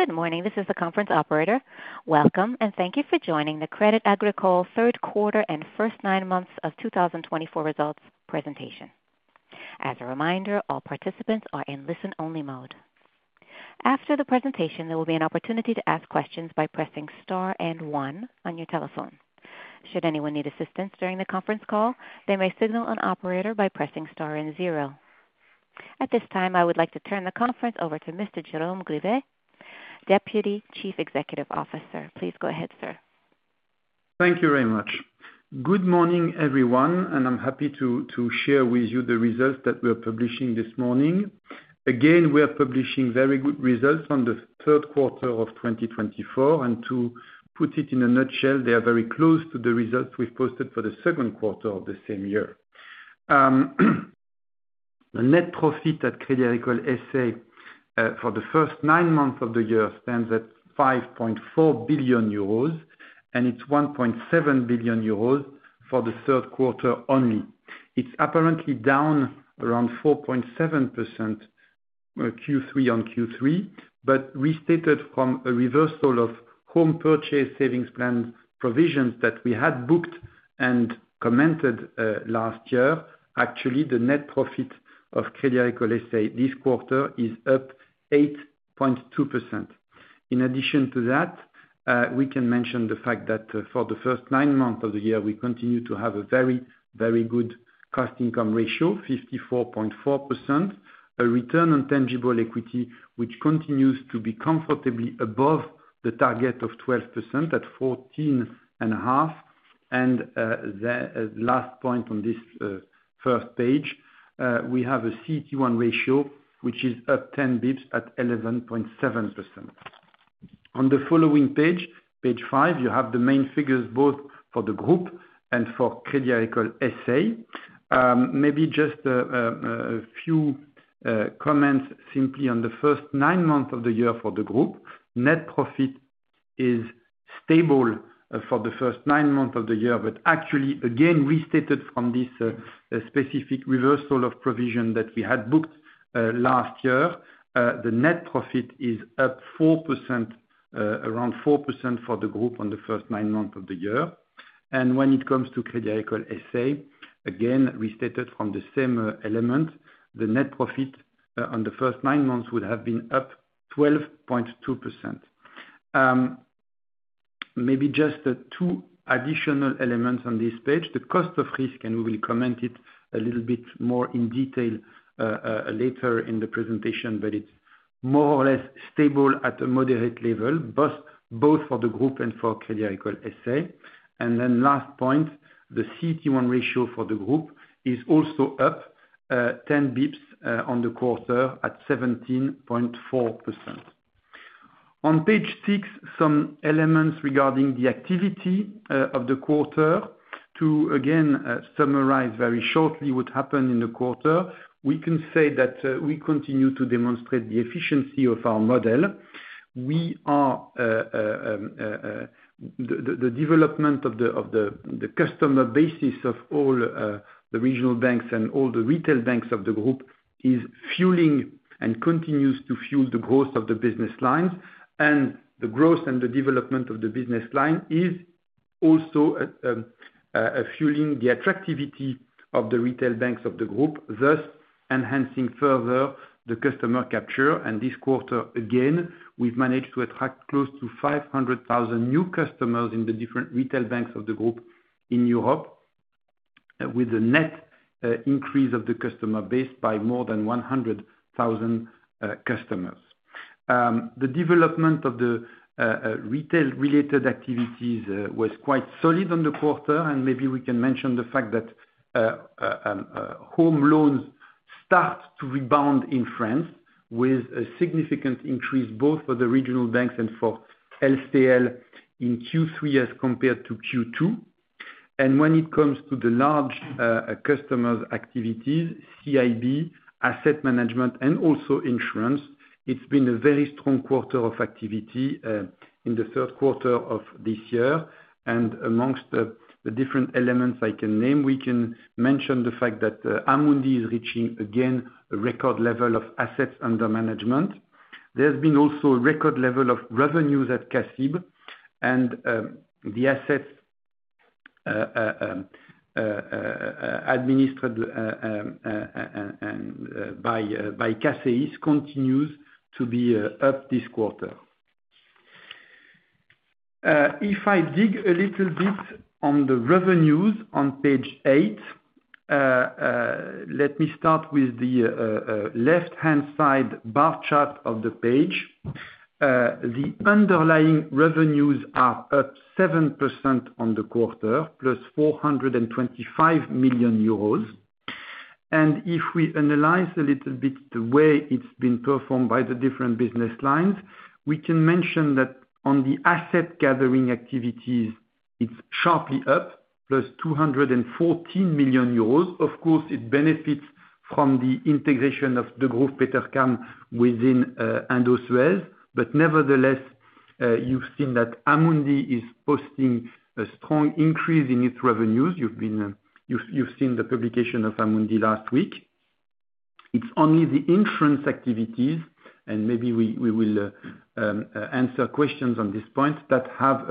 Good morning. This is the conference operator. Welcome, and thank you for joining the Crédit Agricole Third Quarter and First Nine Months of 2024 Results Presentation. As a reminder, all participants are in listen-only mode. After the presentation, there will be an opportunity to ask questions by pressing star and 1 on your telephone. Should anyone need assistance during the conference call, they may signal an operator by pressing star and 0. At this time, I would like to turn the conference over to Mr. Jérôme Grivet, Deputy Chief Executive Officer. Please go ahead, sir. Thank you very much. Good morning, everyone, and I'm happy to share with you the results that we are publishing this morning. Again, we are publishing very good results on the third quarter of 2024, and to put it in a nutshell, they are very close to the results we've posted for the second quarter of the same year. The net profit at Crédit Agricole S.A. for the first nine months of the year stands at 5.4 billion euros, and it's 1.7 billion euros for the third quarter only. It's apparently down around 4.7% Q3 on Q3, but restated from a reversal of home purchase savings plan provisions that we had booked and commented last year, actually, the net profit of Crédit Agricole S.A. this quarter is up 8.2%. In addition to that, we can mention the fact that for the first nine months of the year, we continue to have a very, very good cost-income ratio, 54.4%, a Return on Tangible Equity which continues to be comfortably above the target of 12% at 14.5%. And the last point on this first page, we have a CET1 ratio which is up 10 basis points at 11.7%. On the following page, page five, you have the main figures both for the group and for Crédit Agricole S.A. Maybe just a few comments simply on the first nine months of the year for the group. Net profit is stable for the first nine months of the year, but actually, again, restated from this specific reversal of provision that we had booked last year, the net profit is up 4%, around 4% for the group on the first nine months of the year. When it comes to Crédit Agricole S.A., again, restated from the same element, the net profit on the first nine months would have been up 12.2%. Maybe just two additional elements on this page. The cost of risk, and we will comment it a little bit more in detail later in the presentation, but it's more or less stable at a moderate level, both for the group and for Crédit Agricole S.A. Then last point, the CET1 ratio for the group is also up 10 basis points on the quarter at 17.4%. On page six, some elements regarding the activity of the quarter. To, again, summarize very shortly what happened in the quarter, we can say that we continue to demonstrate the efficiency of our model. The development of the customer base of all the regional banks and all the retail banks of the group is fueling and continues to fuel the growth of the business lines. The growth and the development of the business line is also fueling the attractiveness of the retail banks of the group, thus enhancing further the customer capture. This quarter, again, we've managed to attract close to 500,000 new customers in the different retail banks of the group in Europe, with a net increase of the customer base by more than 100,000 customers. The development of the retail-related activities was quite solid on the quarter, and maybe we can mention the fact that home loans start to rebound in France with a significant increase both for the regional banks and for LCL in Q3 as compared to Q2. When it comes to the Large Customers' activities, CIB, asset management, and also insurance, it's been a very strong quarter of activity in the third quarter of this year. Among the different elements I can name, we can mention the fact that Amundi is reaching, again, a record level of assets under management. There's been also a record level of revenues at CACIB, and the assets administered by CACEIS continues to be up this quarter. If I dig a little bit on the revenues on page eight, let me start with the left-hand side bar chart of the page. The underlying revenues are up 7% on the quarter, plus 425 million euros. If we analyze a little bit the way it's been performed by the different business lines, we can mention that on the Asset Gathering activities, it's sharply up, plus 214 million euros. Of course, it benefits from the integration of Degroof Petercam within Indosuez, but nevertheless, you've seen that Amundi is posting a strong increase in its revenues. You've seen the publication of Amundi last week. It's only the insurance activities, and maybe we will answer questions on this point, that have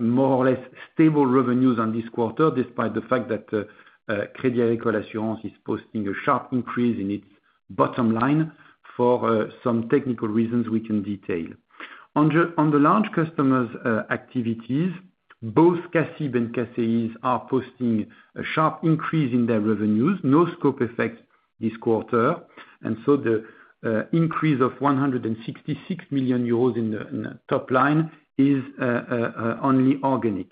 more or less stable revenues on this quarter, despite the fact that Crédit Agricole Assurances is posting a sharp increase in its bottom line for some technical reasons we can detail. On the Large Customers' activities, both CACIB and CACEIS are posting a sharp increase in their revenues. No scope effect this quarter. And so the increase of 166 million euros in the top line is only organic.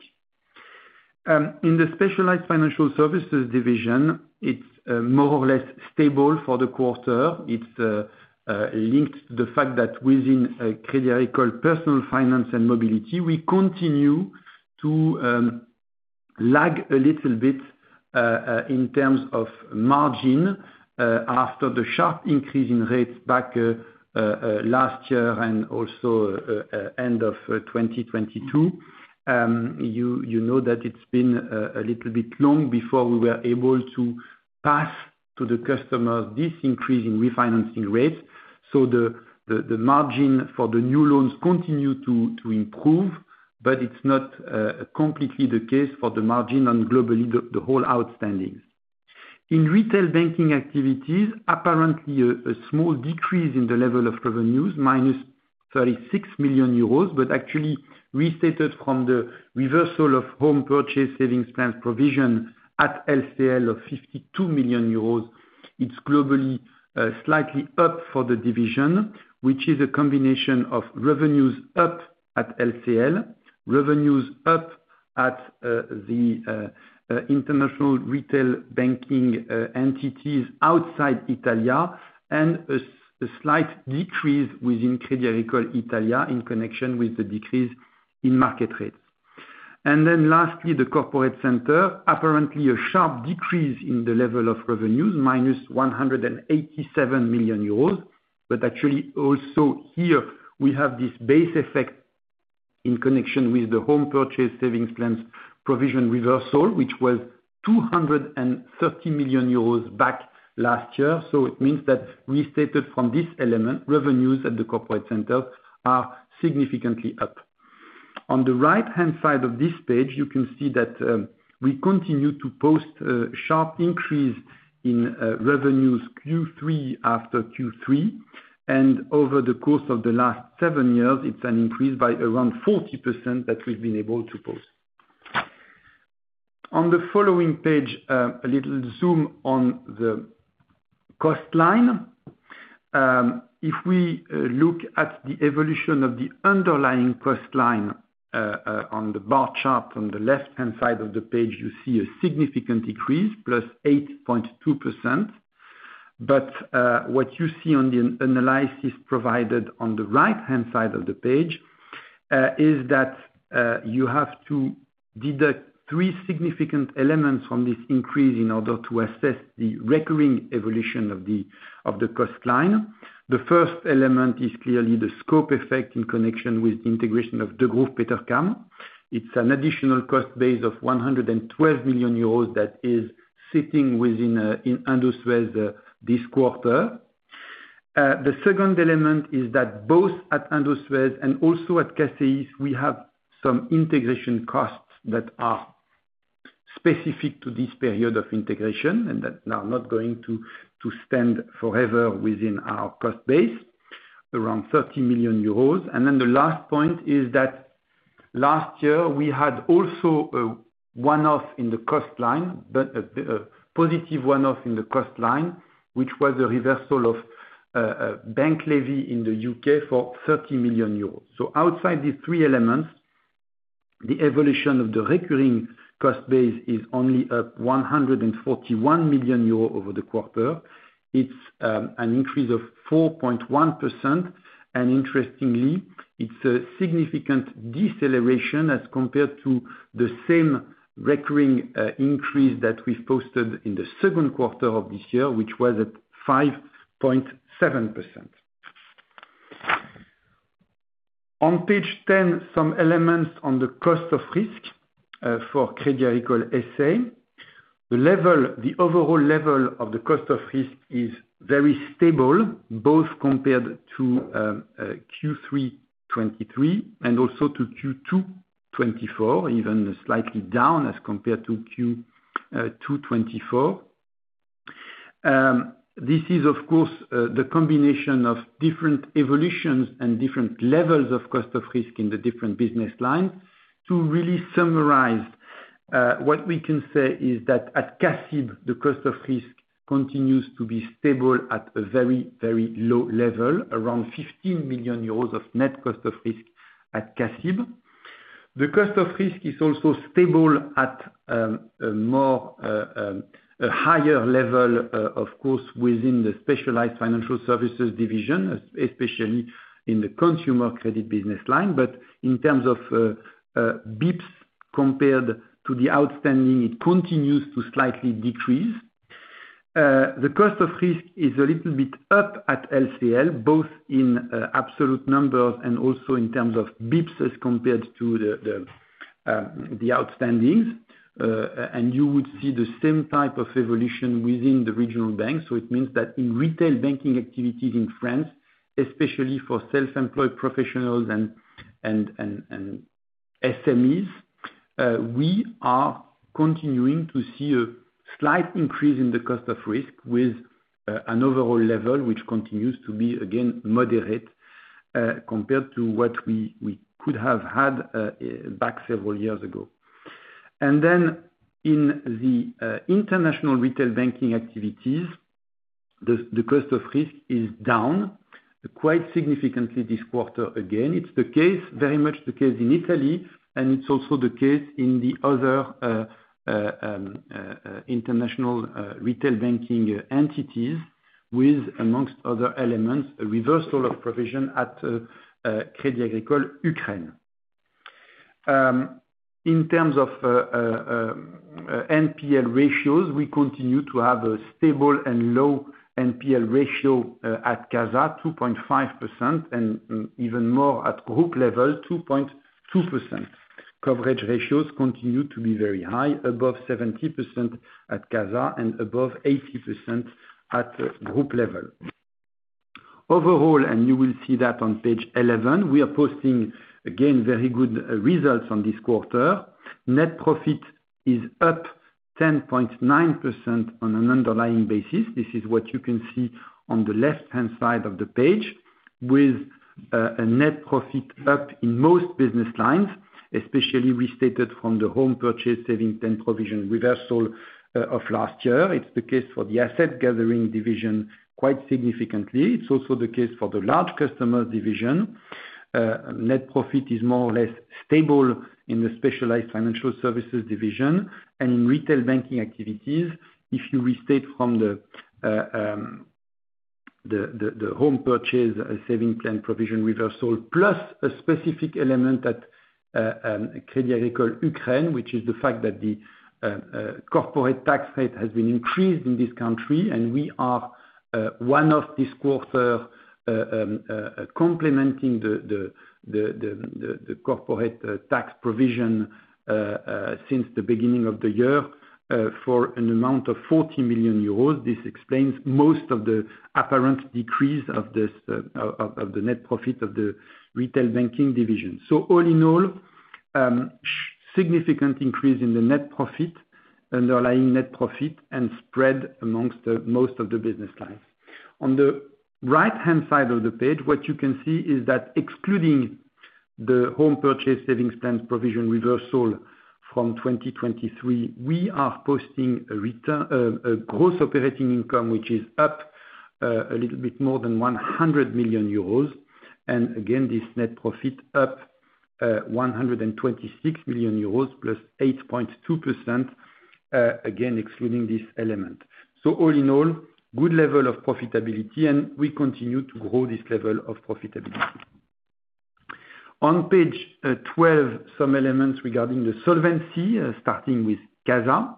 In the Specialized Financial Services division, it's more or less stable for the quarter. It's linked to the fact that within Crédit Agricole Personal Finance & Mobility, we continue to lag a little bit in terms of margin after the sharp increase in rates back last year and also end of 2022. You know that it's been a little bit long before we were able to pass to the customers this increase in refinancing rates. So the margin for the new loans continues to improve, but it's not completely the case for the margin on globally the whole outstandings. In retail banking activities, apparently a small decrease in the level of revenues, minus 36 million euros, but actually restated from the reversal of home purchase savings plan provision at LCL of 52 million euros, it's globally slightly up for the division, which is a combination of revenues up at LCL, revenues up at the International Retail Banking entities outside Italy, and a slight decrease within Crédit Agricole Italia in connection with the decrease in market rates. And then lastly, the Corporate Center, apparently a sharp decrease in the level of revenues, minus 187 million euros. But actually, also here, we have this base effect in connection with the home purchase savings plans provision reversal, which was 230 million euros back last year. So it means that restated from this element, revenues at the Corporate Center are significantly up. On the right-hand side of this page, you can see that we continue to post a sharp increase in revenues Q3 after Q3. And over the course of the last seven years, it's an increase by around 40% that we've been able to post. On the following page, a little zoom on the cost line. If we look at the evolution of the underlying cost line on the bar chart on the left-hand side of the page, you see a significant decrease, plus 8.2%. But what you see on the analysis provided on the right-hand side of the page is that you have to deduct three significant elements from this increase in order to assess the recurring evolution of the cost line. The first element is clearly the scope effect in connection with the integration of Degroof Petercam. It's an additional cost base of 112 million euros that is sitting within Indosuez this quarter. The second element is that both at Indosuez and also at CACEIS, we have some integration costs that are specific to this period of integration and that are not going to stand forever within our cost base, around 30 million euros. And then the last point is that last year, we had also a one-off in the cost line, a positive one-off in the cost line, which was a reversal of bank levy in the U.K. for 30 million euros. So outside these three elements, the evolution of the recurring cost base is only up 141 million euros over the quarter. It's an increase of 4.1%. And interestingly, it's a significant deceleration as compared to the same recurring increase that we've posted in the second quarter of this year, which was at 5.7%. On page 10, some elements on the cost of risk for Crédit Agricole S.A. The overall level of the cost of risk is very stable, both compared to Q3 2023 and also to Q2 2024, even slightly down as compared to Q2 2024. This is, of course, the combination of different evolutions and different levels of cost of risk in the different business lines. To really summarize, what we can say is that at CACIB, the cost of risk continues to be stable at a very, very low level, around 15 million euros of net cost of risk at CACIB. The cost of risk is also stable at a higher level, of course, within the Specialized Financial Services division, especially in the consumer credit business line, but in terms of basis points compared to the outstanding, it continues to slightly decrease. The cost of risk is a little bit up at LCL, both in absolute numbers and also in terms of basis points as compared to the outstandings, and you would see the same type of evolution within the regional banks, so it means that in retail banking activities in France, especially for self-employed professionals and SMEs, we are continuing to see a slight increase in the cost of risk with an overall level which continues to be, again, moderate compared to what we could have had back several years ago, and then in the international retail banking activities, the cost of risk is down quite significantly this quarter again. It's very much the case in Italy, and it's also the case in the other International Retail Banking entities, with, among other elements, a reversal of provision at Crédit Agricole Ukraine. In terms of NPL ratios, we continue to have a stable and low NPL ratio at CASA, 2.5%, and even more at group level, 2.2%. Coverage ratios continue to be very high, above 70% at CASA and above 80% at group level. Overall, and you will see that on page 11, we are posting, again, very good results on this quarter. Net profit is up 10.9% on an underlying basis. This is what you can see on the left-hand side of the page, with a net profit up in most business lines, especially restated from the home purchase savings plan provision reversal of last year. It's the case for the asset gathering division quite significantly. It's also the case for the large customers' division. Net profit is more or less stable in the Specialized Financial Services division. And in retail banking activities, if you restate from the home purchase savings plan provision reversal, plus a specific element at Crédit Agricole Ukraine, which is the fact that the corporate tax rate has been increased in this country, and we are one-off this quarter complementing the corporate tax provision since the beginning of the year for an amount of 40 million euros. This explains most of the apparent decrease of the net profit of the retail banking division. So all in all, significant increase in the net profit, underlying net profit, and spread amongst most of the business lines. On the right-hand side of the page, what you can see is that excluding the home purchase savings plan provision reversal from 2023, we are posting a Gross Operating Income, which is up a little bit more than 100 million euros, and again, this net profit up 126 million euros, plus 8.2%, again, excluding this element, so all in all, good level of profitability, and we continue to grow this level of profitability. On page 12, some elements regarding the solvency, starting with CASA,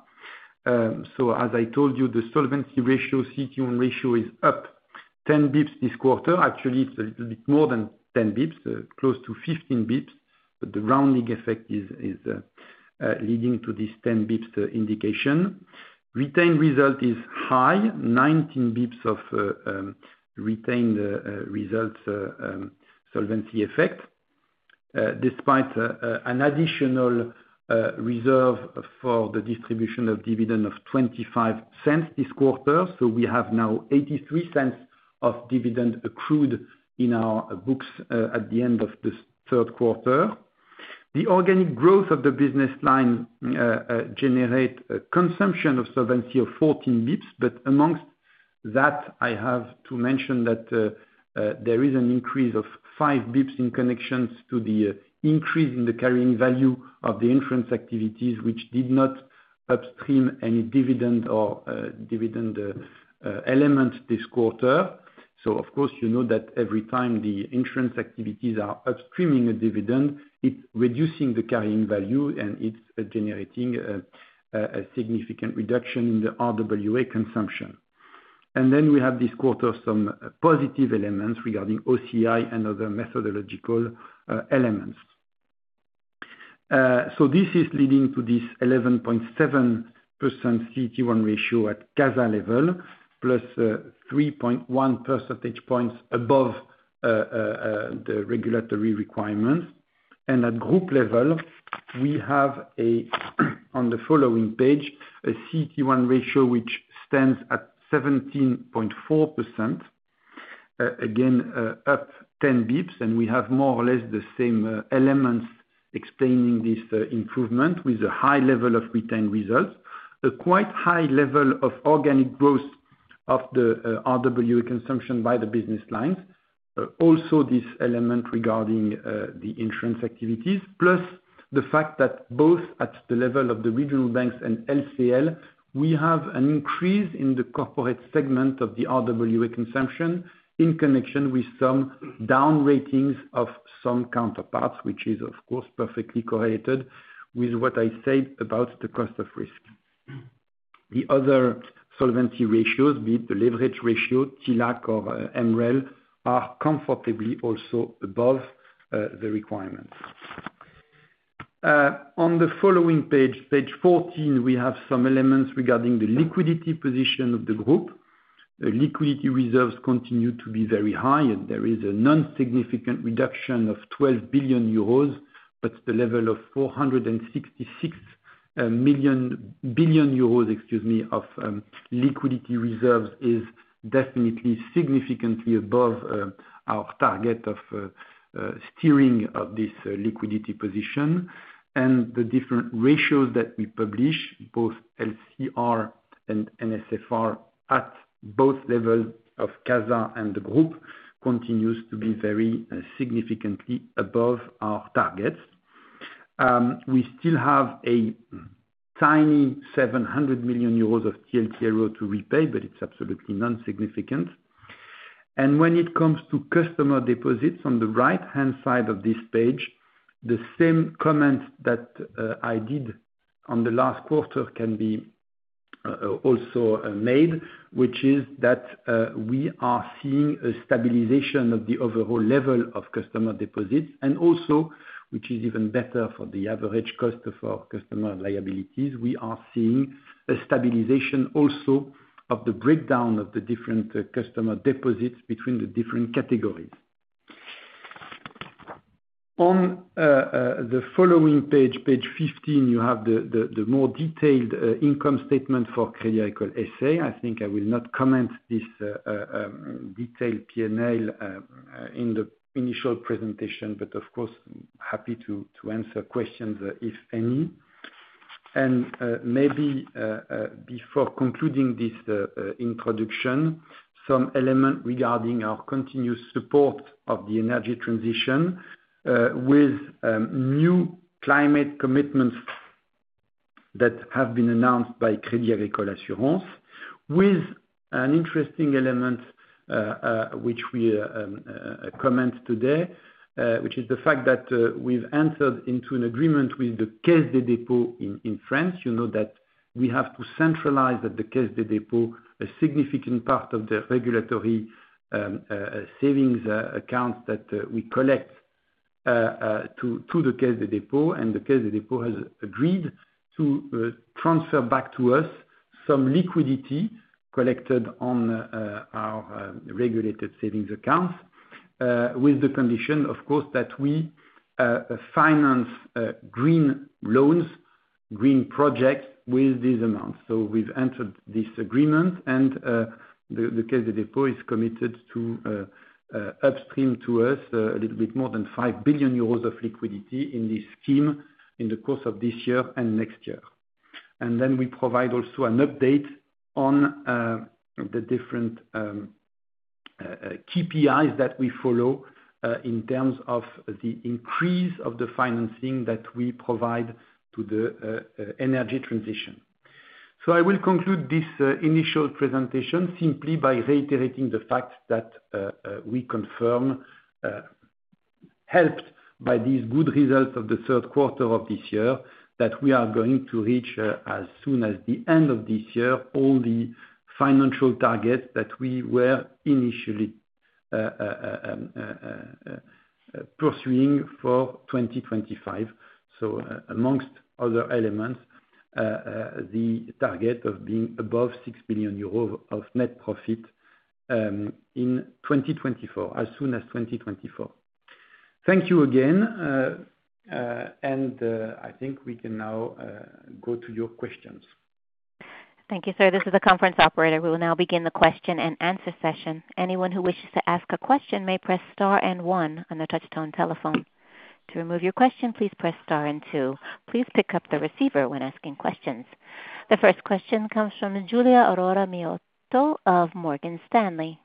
so as I told you, the solvency ratio, CET1 ratio is up 10 basis points this quarter. Actually, it is a little bit more than 10 basis points, close to 15 basis points, but the rounding effect is leading to this 10 basis points indication. Retained result is high, 19 basis points of retained result solvency effect, despite an additional reserve for the distribution of dividend of €0.25 this quarter. So we have now 0.83 of dividend accrued in our books at the end of the third quarter. The organic growth of the business line generates a consumption of solvency of 14 basis points, but amongst that, I have to mention that there is an increase of 5 basis points in connection to the increase in the carrying value of the insurance activities, which did not upstream any dividend or dividend element this quarter. So of course, you know that every time the insurance activities are upstreaming a dividend, it's reducing the carrying value, and it's generating a significant reduction in the RWA consumption. And then we have this quarter some positive elements regarding OCI and other methodological elements. So this is leading to this 11.7% CET1 ratio at CASA level, plus 3.1 percentage points above the regulatory requirements. At group level, we have, on the following page, a CET1 ratio which stands at 17.4%, again, up 10 basis points, and we have more or less the same elements explaining this improvement with a high level of retained results, a quite high level of organic growth of the RWA consumption by the business lines. Also, this element regarding the insurance activities, plus the fact that both at the level of the regional banks and LCL, we have an increase in the corporate segment of the RWA consumption in connection with some down ratings of some counterparts, which is, of course, perfectly correlated with what I said about the cost of risk. The other solvency ratios, be it the leverage ratio, TLAC or MREL, are comfortably also above the requirements. On the following page, page 14, we have some elements regarding the liquidity position of the group. Liquidity reserves continue to be very high, and there is a non-significant reduction of 12 billion euros, but the level of 466 billion euros, excuse me, of liquidity reserves is definitely significantly above our target of steering of this liquidity position. And the different ratios that we publish, both LCR and NSFR, at both levels of CASA and the group continues to be very significantly above our targets. We still have a tiny 700 million euros of TLTRO to repay, but it's absolutely non-significant. And when it comes to customer deposits on the right-hand side of this page, the same comment that I did on the last quarter can be also made, which is that we are seeing a stabilization of the overall level of customer deposits. And also, which is even better for the average cost of our customer liabilities, we are seeing a stabilization also of the breakdown of the different customer deposits between the different categories. On the following page, page 15, you have the more detailed income statement for Crédit Agricole S.A. I think I will not comment on this detailed P&L in the initial presentation, but of course, happy to answer questions if any. And maybe before concluding this introduction, some element regarding our continuous support of the energy transition with new climate commitments that have been announced by Crédit Agricole Assurances, with an interesting element which we comment today, which is the fact that we've entered into an agreement with the Caisse des Dépôts in France. You know that we have to centralize at the Caisse des Dépôts a significant part of the regulatory savings accounts that we collect to the Caisse des Dépôts, and the Caisse des Dépôts has agreed to transfer back to us some liquidity collected on our regulated savings accounts with the condition, of course, that we finance green loans, green projects with these amounts. So we've entered this agreement, and the Caisse des Dépôts is committed to upstream to us a little bit more than 5 billion euros of liquidity in this scheme in the course of this year and next year. And then we provide also an update on the different KPIs that we follow in terms of the increase of the financing that we provide to the energy transition. So I will conclude this initial presentation simply by reiterating the fact that we confirm, helped by these good results of the third quarter of this year, that we are going to reach, as soon as the end of this year, all the financial targets that we were initially pursuing for 2025. So amongst other elements, the target of being above 6 billion euros of net profit in 2024, as soon as 2024. Thank you again, and I think we can now go to your questions. Thank you, sir. This is the conference operator. We will now begin the question and answer session. Anyone who wishes to ask a question may press star and 1 on the touch-tone telephone. To remove your question, please press star and 2. Please pick up the receiver when asking questions. The first question comes from Giulia Aurora Miotto of Morgan Stanley.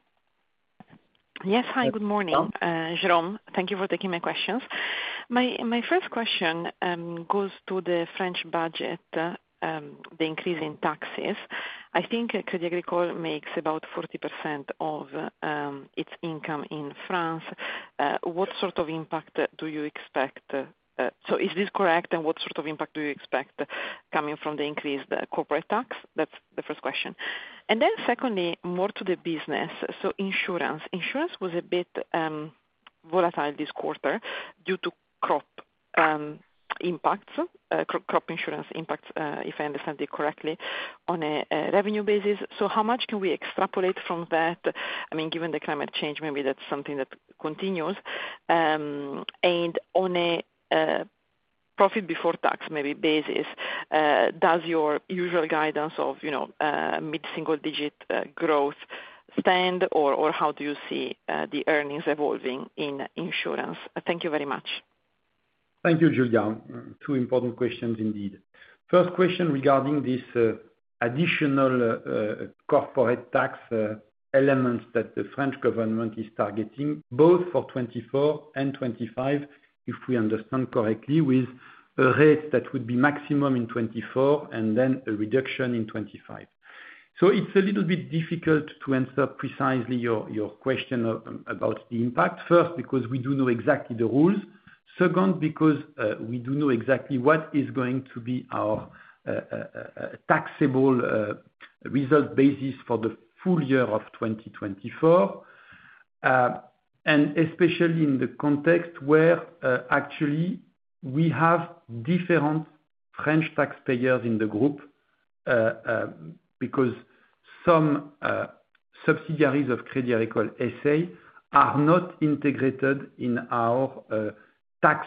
Yes, hi, good morning, Jérôme. Thank you for taking my questions. My first question goes to the French budget, the increase in taxes. I think Crédit Agricole makes about 40% of its income in France. What sort of impact do you expect? So is this correct, and what sort of impact do you expect coming from the increased corporate tax? That's the first question. And then secondly, more to the business. So insurance. Insurance was a bit volatile this quarter due to crop insurance impacts, if I understand it correctly, on a revenue basis. So how much can we extrapolate from that? I mean, given the climate change, maybe that's something that continues. And on a profit before tax maybe basis, does your usual guidance of mid-single-digit growth stand, or how do you see the earnings evolving in insurance? Thank you very much. Thank you, Giulia. Two important questions indeed. First question regarding this additional corporate tax element that the French government is targeting, both for 2024 and 2025, if we understand correctly, with a rate that would be maximum in 2024 and then a reduction in 2025. So it's a little bit difficult to answer precisely your question about the impact. First, because we do not know exactly the rules. Second, because we do not know exactly what is going to be our taxable result basis for the full year of 2024, and especially in the context where actually we have different French taxpayers in the group because some subsidiaries of Crédit Agricole S.A. are not integrated in our French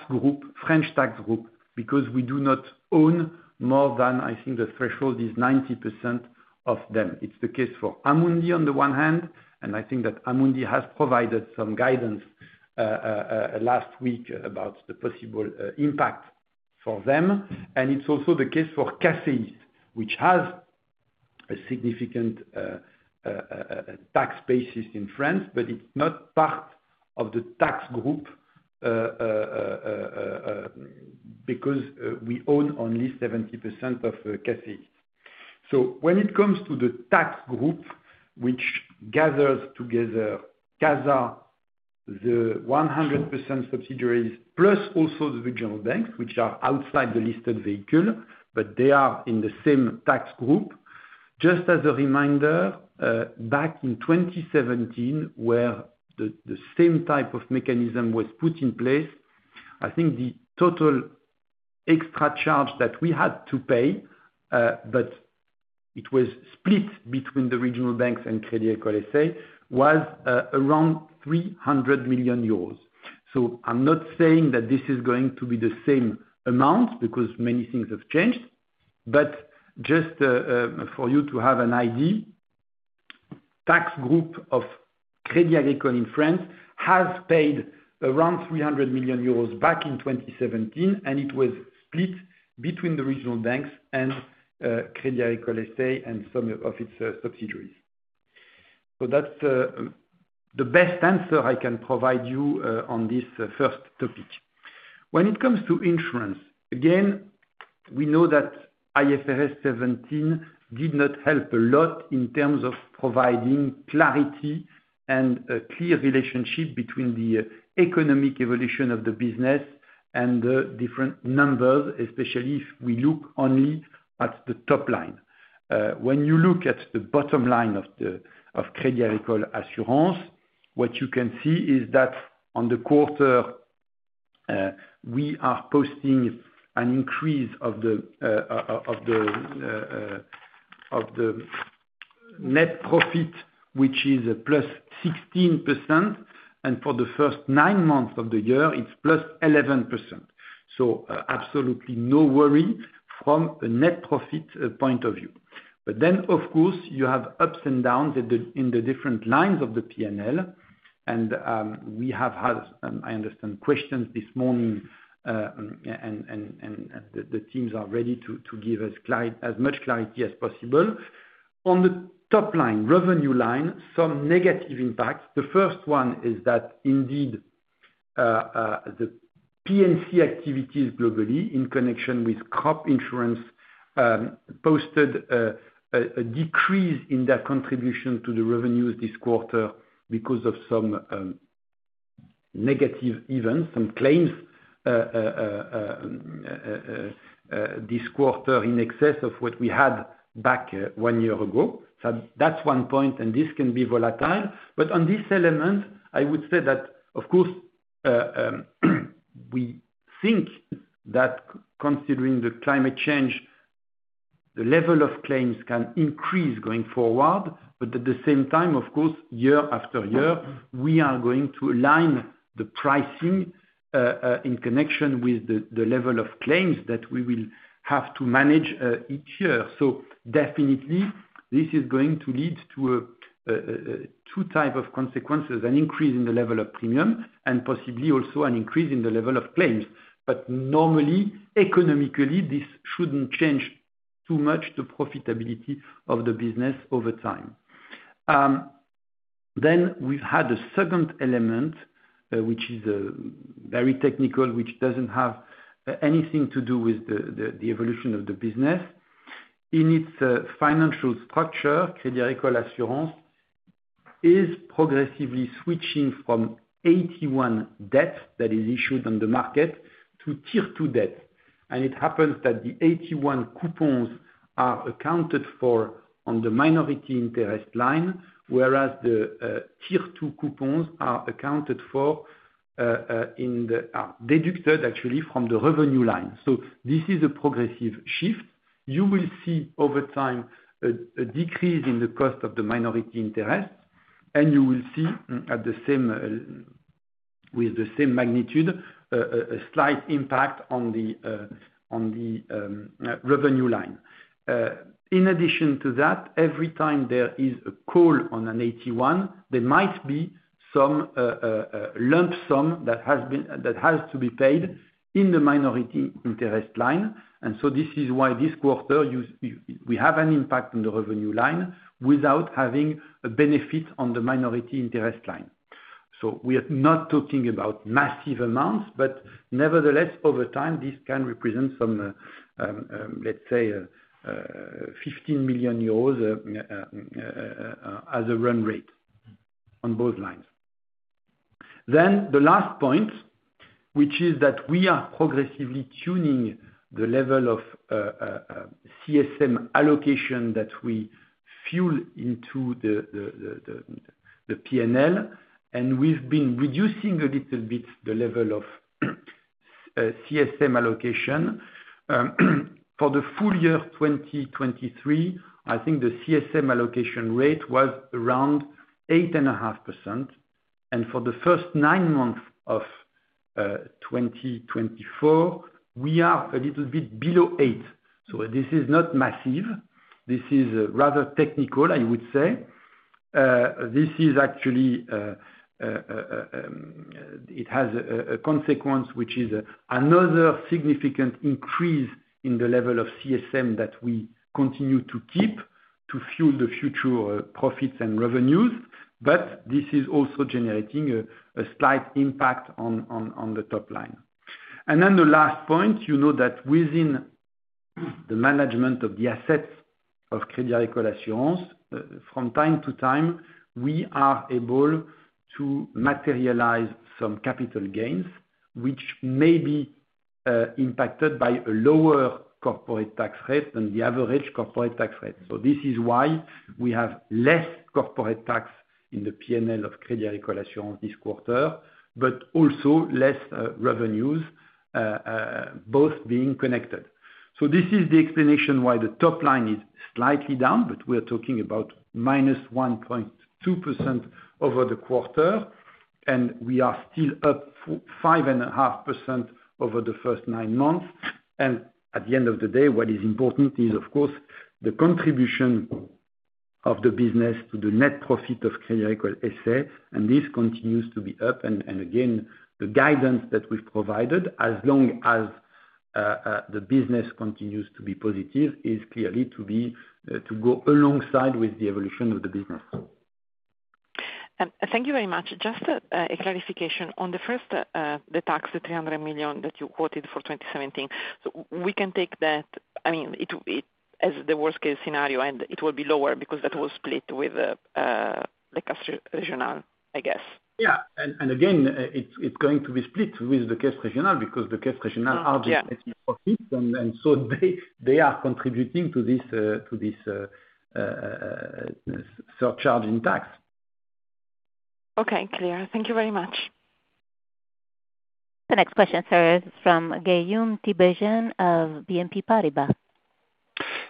tax group because we do not own more than, I think the threshold is 90% of them. It's the case for Amundi on the one hand, and I think that Amundi has provided some guidance last week about the possible impact for them, and it's also the case for CACEIS, which has a significant tax basis in France, but it's not part of the tax group because we own only 70% of CACEIS. So when it comes to the tax group, which gathers together CASA, the 100% subsidiaries, plus also the regional banks, which are outside the listed vehicle, but they are in the same tax group, just as a reminder, back in 2017, where the same type of mechanism was put in place, I think the total extra charge that we had to pay, but it was split between the regional banks and Crédit Agricole S.A., was around 300 million euros. So I'm not saying that this is going to be the same amount because many things have changed, but just for you to have an idea, the tax group of Crédit Agricole in France has paid around 300 million euros back in 2017, and it was split between the regional banks and Crédit Agricole S.A. and some of its subsidiaries. So that's the best answer I can provide you on this first topic. When it comes to insurance, again, we know that IFRS 17 did not help a lot in terms of providing clarity and a clear relationship between the economic evolution of the business and the different numbers, especially if we look only at the top line. When you look at the bottom line of Crédit Agricole Assurances, what you can see is that on the quarter, we are posting an increase of the net profit, which is plus 16%, and for the first nine months of the year, it's plus 11%. So absolutely no worry from a net profit point of view. But then, of course, you have ups and downs in the different lines of the P&L, and we have had, I understand, questions this morning, and the teams are ready to give as much clarity as possible. On the top line, revenue line, some negative impacts. The first one is that indeed the P&C activities globally in connection with crop insurance posted a decrease in their contribution to the revenues this quarter because of some negative events, some claims this quarter in excess of what we had back one year ago. That's one point, and this can be volatile. But on this element, I would say that, of course, we think that considering the climate change, the level of claims can increase going forward, but at the same time, of course, year after year, we are going to align the pricing in connection with the level of claims that we will have to manage each year. So definitely, this is going to lead to two types of consequences: an increase in the level of premium and possibly also an increase in the level of claims. But normally, economically, this shouldn't change too much the profitability of the business over time. Then we've had a second element, which is very technical, which doesn't have anything to do with the evolution of the business. In its financial structure, Crédit Agricole Assurances is progressively switching from AT1 debt that is issued on the market to Tier 2 debt. And it happens that the AT1 coupons are accounted for on the minority interest line, whereas the Tier 2 coupons are accounted for and deducted, actually, from the revenue line. So this is a progressive shift. You will see over time a decrease in the cost of the minority interest, and you will see with the same magnitude a slight impact on the revenue line. In addition to that, every time there is a call on an AT1, there might be some lump sum that has to be paid in the minority interest line. And so this is why this quarter, we have an impact on the revenue line without having a benefit on the minority interest line. So we are not talking about massive amounts, but nevertheless, over time, this can represent some, let's say, 15 million euros as a run rate on both lines. Then the last point, which is that we are progressively tuning the level of CSM allocation that we fuel into the P&L, and we've been reducing a little bit the level of CSM allocation. For the full year 2023, I think the CSM allocation rate was around 8.5%, and for the first nine months of 2024, we are a little bit below 8. So this is not massive. This is rather technical, I would say. This is actually, it has a consequence, which is another significant increase in the level of CSM that we continue to keep to fuel the future profits and revenues, but this is also generating a slight impact on the top line. And then the last point, you know that within the management of the assets of Crédit Agricole Assurances, from time to time, we are able to materialize some capital gains, which may be impacted by a lower corporate tax rate than the average corporate tax rate. So this is why we have less corporate tax in the P&L of Crédit Agricole Assurances this quarter, but also less revenues, both being connected. So this is the explanation why the top line is slightly down, but we are talking about -1.2% over the quarter, and we are still up 5.5% over the first nine months. And at the end of the day, what is important is, of course, the contribution of the business to the net profit of Crédit Agricole S.A., and this continues to be up. Again, the guidance that we've provided, as long as the business continues to be positive, is clearly to go alongside with the evolution of the business. Thank you very much. Just a clarification on the first, the tax, the 300 million that you quoted for 2017. So we can take that, I mean, as the worst-case scenario, and it will be lower because that will split with the Caisse Régionale, I guess. Yeah, and again, it's going to be split with the Caisse Régionale because the Caisses Régionales are just making profits, and so they are contributing to this surcharge in tax. Okay. Clear. Thank you very much. The next question, sir, is from Guillaume Tiberghien of BNP Paribas.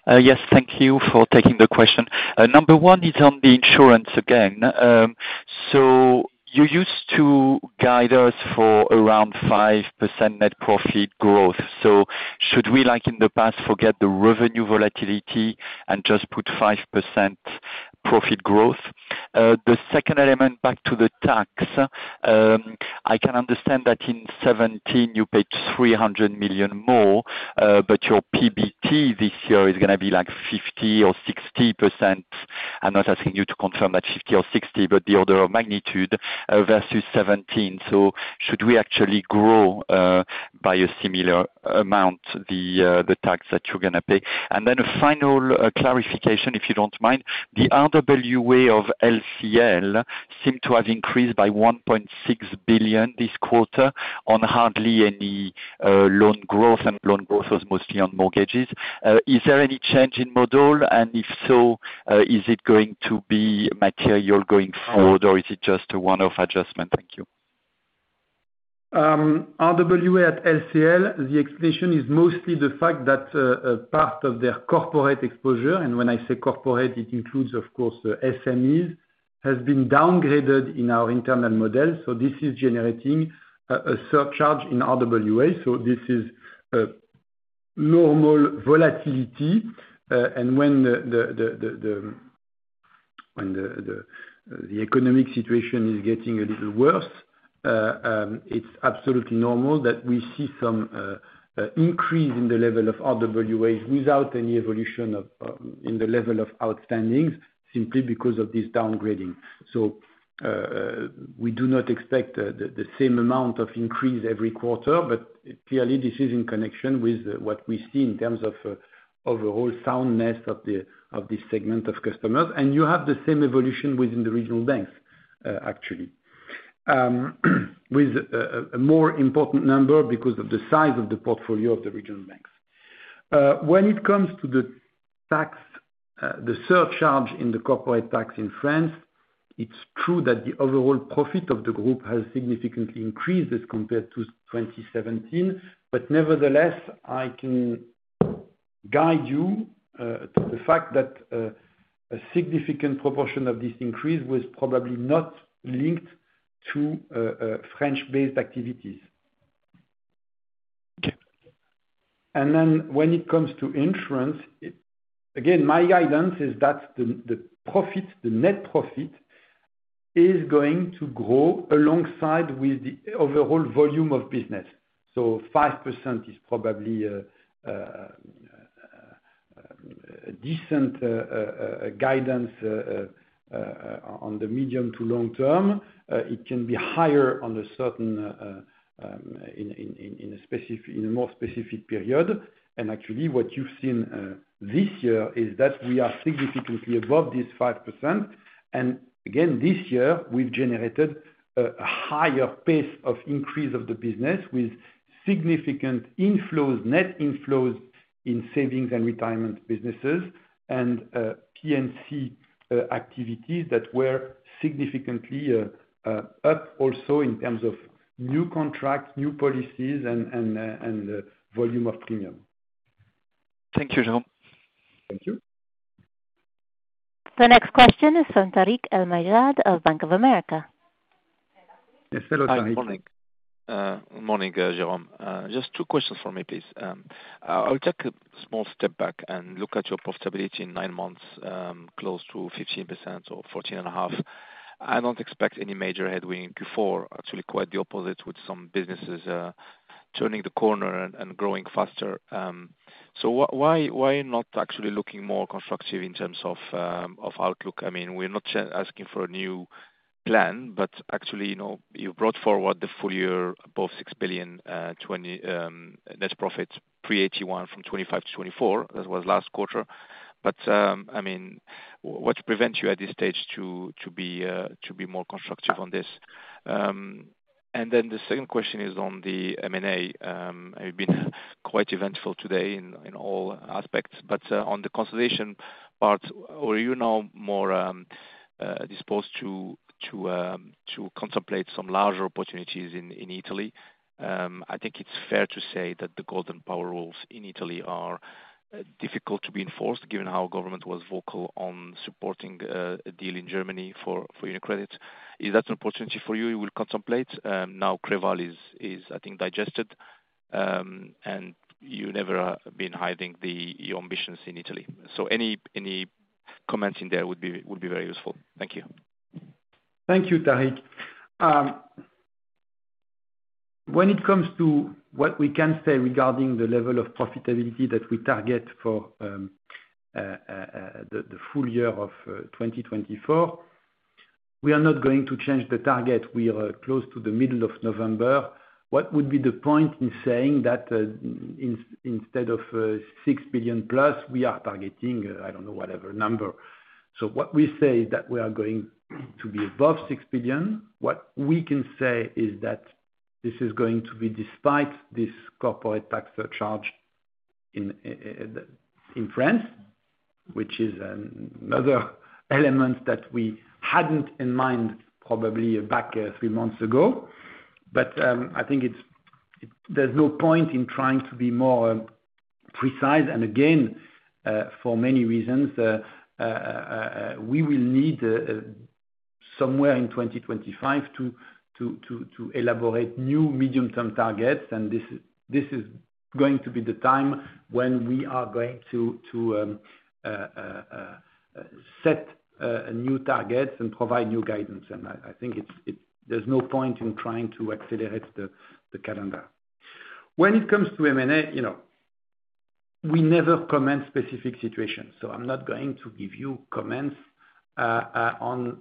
Yes. Thank you for taking the question. Number one is on the insurance again. So you used to guide us for around 5% net profit growth. So should we, like in the past, forget the revenue volatility and just put 5% profit growth? The second element, back to the tax, I can understand that in 2017, you paid 300 million more, but your PBT this year is going to be like 50% or 60%. I'm not asking you to confirm that 50 or 60, but the order of magnitude versus 2017. So should we actually grow by a similar amount the tax that you're going to pay? And then a final clarification, if you don't mind, the RWA of LCL seemed to have increased by 1.6 billion this quarter on hardly any loan growth, and loan growth was mostly on mortgages. Is there any change in model? If so, is it going to be material going forward, or is it just a one-off adjustment? Thank you. RWA at LCL, the explanation is mostly the fact that part of their corporate exposure, and when I say corporate, it includes, of course, SMEs, has been downgraded in our internal model. So this is generating a surcharge in RWA. So this is normal volatility. And when the economic situation is getting a little worse, it's absolutely normal that we see some increase in the level of RWAs without any evolution in the level of outstandings, simply because of this downgrading. So we do not expect the same amount of increase every quarter, but clearly, this is in connection with what we see in terms of overall soundness of this segment of customers. And you have the same evolution within the regional banks, actually, with a more important number because of the size of the portfolio of the regional banks. When it comes to the surcharge in the corporate tax in France, it's true that the overall profit of the group has significantly increased as compared to 2017, but nevertheless, I can guide you to the fact that a significant proportion of this increase was probably not linked to French-based activities. And then when it comes to insurance, again, my guidance is that the net profit is going to grow alongside with the overall volume of business. So 5% is probably a decent guidance on the medium to long term. It can be higher on a certain in a more specific period. And actually, what you've seen this year is that we are significantly above this 5%. Again, this year, we've generated a higher pace of increase of the business with significant net inflows in savings and retirement businesses and P&C activities that were significantly up also in terms of new contracts, new policies, and volume of premium. Thank you, Jérôme. Thank you. The next question is from Tarik El Mejjad of Bank of America. Yes. Hello, Tarik. Good morning. Good morning, Jérôme. Just two questions for me, please. I'll take a small step back and look at your profitability in nine months, close to 15% or 14.5%. I don't expect any major headwind. Q4, actually quite the opposite, with some businesses turning the corner and growing faster. So why not actually looking more constructive in terms of outlook? I mean, we're not asking for a new plan, but actually, you brought forward the full year above 6 billion, net profit pre-AT1 from 2025 to 2024. That was last quarter. But I mean, what prevents you at this stage to be more constructive on this? And then the second question is on the M&A. You've been quite eventful today in all aspects, but on the consolidation part, are you now more disposed to contemplate some larger opportunities in Italy? I think it's fair to say that the golden power rules in Italy are difficult to be enforced, given how government was vocal on supporting a deal in Germany for UniCredit. Is that an opportunity for you? You will contemplate? Now, Creval is, I think, digested, and you've never been hiding your ambitions in Italy. So any comments in there would be very useful. Thank you. Thank you, Tarik. When it comes to what we can say regarding the level of profitability that we target for the full year of 2024, we are not going to change the target. We are close to the middle of November. What would be the point in saying that instead of 6 billion plus, we are targeting, I don't know, whatever number? So what we say is that we are going to be above 6 billion. What we can say is that this is going to be despite this corporate tax surcharge in France, which is another element that we hadn't in mind probably back three months ago. But I think there's no point in trying to be more precise. And again, for many reasons, we will need somewhere in 2025 to elaborate new medium-term targets. And this is going to be the time when we are going to set new targets and provide new guidance. And I think there's no point in trying to accelerate the calendar. When it comes to M&A, we never comment on specific situations. So I'm not going to give you comments on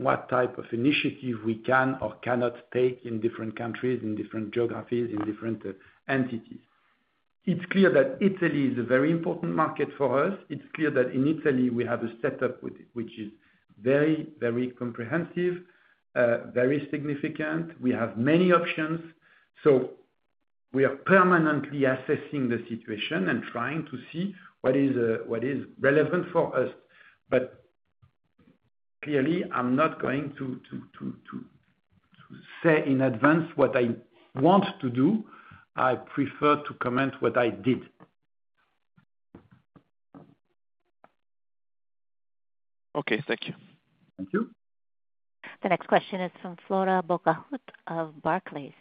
what type of initiative we can or cannot take in different countries, in different geographies, in different entities. It's clear that Italy is a very important market for us. It's clear that in Italy, we have a setup which is very, very comprehensive, very significant. We have many options. So we are permanently assessing the situation and trying to see what is relevant for us. But clearly, I'm not going to say in advance what I want to do. I prefer to comment on what I did. Okay. Thank you. Thank you. The next question is from Flora Bocahut of Barclays.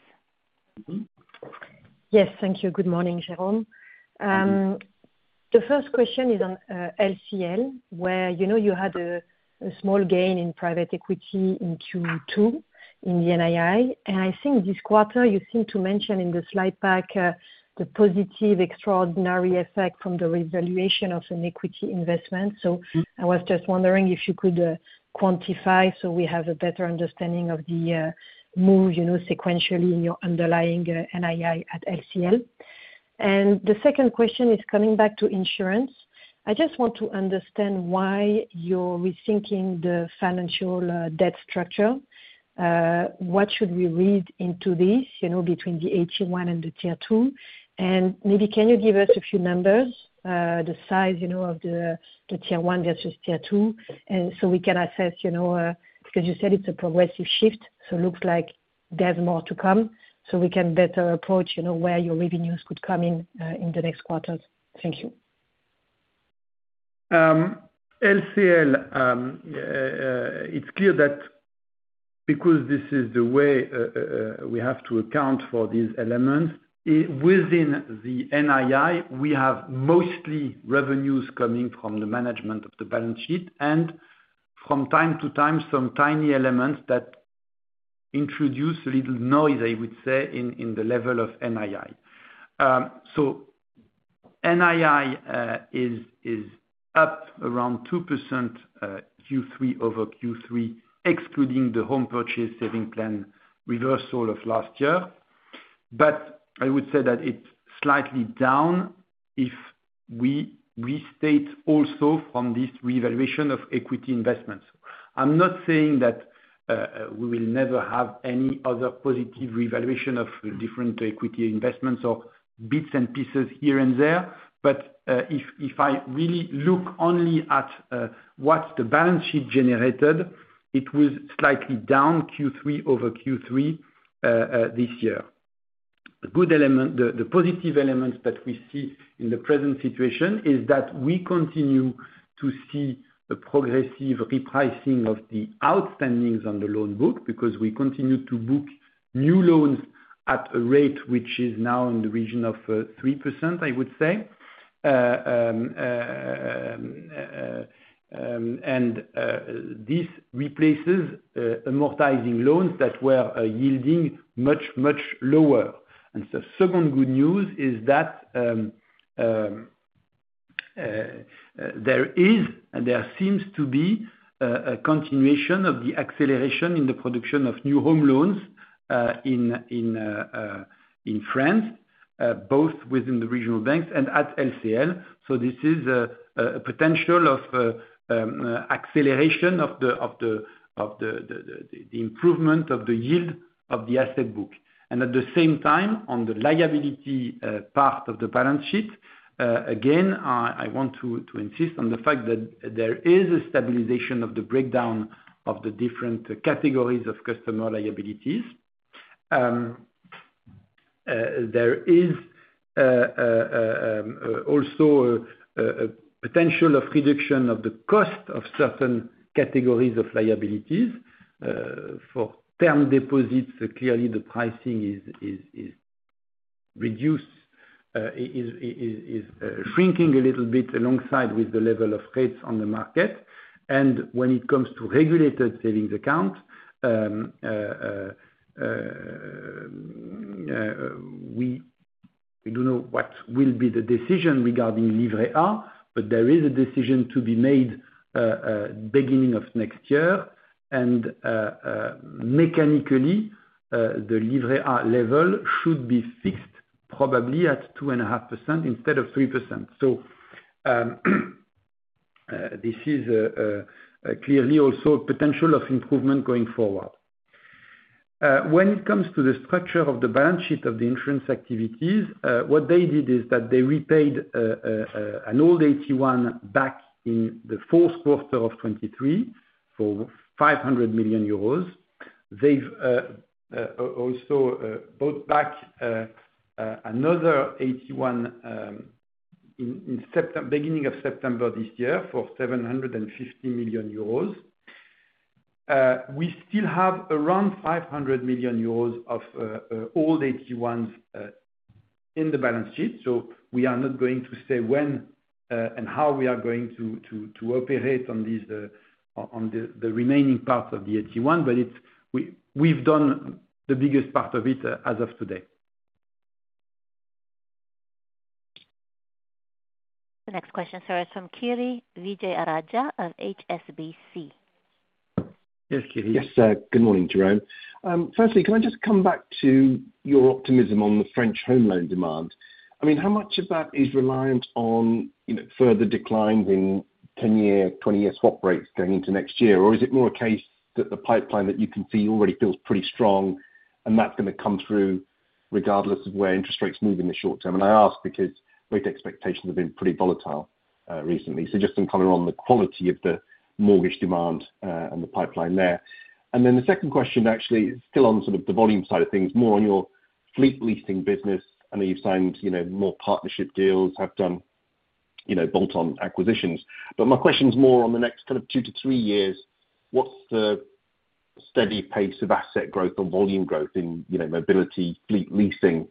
Yes. Thank you. Good morning, Jérôme. The first question is on LCL, where you had a small gain in private equity in Q2 in the NII. And I think this quarter, you seem to mention in the slide pack the positive extraordinary effect from the revaluation of an equity investment. So I was just wondering if you could quantify so we have a better understanding of the move sequentially in your underlying NII at LCL. And the second question is coming back to insurance. I just want to understand why you're rethinking the financial debt structure. What should we read into this between the AT1 and the Tier 2? And maybe can you give us a few numbers, the size of the Tier 1 versus Tier 2, so we can assess? Because you said it's a progressive shift, so it looks like there's more to come, so we can better approach where your revenues could come in in the next quarters. Thank you. LCL, it's clear that because this is the way we have to account for these elements, within the NII, we have mostly revenues coming from the management of the balance sheet and from time to time, some tiny elements that introduce a little noise, I would say, in the level of NII, so NII is up around 2% Q3 over Q3, excluding the home purchase savings plan reversal of last year, but I would say that it's slightly down if we restate also from this revaluation of equity investments. I'm not saying that we will never have any other positive revaluation of different equity investments or bits and pieces here and there, but if I really look only at what the balance sheet generated, it was slightly down Q3 over Q3 this year. The positive elements that we see in the present situation is that we continue to see a progressive repricing of the outstandings on the loan book because we continue to book new loans at a rate which is now in the region of 3%, I would say. And this replaces amortizing loans that were yielding much, much lower. And the second good news is that there is, and there seems to be, a continuation of the acceleration in the production of new home loans in France, both within the regional banks and at LCL. So this is a potential of acceleration of the improvement of the yield of the asset book. And at the same time, on the liability part of the balance sheet, again, I want to insist on the fact that there is a stabilization of the breakdown of the different categories of customer liabilities. There is also a potential of reduction of the cost of certain categories of liabilities. For term deposits, clearly, the pricing is reduced, is shrinking a little bit alongside with the level of rates on the market. And when it comes to regulated savings accounts, we don't know what will be the decision regarding Livret A, but there is a decision to be made beginning of next year. And mechanically, the Livret A level should be fixed probably at 2.5% instead of 3%. So this is clearly also a potential of improvement going forward. When it comes to the structure of the balance sheet of the insurance activities, what they did is that they repaid an old AT1 back in the fourth quarter of 2023 for €500 million. They've also bought back another AT1 in the beginning of September this year for €750 million. We still have around 500 million euros of old AT1s in the balance sheet. We are not going to say when and how we are going to operate on the remaining part of the AT1, but we've done the biggest part of it as of today. The next question, sir, is from Kiri Vijayarajah of HSBC. Yes, Kiri. Yes. Good morning, Jérôme. Firstly, can I just come back to your optimism on the French home loan demand? I mean, how much of that is reliant on further declines in 10-year, 20-year swap rates going into next year? Or is it more a case that the pipeline that you can see already feels pretty strong, and that's going to come through regardless of where interest rates move in the short term? And I ask because rate expectations have been pretty volatile recently. So just in color on the quality of the mortgage demand and the pipeline there. And then the second question, actually, is still on sort of the volume side of things, more on your fleet leasing business. I know you've signed more partnership deals, have done bolt-on acquisitions. But my question's more on the next kind of two to three years, what's the steady pace of asset growth or volume growth in mobility fleet leasing?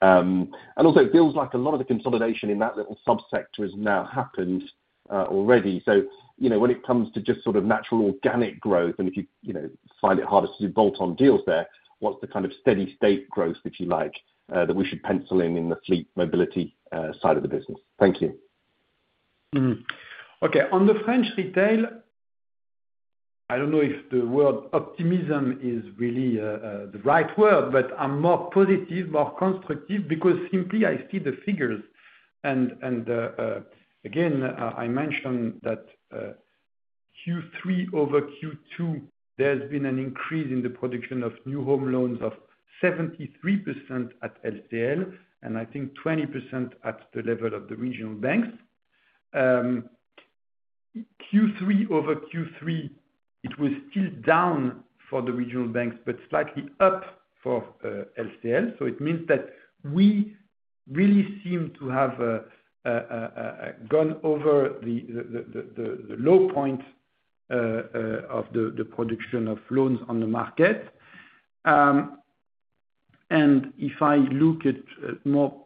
And also, it feels like a lot of the consolidation in that little subsector has now happened already. So when it comes to just sort of natural organic growth, and if you find it harder to do bolt-on deals there, what's the kind of steady state growth that you like that we should pencil in in the fleet mobility side of the business? Thank you. Okay. On the French retail, I don't know if the word optimism is really the right word, but I'm more positive, more constructive because simply I see the figures. And again, I mentioned that Q3 over Q2, there's been an increase in the production of new home loans of 73% at LCL, and I think 20% at the level of the regional banks. Q3 over Q3, it was still down for the regional banks, but slightly up for LCL. So it means that we really seem to have gone over the low point of the production of loans on the market. And if I look at more,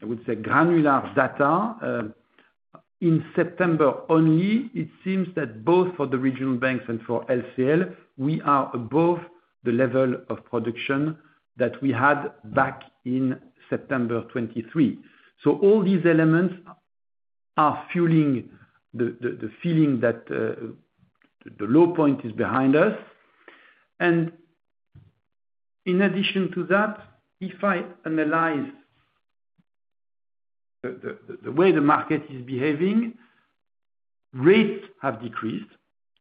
I would say, granular data, in September only, it seems that both for the regional banks and for LCL, we are above the level of production that we had back in September 2023. So all these elements are fueling the feeling that the low point is behind us. And in addition to that, if I analyze the way the market is behaving, rates have decreased.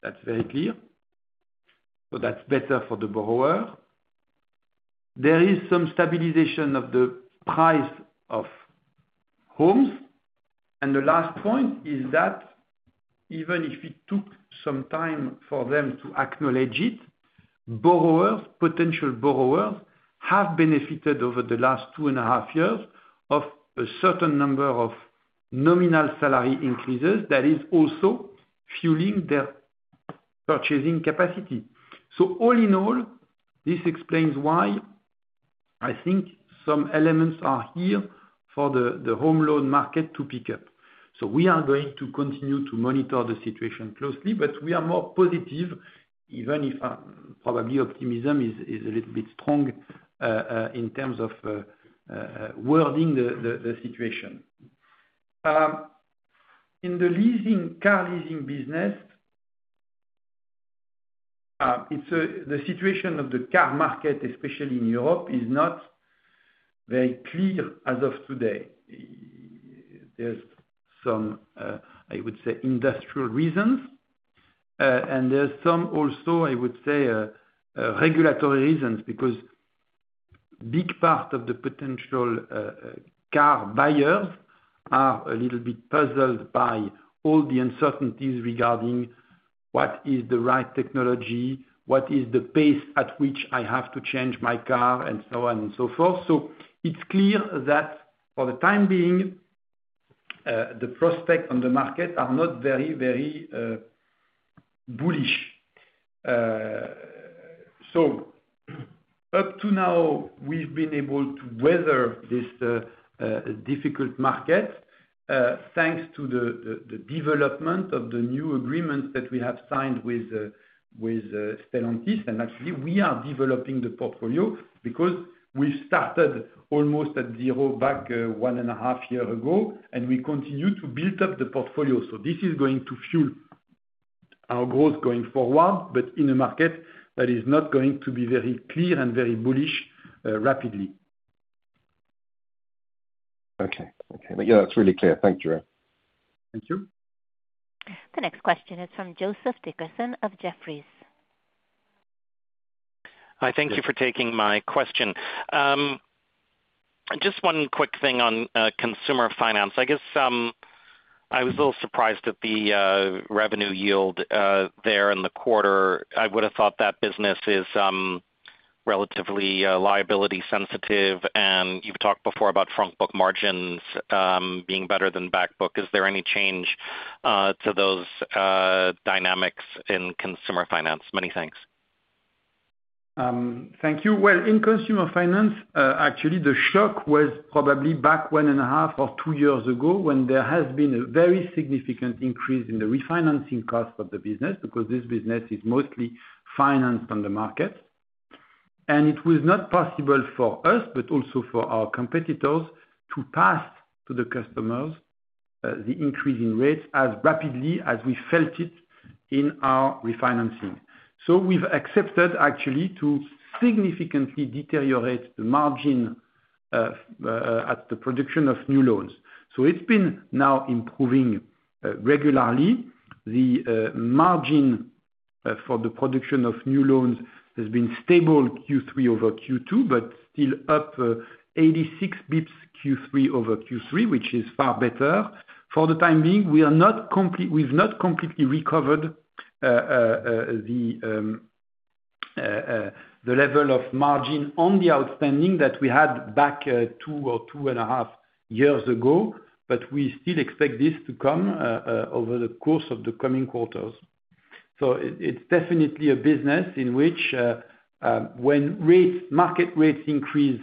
That's very clear. So that's better for the borrower. There is some stabilization of the price of homes. And the last point is that even if it took some time for them to acknowledge it, borrowers, potential borrowers, have benefited over the last two and a half years of a certain number of nominal salary increases that is also fueling their purchasing capacity. So all in all, this explains why I think some elements are here for the home loan market to pick up. So we are going to continue to monitor the situation closely, but we are more positive, even if probably optimism is a little bit strong in terms of wording the situation. In the car leasing business, the situation of the car market, especially in Europe, is not very clear as of today. There's some, I would say, industrial reasons, and there's some also, I would say, regulatory reasons because a big part of the potential car buyers are a little bit puzzled by all the uncertainties regarding what is the right technology, what is the pace at which I have to change my car, and so on and so forth, so it's clear that for the time being, the prospects on the market are not very, very bullish, so up to now, we've been able to weather this difficult market thanks to the development of the new agreements that we have signed with Stellantis. And actually, we are developing the portfolio because we've started almost at zero back one and a half years ago, and we continue to build up the portfolio. So this is going to fuel our growth going forward, but in a market that is not going to be very clear and very bullish rapidly. Okay. Okay. Yeah, that's really clear. Thank you. Thank you. The next question is from Joseph Dickerson of Jefferies. Hi. Thank you for taking my question. Just one quick thing on consumer finance. I guess I was a little surprised at the revenue yield there in the quarter. I would have thought that business is relatively liability sensitive. And you've talked before about front-book margins being better than back-book. Is there any change to those dynamics in consumer finance? Many thanks. Thank you. Well, in consumer finance, actually, the shock was probably back one and a half or two years ago when there has been a very significant increase in the refinancing cost of the business because this business is mostly financed on the market. And it was not possible for us, but also for our competitors, to pass to the customers the increase in rates as rapidly as we felt it in our refinancing. So we've accepted, actually, to significantly deteriorate the margin at the production of new loans. So it's been now improving regularly. The margin for the production of new loans has been stable Q3 over Q2, but still up 86 basis points Q3 over Q3, which is far better. For the time being, we've not completely recovered the level of margin on the outstanding that we had back two or two and a half years ago, but we still expect this to come over the course of the coming quarters. So it's definitely a business in which when market rates increase,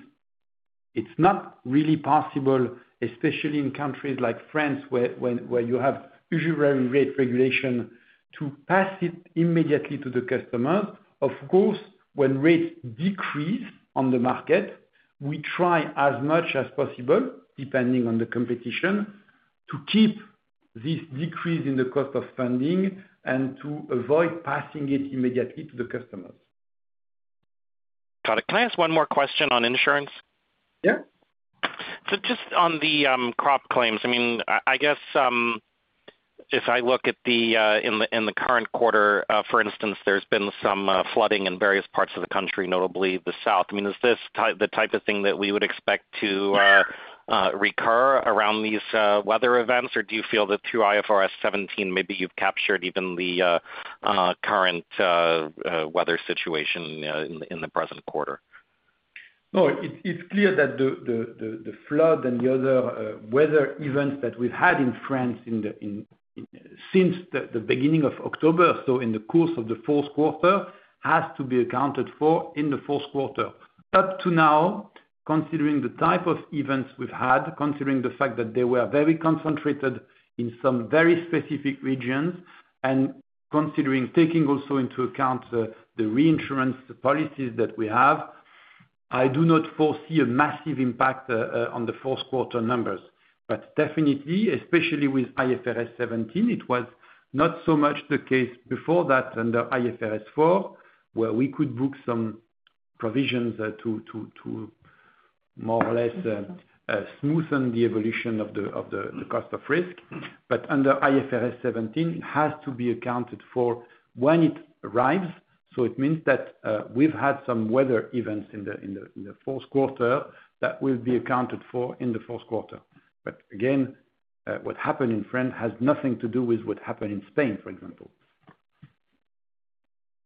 it's not really possible, especially in countries like France where you have usury rate regulation, to pass it immediately to the customers. Of course, when rates decrease on the market, we try as much as possible, depending on the competition, to keep this decrease in the cost of funding and to avoid passing it immediately to the customers. Got it. Can I ask one more question on insurance? Yeah. So just on the crop claims, I mean, I guess if I look at the current quarter, for instance, there's been some flooding in various parts of the country, notably the south. I mean, is this the type of thing that we would expect to recur around these weather events? Or do you feel that through IFRS 17, maybe you've captured even the current weather situation in the present quarter? No, it's clear that the flood and the other weather events that we've had in France since the beginning of October, so in the course of the fourth quarter, have to be accounted for in the fourth quarter. Up to now, considering the type of events we've had, considering the fact that they were very concentrated in some very specific regions, and considering taking also into account the reinsurance policies that we have, I do not foresee a massive impact on the fourth quarter numbers. But definitely, especially with IFRS 17, it was not so much the case before that under IFRS 4, where we could book some provisions to more or less smoothen the evolution of the cost of risk. But under IFRS 17, it has to be accounted for when it arrives. So it means that we've had some weather events in the fourth quarter that will be accounted for in the fourth quarter. But again, what happened in France has nothing to do with what happened in Spain, for example.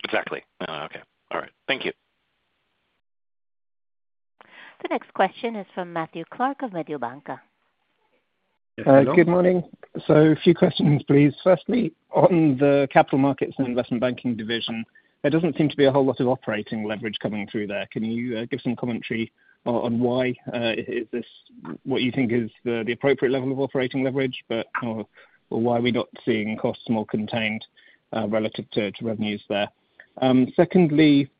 Exactly. Okay. All right. Thank you. The next question is from Matthew Clark of Mediobanca. Good morning, so a few questions, please. Firstly, on the capital markets and investment banking division, there doesn't seem to be a whole lot of operating leverage coming through there. Can you give some commentary on why? Is this what you think is the appropriate level of operating leverage, or why are we not seeing costs more contained relative to revenues there? Secondly,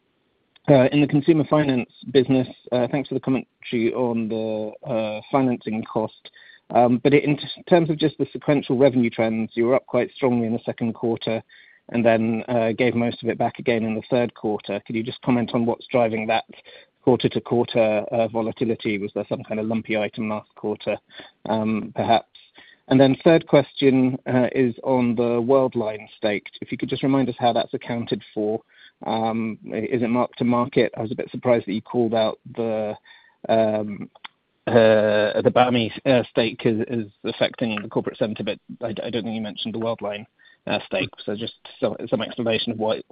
in the consumer finance business, thanks for the commentary on the financing cost. But in terms of just the sequential revenue trends, you were up quite strongly in the second quarter and then gave most of it back again in the third quarter. Could you just comment on what's driving that quarter-to-quarter volatility? Was there some kind of lumpy item last quarter, perhaps? And then third question is on the Worldline stake. If you could just remind us how that's accounted for. Is it marked to market? I was a bit surprised that you called out the BAMI stake as affecting the Corporate Center, but I don't think you mentioned the Worldline stake. So just some explanation of why,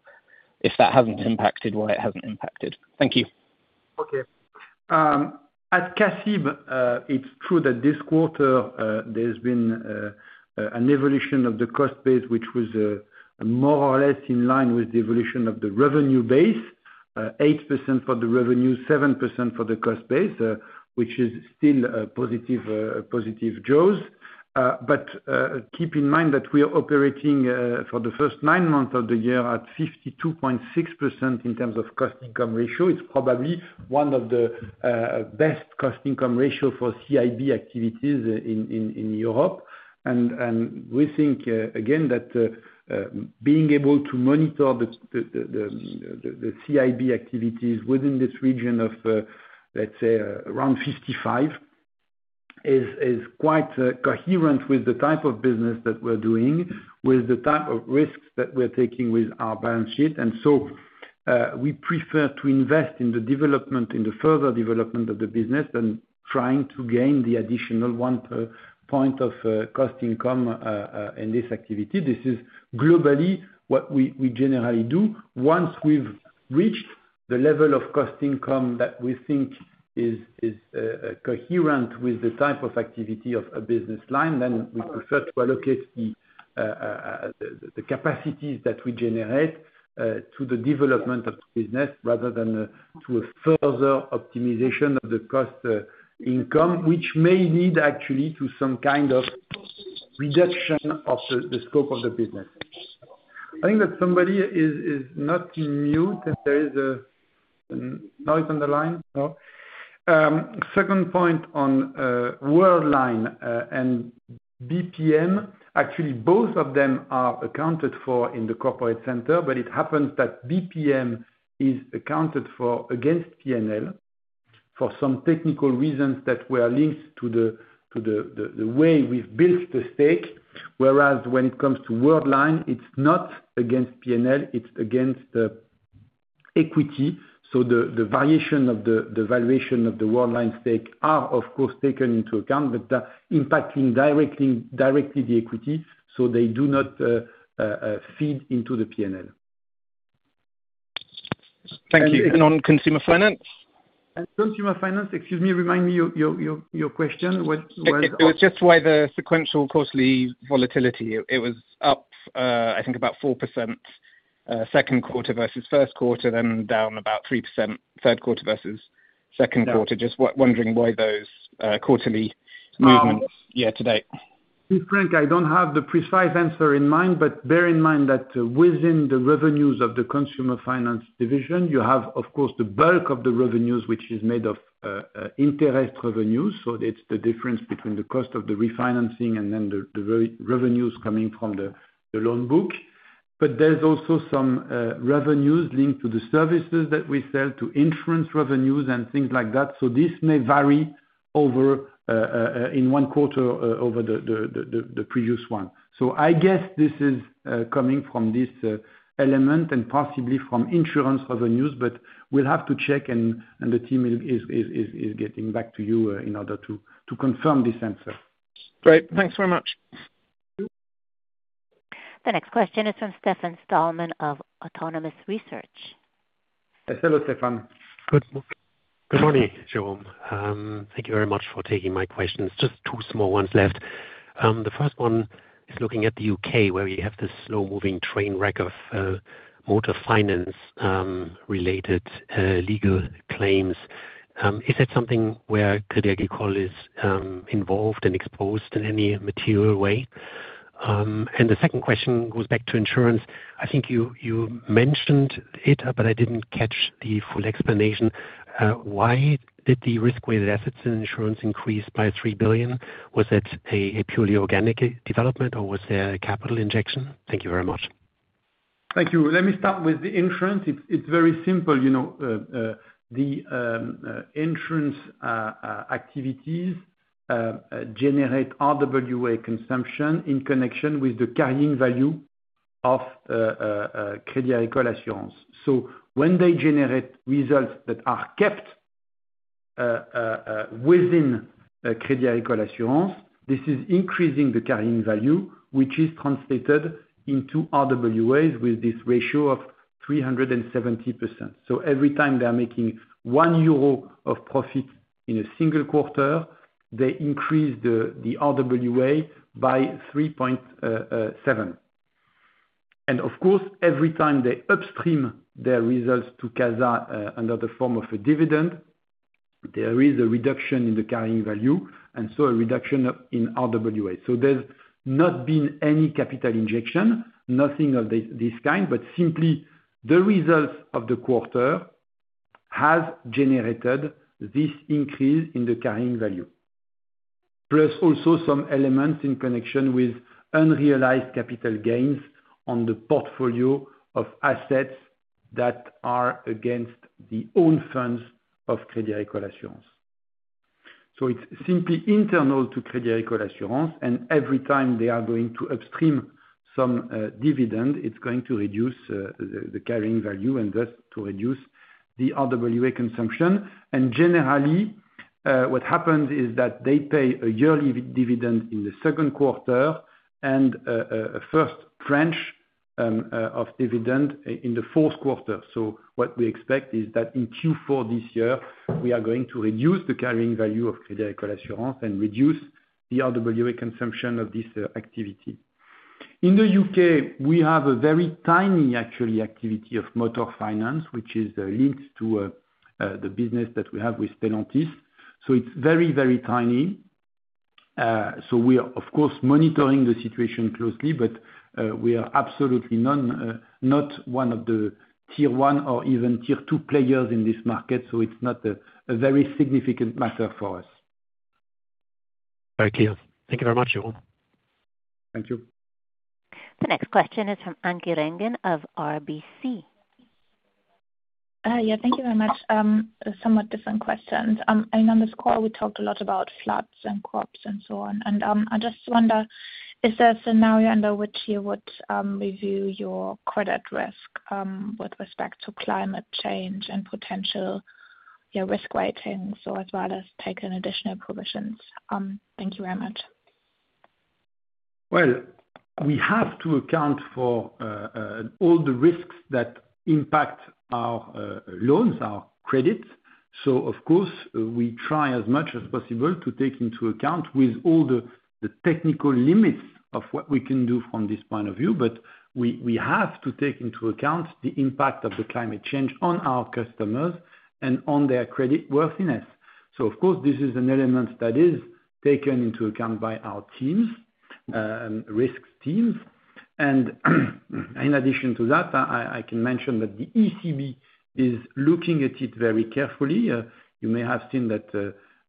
if that hasn't impacted, why it hasn't impacted. Thank you. Okay. At CACIB, it's true that this quarter, there's been an evolution of the cost base, which was more or less in line with the evolution of the revenue base, 8% for the revenue, 7% for the cost base, which is still positive jaws. But keep in mind that we are operating for the first nine months of the year at 52.6% in terms of cost-income ratio. It's probably one of the best cost-income ratios for CIB activities in Europe. And we think, again, that being able to monitor the CIB activities within this region of, let's say, around 55 is quite coherent with the type of business that we're doing, with the type of risks that we're taking with our balance sheet. And so we prefer to invest in the development, in the further development of the business than trying to gain the additional one point of cost-income in this activity. This is globally what we generally do. Once we've reached the level of cost-income that we think is coherent with the type of activity of a business line, then we prefer to allocate the capacities that we generate to the development of the business rather than to a further optimization of the cost-income, which may lead actually to some kind of reduction of the scope of the business. I think that somebody is not mute. There is a noise on the line. No. Second point on Worldline and BPM, actually, both of them are accounted for in the Corporate Center, but it happens that BPM is accounted for against P&L for some technical reasons that were linked to the way we've built the stake. Whereas when it comes to Worldline, it's not against P&L. It's against equity. So the variation of the valuation of the Worldline stake are, of course, taken into account, but impacting directly the equity. So they do not feed into the P&L. Thank you. On consumer finance? Consumer finance. Excuse me, remind me your question. It was just why the sequential cost/income volatility. It was up, I think, about 4% second quarter versus first quarter, then down about 3% third quarter versus second quarter. Just wondering why those quarterly movements year to date. To be frank, I don't have the precise answer in mind, but bear in mind that within the revenues of the Consumer Finance division, you have, of course, the bulk of the revenues, which is made of interest revenues, so it's the difference between the cost of the refinancing and then the revenues coming from the loan book, but there's also some revenues linked to the services that we sell to insurance revenues and things like that, so this may vary in one quarter over the previous one, so I guess this is coming from this element and possibly from insurance revenues, but we'll have to check, and the team is getting back to you in order to confirm this answer. Great. Thanks very much. The next question is from Stefan Stalmann of Autonomous Research. Hello, Stefan. Good morning, Jérôme. Thank you very much for taking my questions. Just two small ones left. The first one is looking at the U.K., where we have this slow-moving train wreck of motor finance-related legal claims. Is that something where Crédit Agricole is involved and exposed in any material way? And the second question goes back to insurance. I think you mentioned it, but I didn't catch the full explanation. Why did the risk-weighted assets in insurance increase by 3 billion? Was it a purely organic development, or was there a capital injection? Thank you very much. Thank you. Let me start with the insurance. It's very simple. The insurance activities generate RWA consumption in connection with the carrying value of Crédit Agricole Assurances. So when they generate results that are kept within Crédit Agricole Assurances, this is increasing the carrying value, which is translated into RWAs with this ratio of 370%. So every time they are making 1 euro of profit in a single quarter, they increase the RWA by 3.7. And of course, every time they upstream their results to CASA under the form of a dividend, there is a reduction in the carrying value, and so a reduction in RWA. There's not been any capital injection, nothing of this kind, but simply the results of the quarter have generated this increase in the carrying value, plus also some elements in connection with unrealized capital gains on the portfolio of assets that are against the own funds of Crédit Agricole Assurances. It's simply internal to Crédit Agricole Assurances, and every time they are going to upstream some dividend, it's going to reduce the carrying value and thus to reduce the RWA consumption. Generally, what happens is that they pay a yearly dividend in the second quarter and a first tranche of dividend in the fourth quarter. What we expect is that in Q4 this year, we are going to reduce the carrying value of Crédit Agricole Assurances and reduce the RWA consumption of this activity. In the U.K., we have a very tiny, actually, activity of motor finance, which is linked to the business that we have with Stellantis. So it's very, very tiny. So we are, of course, monitoring the situation closely, but we are absolutely not one of the tier one or even tier two players in this market. So it's not a very significant matter for us. Very clear. Thank you very much, Jérôme. Thank you. The next question is from Anke Reingen of RBC. Yeah, thank you very much. Somewhat different questions. I mean, on this call, we talked a lot about floods and crops and so on. And I just wonder, is there a scenario under which you would review your credit risk with respect to climate change and potential risk weighting as well as take in additional provisions? Thank you very much. We have to account for all the risks that impact our loans, our credit. Of course, we try as much as possible to take into account with all the technical limits of what we can do from this point of view, but we have to take into account the impact of the climate change on our customers and on their creditworthiness. Of course, this is an element that is taken into account by our teams, risk teams. In addition to that, I can mention that the ECB is looking at it very carefully. You may have seen that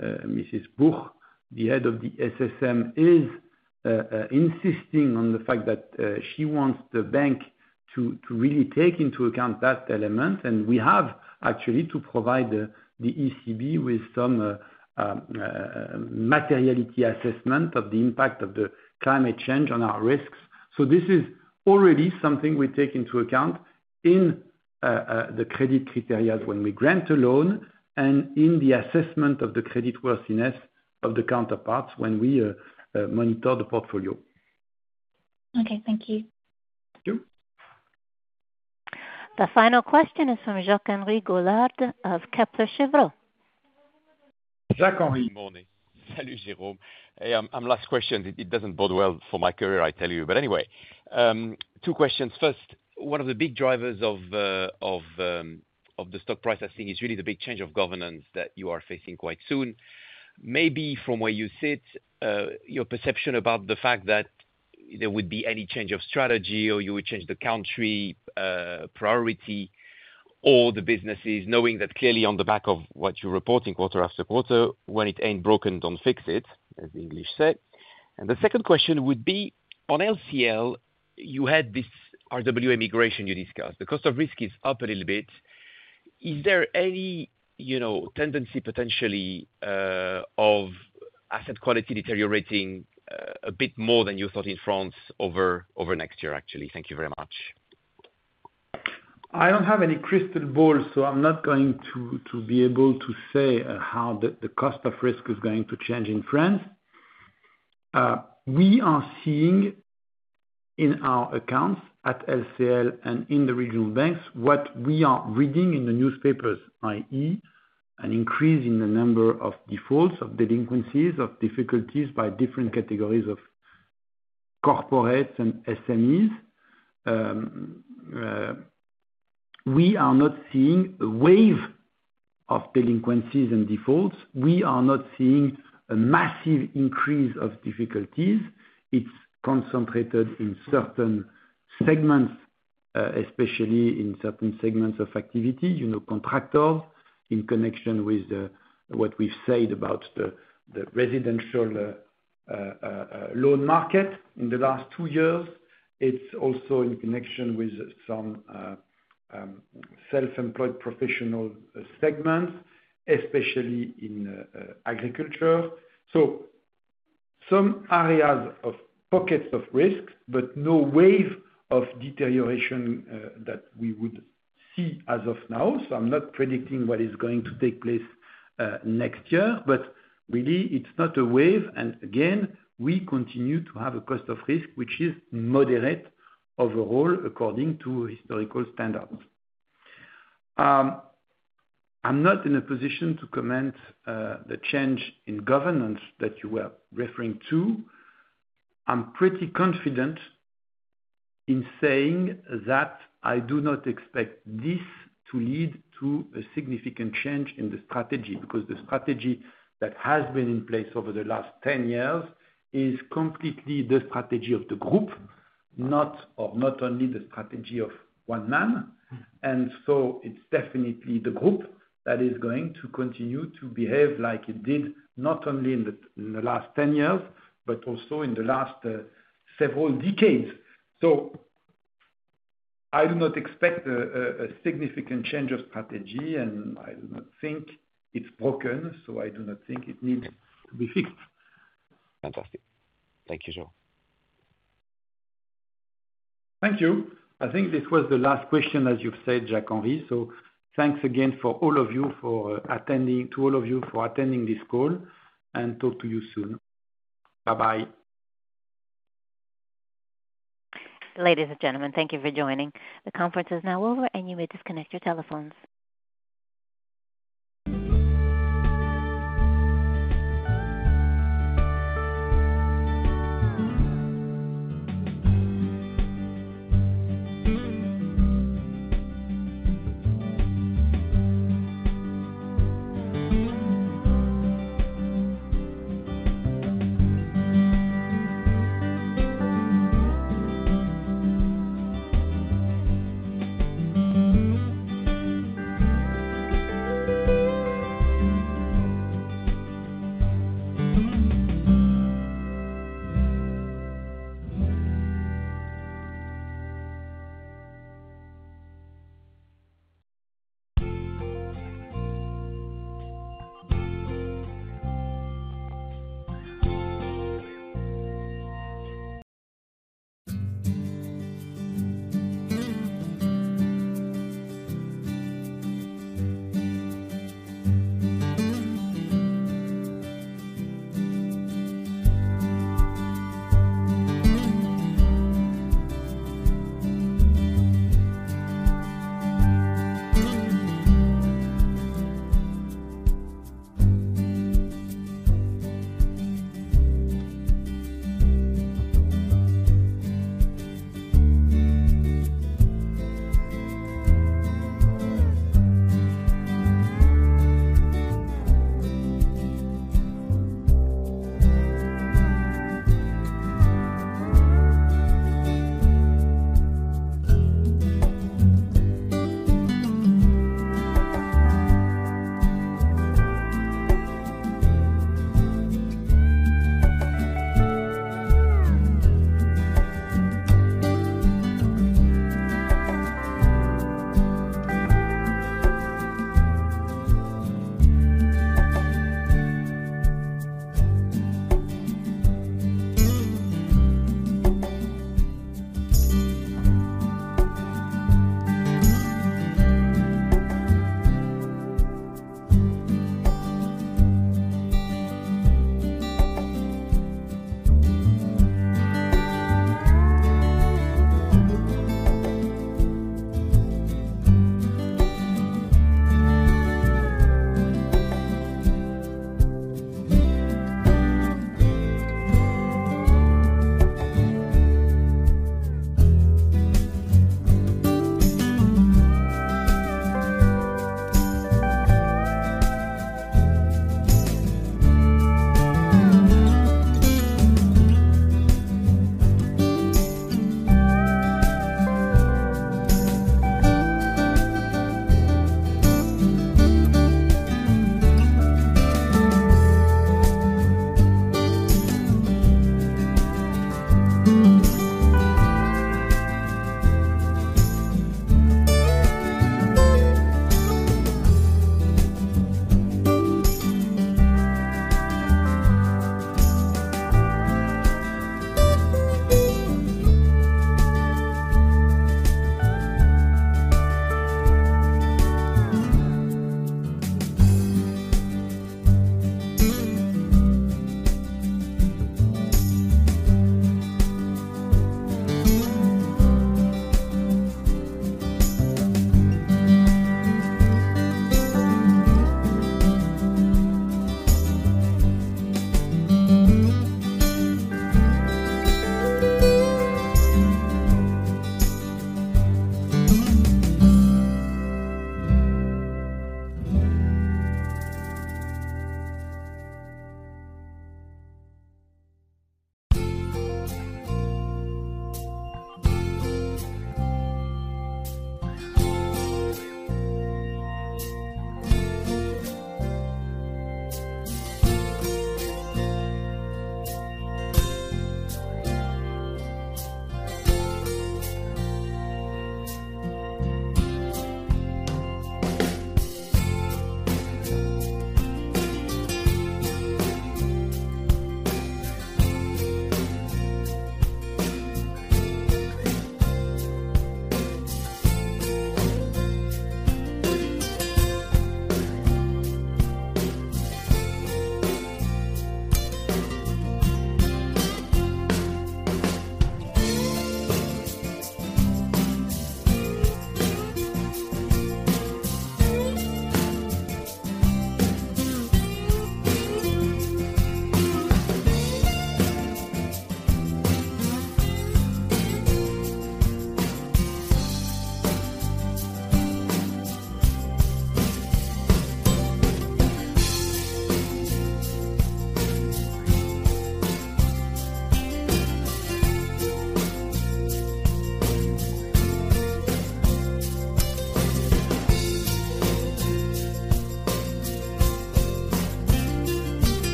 Mrs. Buch, the head of the SSM, is insisting on the fact that she wants the bank to really take into account that element. We have actually to provide the ECB with some materiality assessment of the impact of the climate change on our risks. This is already something we take into account in the credit criteria when we grant a loan and in the assessment of the creditworthiness of the counterparties when we monitor the portfolio. Okay. Thank you. Thank you. The final question is from Jacques-Henri Gaulard of Kepler Cheuvreux. Jacques-Henri. Morning. Salut, Jérôme. And last question. It doesn't bode well for my career, I tell you. But anyway, two questions. First, one of the big drivers of the stock price, I think, is really the big change of governance that you are facing quite soon. Maybe from where you sit, your perception about the fact that there would be any change of strategy or you would change the country priority or the businesses, knowing that clearly on the back of what you're reporting quarter after quarter, when it ain't broken, don't fix it, as the English say. And the second question would be, on LCL, you had this RWA migration you discussed. The cost of risk is up a little bit. Is there any tendency potentially of asset quality deteriorating a bit more than you thought in France over next year, actually? Thank you very much. I don't have any crystal ball, so I'm not going to be able to say how the cost of risk is going to change in France. We are seeing in our accounts at LCL and in the regional banks what we are reading in the newspapers, i.e., an increase in the number of defaults, of delinquencies, of difficulties by different categories of corporates and SMEs. We are not seeing a wave of delinquencies and defaults. We are not seeing a massive increase of difficulties. It's concentrated in certain segments, especially in certain segments of activity, contractors in connection with what we've said about the residential loan market in the last two years. It's also in connection with some self-employed professional segments, especially in agriculture, so some areas of pockets of risk, but no wave of deterioration that we would see as of now. I'm not predicting what is going to take place next year, but really, it's not a wave. Again, we continue to have a cost of risk, which is moderate overall according to historical standards. I'm not in a position to comment on the change in governance that you were referring to. I'm pretty confident in saying that I do not expect this to lead to a significant change in the strategy because the strategy that has been in place over the last 10 years is completely the strategy of the group, not only the strategy of one man. It's definitely the group that is going to continue to behave like it did not only in the last 10 years, but also in the last several decades. I do not expect a significant change of strategy, and I do not think it's broken, so I do not think it needs to be fixed. Fantastic. Thank you, Jérôme. Thank you. I think this was the last question, as you've said, Jacques-Henri. So thanks again to all of you for attending this call, and talk to you soon. Bye-bye. Ladies and gentlemen, thank you for joining. The conference is now over, and you may disconnect your telephones.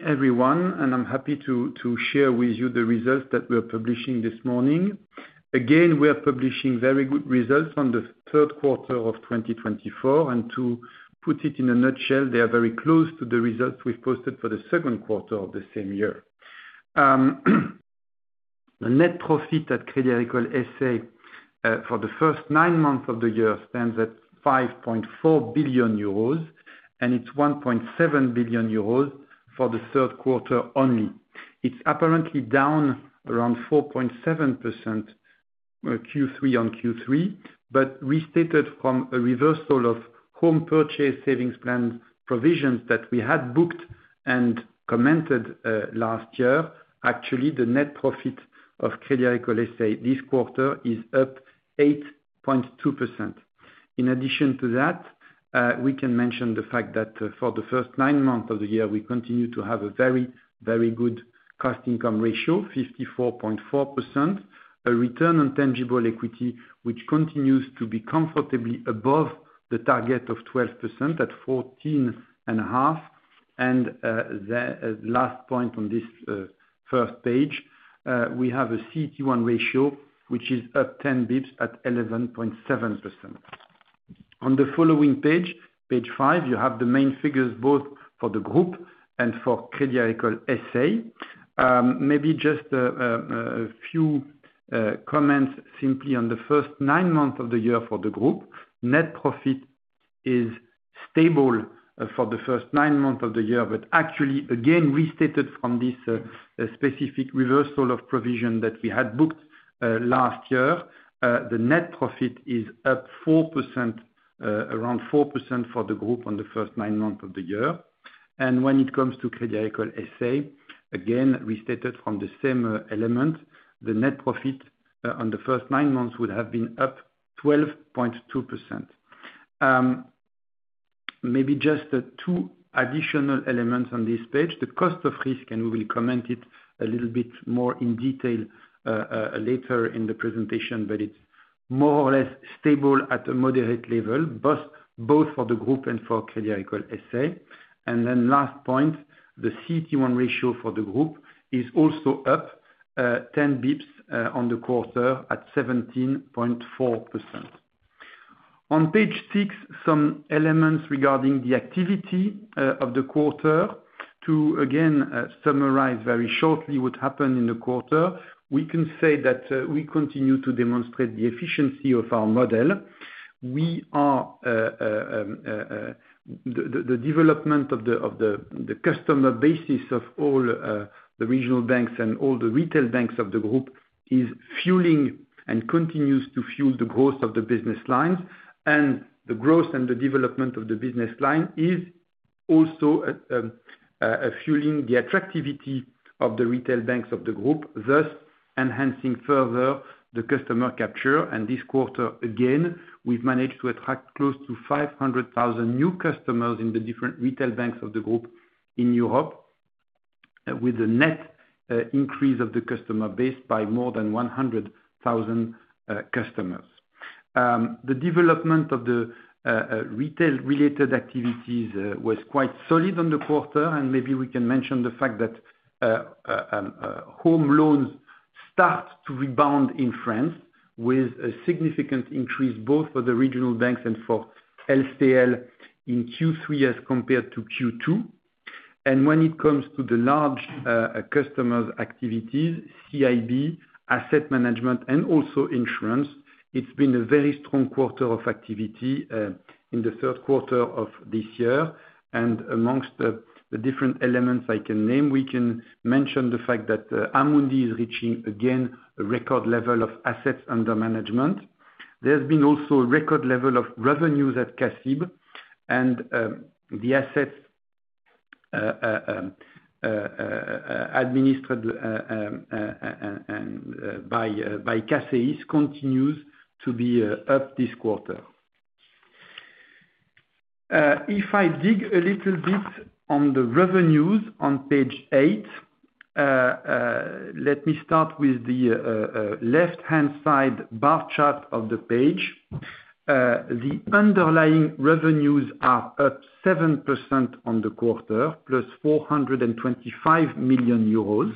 Good morning, everyone. I'm happy to share with you the results that we are publishing this morning. Again, we are publishing very good results on the third quarter of 2024. To put it in a nutshell, they are very close to the results we've posted for the second quarter of the same year. The net profit at Crédit Agricole S.A. for the first nine months of the year stands at 5.4 billion euros, and it's 1.7 billion euros for the third quarter only. It's apparently down around 4.7% Q3 on Q3, but restated from a reversal of home purchase savings plan provisions that we had booked and commented last year, actually, the net profit of Crédit Agricole S.A. this quarter is up 8.2%. In addition to that, we can mention the fact that for the first nine months of the year, we continue to have a very, very good cost-income ratio, 54.4%, a Return on Tangible Equity, which continues to be comfortably above the target of 12% at 14.5%, and the last point on this first page, we have a CET1 ratio, which is up 10 basis points at 11.7%. On the following page, page 5, you have the main figures both for the group and for Crédit Agricole S.A. Maybe just a few comments simply on the first nine months of the year for the group. Net profit is stable for the first nine months of the year, but actually, again, restated from this specific reversal of provision that we had booked last year, the net profit is up 4%, around 4% for the group on the first nine months of the year. When it comes to Crédit Agricole S.A., again, restated from the same element, the net profit on the first nine months would have been up 12.2%. Maybe just two additional elements on this page. The cost of risk, and we will comment it a little bit more in detail later in the presentation, but it's more or less stable at a moderate level, both for the group and for Crédit Agricole S.A. Then last point, the CET1 ratio for the group is also up 10 basis points on the quarter at 17.4%. On page 6, some elements regarding the activity of the quarter. To again summarize very shortly what happened in the quarter, we can say that we continue to demonstrate the efficiency of our model. The development of the customer base of all the regional banks and all the retail banks of the group is fueling and continues to fuel the growth of the business lines. And the growth and the development of the business line is also fueling the attractivity of the retail banks of the group, thus enhancing further the customer capture. And this quarter, again, we've managed to attract close to 500,000 new customers in the different retail banks of the group in Europe, with a net increase of the customer base by more than 100,000 customers. The development of the retail-related activities was quite solid on the quarter. And maybe we can mention the fact that home loans start to rebound in France with a significant increase both for the regional banks and for LCL in Q3 as compared to Q2. When it comes to the Large Customers' activities, CIB, asset management, and also insurance, it's been a very strong quarter of activity in the third quarter of this year. Among the different elements I can name, we can mention the fact that Amundi is reaching again a record level of assets under management. There's been also a record level of revenues at CACIB, and the assets administered by CACEIS continues to be up this quarter. If I dig a little bit on the revenues on page 8, let me start with the left-hand side bar chart of the page. The underlying revenues are up 7% on the quarter, plus 425 million euros.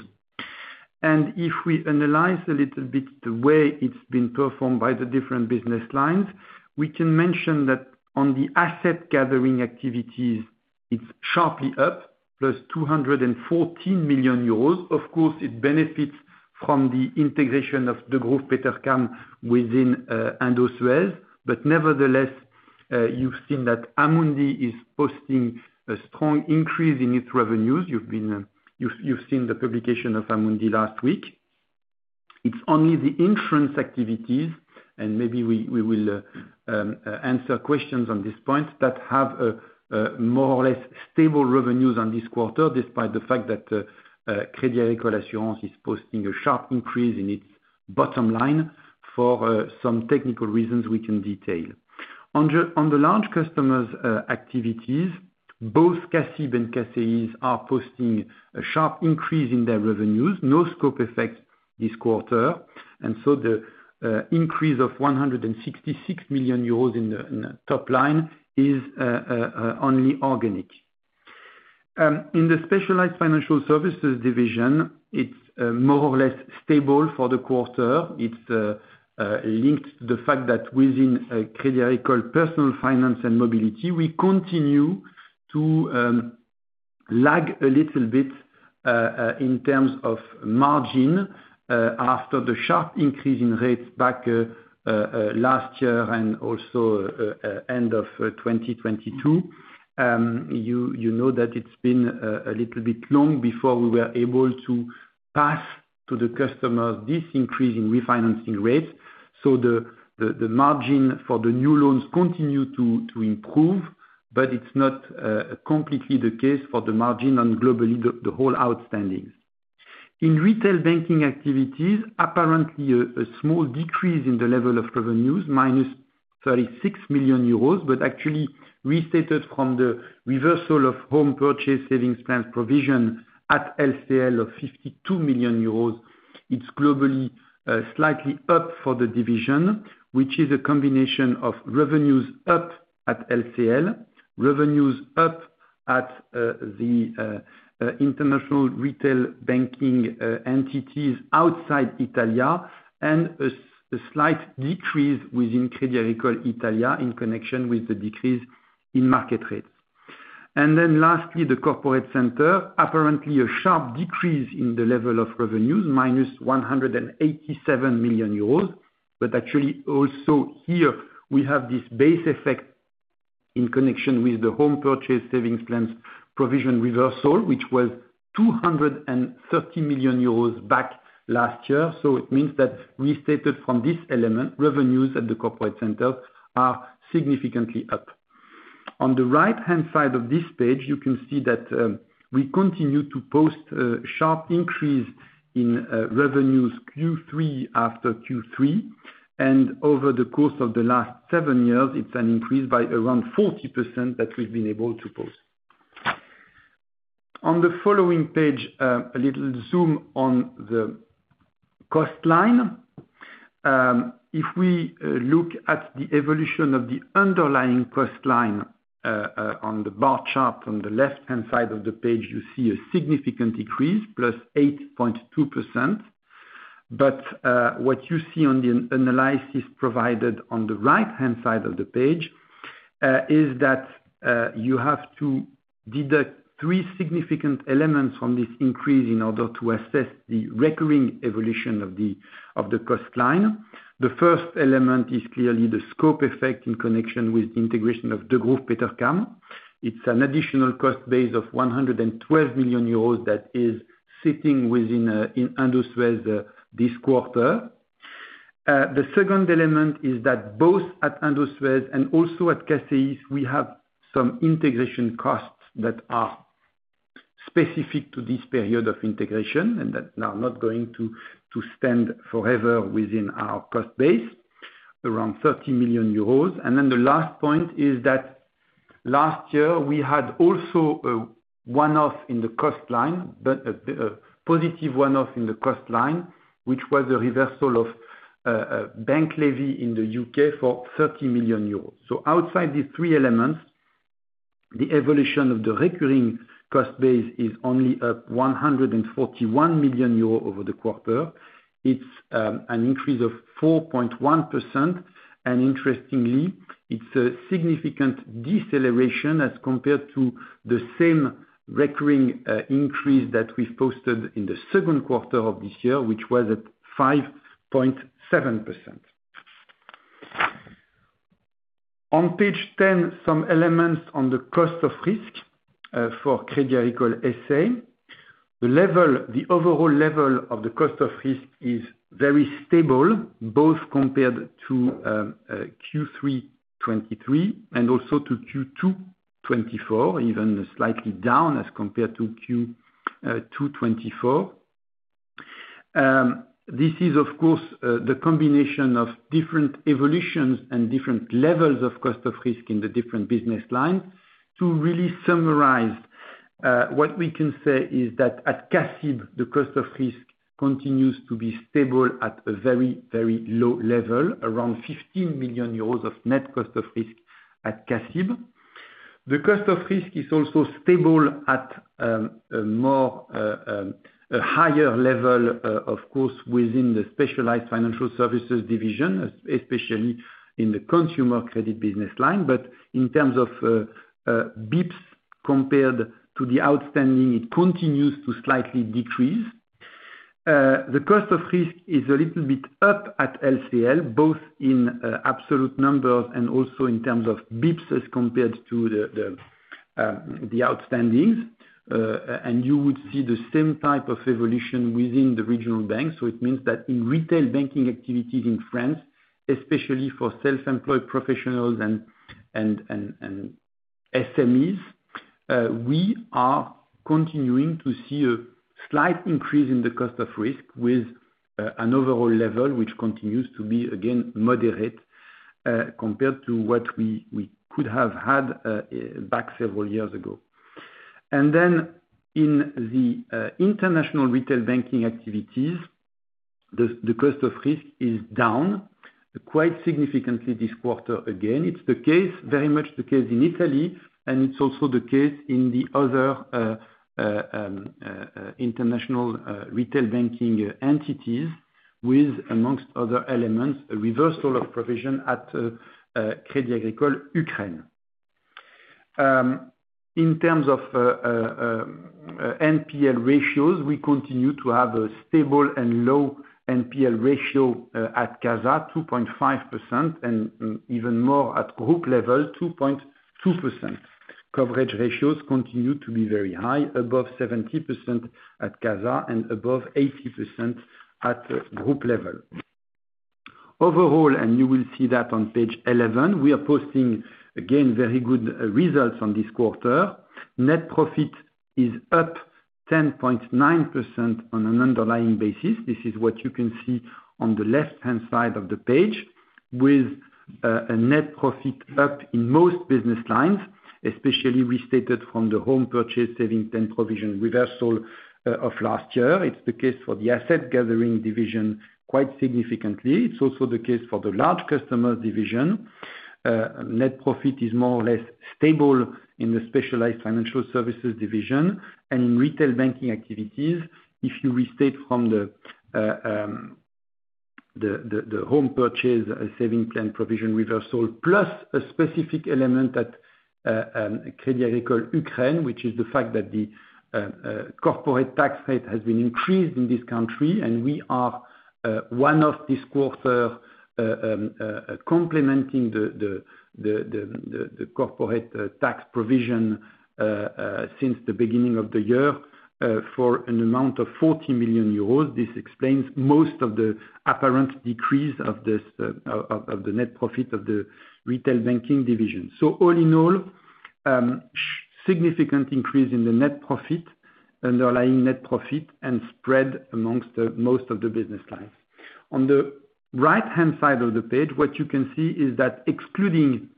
If we analyze a little bit the way it's been performed by the different business lines, we can mention that on the Asset Gathering activities, it's sharply up, plus 214 million euros. Of course, it benefits from the integration of Degroof Petercam within Indosuez, but nevertheless, you've seen that Amundi is posting a strong increase in its revenues. You've seen the publication of Amundi last week. It's only the insurance activities, and maybe we will answer questions on this point, that have more or less stable revenues on this quarter, despite the fact that Crédit Agricole Assurances is posting a sharp increase in its bottom line for some technical reasons we can detail. On the Large Customers' activities, both CACIB and CACEIS are posting a sharp increase in their revenues, no scope effect this quarter, and so the increase of 166 million euros in the top line is only organic. In the Specialized Financial Services division, it's more or less stable for the quarter. It's linked to the fact that within Crédit Agricole Personal Finance & Mobility, we continue to lag a little bit in terms of margin after the sharp increase in rates back last year and also end of 2022. You know that it's been a little bit long before we were able to pass to the customers this increase in refinancing rates. So the margin for the new loans continues to improve, but it's not completely the case for the margin on globally the whole outstandings. In retail banking activities, apparently a small decrease in the level of revenues, minus 36 million euros, but actually restated from the reversal of home purchase savings plan provision at LCL of 52 million euros, it's globally slightly up for the division, which is a combination of revenues up at LCL, revenues up at the International Retail Banking entities outside Italia, and a slight decrease within Crédit Agricole Italia in connection with the decrease in market rates. And then lastly, the Corporate Center, apparently a sharp decrease in the level of revenues, minus 187 million euros, but actually also here we have this base effect in connection with the home purchase savings plans provision reversal, which was 230 million euros back last year. So it means that restated from this element, revenues at the Corporate Center are significantly up. On the right-hand side of this page, you can see that we continue to post a sharp increase in revenues Q3 after Q3. And over the course of the last seven years, it's an increase by around 40% that we've been able to post. On the following page, a little zoom on the cost line. If we look at the evolution of the underlying cost line on the bar chart on the left-hand side of the page, you see a significant decrease, plus 8.2%. But what you see on the analysis provided on the right-hand side of the page is that you have to deduct three significant elements from this increase in order to assess the recurring evolution of the cost line. The first element is clearly the scope effect in connection with the integration of Degroof Petercam. It's an additional cost base of 112 million euros that is sitting within Indosuez this quarter. The second element is that both at Indosuez and also at CACEIS, we have some integration costs that are specific to this period of integration and that are not going to stand forever within our cost base, around 30 million euros. And then the last point is that last year, we had also a one-off in the cost line, a positive one-off in the cost line, which was a reversal of bank levy in the U.K. for 30 million euros. So outside these three elements, the evolution of the recurring cost base is only up 141 million euros over the quarter. It's an increase of 4.1%. And interestingly, it's a significant deceleration as compared to the same recurring increase that we've posted in the second quarter of this year, which was at 5.7%. On page 10, some elements on the cost of risk for Crédit Agricole S.A. The overall level of the cost of risk is very stable, both compared to Q3 2023 and also to Q2 2024, even slightly down as compared to Q2 2024. This is, of course, the combination of different evolutions and different levels of cost of risk in the different business lines. To really summarize, what we can say is that at CACIB, the cost of risk continues to be stable at a very, very low level, around €15 million of net cost of risk at CACIB. The cost of risk is also stable at a higher level, of course, within the Specialized Financial Services division, especially in the consumer credit business line. But in terms of basis points compared to the outstanding, it continues to slightly decrease. The cost of risk is a little bit up at LCL, both in absolute numbers and also in terms of basis points as compared to the outstandings. And you would see the same type of evolution within the regional banks. So it means that in retail banking activities in France, especially for self-employed professionals and SMEs, we are continuing to see a slight increase in the cost of risk with an overall level which continues to be, again, moderate compared to what we could have had back several years ago. And then in the international retail banking activities, the cost of risk is down quite significantly this quarter again. It's very much the case in Italy, and it's also the case in the other International Retail Banking entities, with, amongst other elements, a reversal of provision at Crédit Agricole Ukraine. In terms of NPL ratios, we continue to have a stable and low NPL ratio at CASA, 2.5%, and even more at group level, 2.2%. Coverage ratios continue to be very high, above 70% at CASA and above 80% at group level. Overall, and you will see that on page 11, we are posting, again, very good results on this quarter. Net profit is up 10.9% on an underlying basis. This is what you can see on the left-hand side of the page, with a net profit up in most business lines, especially restated from the home purchase savings plan provision reversal of last year. It's the case for the asset gathering division quite significantly. It's also the case for the large customers' division. Net profit is more or less stable in the Specialized Financial Services division. In retail banking activities, if you restate from the home purchase savings plan provision reversal, plus a specific element at Crédit Agricole Ukraine, which is the fact that the corporate tax rate has been increased in this country, and we are one-off this quarter complementing the corporate tax provision since the beginning of the year for an amount of 40 million euros. This explains most of the apparent decrease of the net profit of the retail banking division. All in all, significant increase in the net profit, underlying net profit, and spread among most of the business lines. On the right-hand side of the page, what you can see is that excluding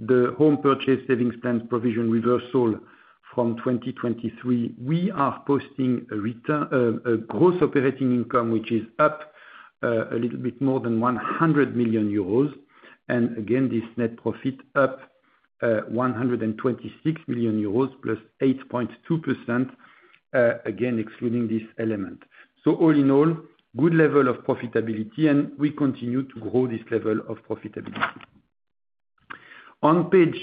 the home purchase savings plan provision reversal from 2023, we are posting a Gross Operating Income, which is up a little bit more than 100 million euros. Again, this net profit up €126 million, plus 8.2%, again, excluding this element. So all in all, good level of profitability, and we continue to grow this level of profitability. On page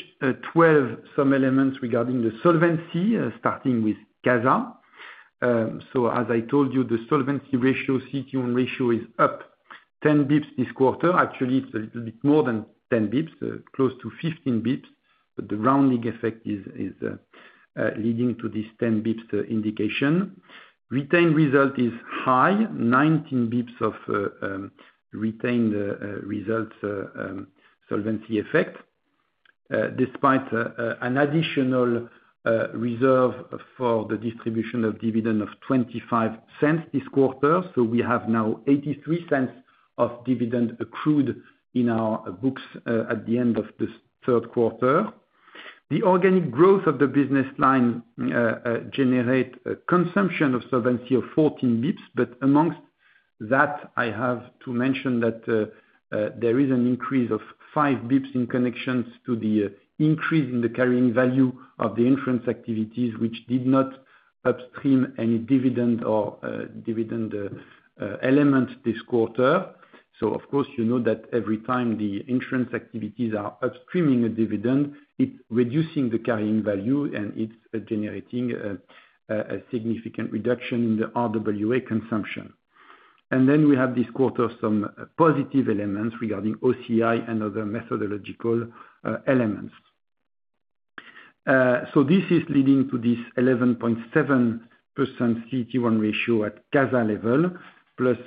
12, some elements regarding the solvency, starting with CASA. So as I told you, the solvency ratio, CET1 ratio is up 10 basis points this quarter. Actually, it is a little bit more than 10 basis points, close to 15 basis points, but the rounding effect is leading to this 10 basis points indication. Retained result is high, 19 basis points of retained result solvency effect, despite an additional reserve for the distribution of dividend of 0.25 this quarter. So we have now 0.83 of dividend accrued in our books at the end of the third quarter. The organic growth of the business line generates a consumption of solvency of 14 basis points, but amongst that, I have to mention that there is an increase of 5 basis points in connection to the increase in the carrying value of the insurance activities, which did not upstream any dividend or dividend element this quarter, so of course, you know that every time the insurance activities are upstreaming a dividend, it's reducing the carrying value, and it's generating a significant reduction in the RWA consumption, and then we have this quarter some positive elements regarding OCI and other methodological elements, so this is leading to this 11.7% CET1 ratio at CASA level, plus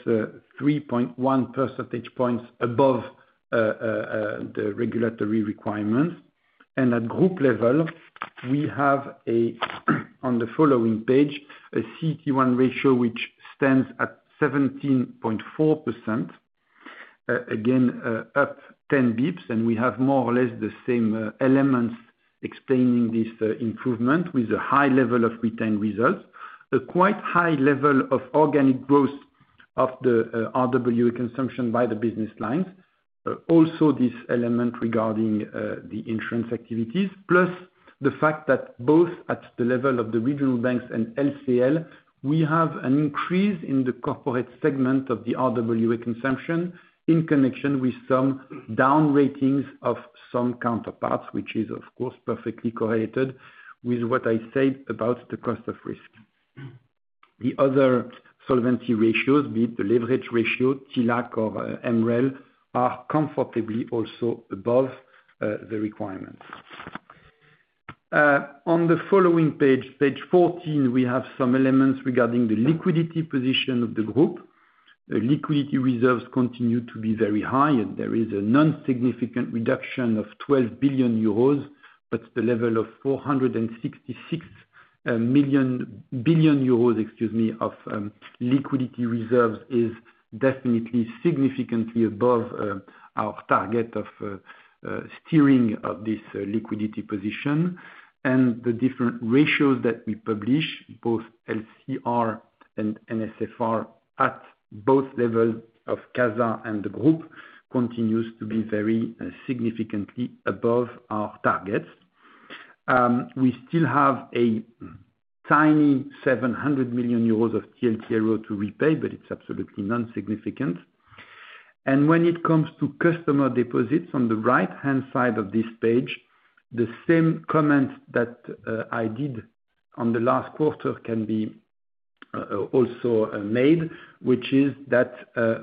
3.1 percentage points above the regulatory requirements. At group level, we have, on the following page, a CET1 ratio which stands at 17.4%, again, up 10 basis points, and we have more or less the same elements explaining this improvement with a high level of retained results, a quite high level of organic growth of the RWA consumption by the business lines. Also, this element regarding the insurance activities, plus the fact that both at the level of the regional banks and LCL, we have an increase in the corporate segment of the RWA consumption in connection with some down ratings of some counterparties, which is, of course, perfectly correlated with what I said about the cost of risk. The other solvency ratios, be it the leverage ratio, TLAC or MREL, are comfortably also above the requirements. On the following page, page 14, we have some elements regarding the liquidity position of the group. Liquidity reserves continue to be very high, and there is a non-significant reduction of 12 billion euros, but the level of 466 billion euros of liquidity reserves is definitely significantly above our target of steering of this liquidity position. The different ratios that we publish, both LCR and NSFR, at both levels of CASA and the group, continue to be very significantly above our targets. We still have a tiny 700 million euros of TLTRO to repay, but it's absolutely non-significant. When it comes to customer deposits on the right-hand side of this page, the same comment that I did on the last quarter can be also made, which is that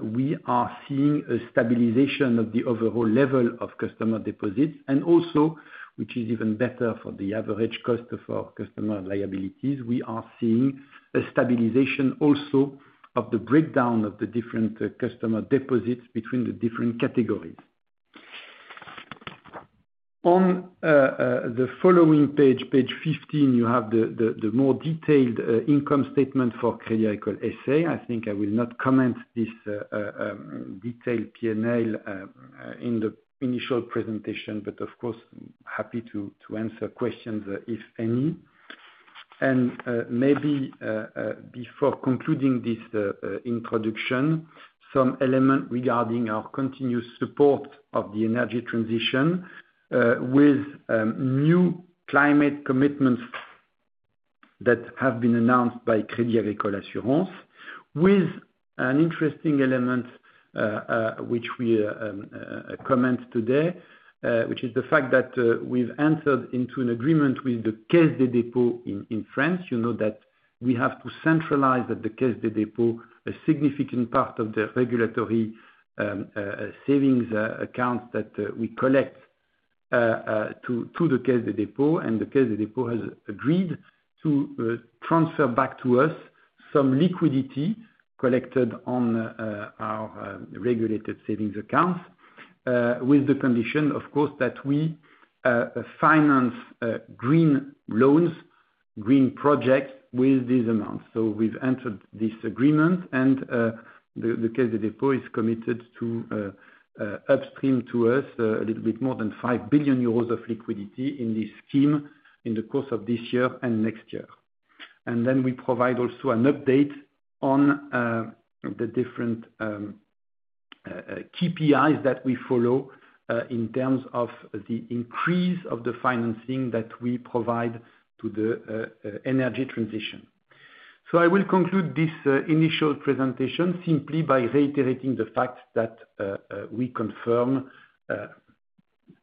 we are seeing a stabilization of the overall level of customer deposits. And also, which is even better for the average cost of our customer liabilities, we are seeing a stabilization also of the breakdown of the different customer deposits between the different categories. On the following page, page 15, you have the more detailed income statement for Crédit Agricole S.A. I think I will not comment on this detailed P&L in the initial presentation, but of course, happy to answer questions if any. And maybe before concluding this introduction, some element regarding our continued support of the energy transition with new climate commitments that have been announced by Crédit Agricole Assurances, with an interesting element which we comment today, which is the fact that we've entered into an agreement with the Caisse des Dépôts in France. You know that we have to centralize at the Caisse des Dépôts a significant part of the regulated savings accounts that we collect to the Caisse des Dépôts, and the Caisse des Dépôts has agreed to transfer back to us some liquidity collected on our regulated savings accounts with the condition, of course, that we finance green loans, green projects with these amounts. So we've entered this agreement, and the Caisse des Dépôts is committed to upstream to us a little bit more than 5 billion euros of liquidity in this scheme in the course of this year and next year. And then we provide also an update on the different KPIs that we follow in terms of the increase of the financing that we provide to the energy transition. I will conclude this initial presentation simply by reiterating the fact that we confirm,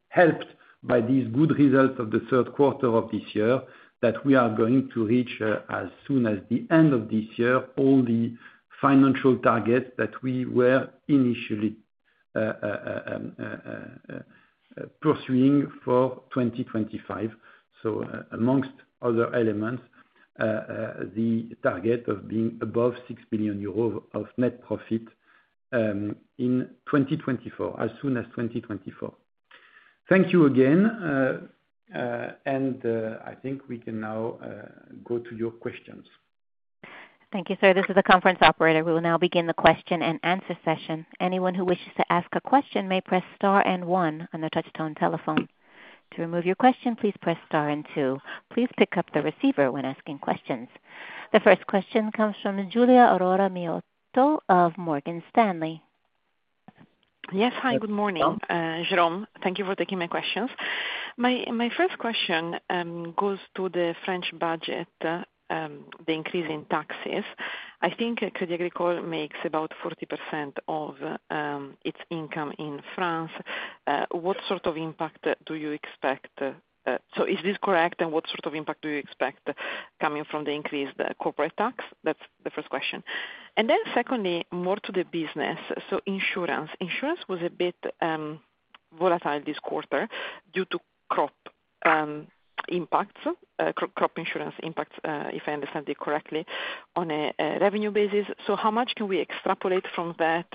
helped by these good results of the third quarter of this year, that we are going to reach, as soon as the end of this year, all the financial targets that we were initially pursuing for 2025. So amongst other elements, the target of being above €6 billion of net profit in 2024, as soon as 2024. Thank you again, and I think we can now go to your questions. Thank you, sir. This is the conference operator. We will now begin the question and answer session. Anyone who wishes to ask a question may press star and 1 on the touch-tone telephone. To remove your question, please press star and 2. Please pick up the receiver when asking questions. The first question comes from Giulia Aurora Miotto of Morgan Stanley. Yes. Hi. Good morning, Jérôme. Thank you for taking my questions. My first question goes to the French budget, the increase in taxes. I think Crédit Agricole makes about 40% of its income in France. What sort of impact do you expect? So is this correct, and what sort of impact do you expect coming from the increased corporate tax? That's the first question. And then secondly, more to the business. So insurance. Insurance was a bit volatile this quarter due to crop impacts, crop insurance impacts, if I understand it correctly, on a revenue basis. So how much can we extrapolate from that?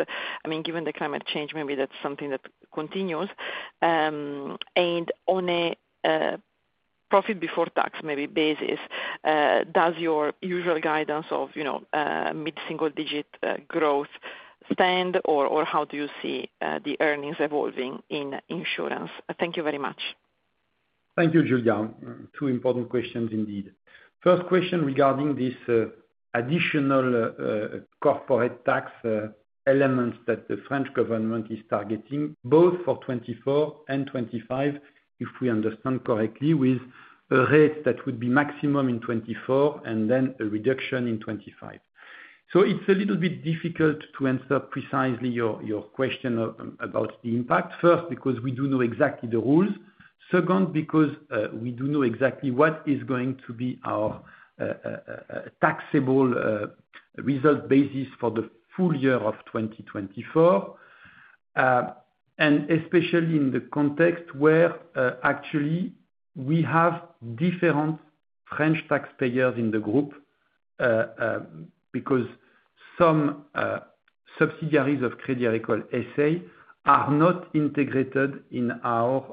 I mean, given the climate change, maybe that's something that continues. And on a profit before tax maybe basis, does your usual guidance of mid-single-digit growth stand, or how do you see the earnings evolving in insurance? Thank you very much. Thank you, Giulia. Two important questions indeed. First question regarding this additional corporate tax element that the French government is targeting, both for 2024 and 2025, if we understand correctly, with a rate that would be maximum in 2024 and then a reduction in 2025. So it's a little bit difficult to answer precisely your question about the impact. First, because we do know exactly the rules. Second, because we do know exactly what is going to be our taxable result basis for the full year of 2024, and especially in the context where actually we have different French taxpayers in the group because some subsidiaries of Crédit Agricole S.A. are not integrated in our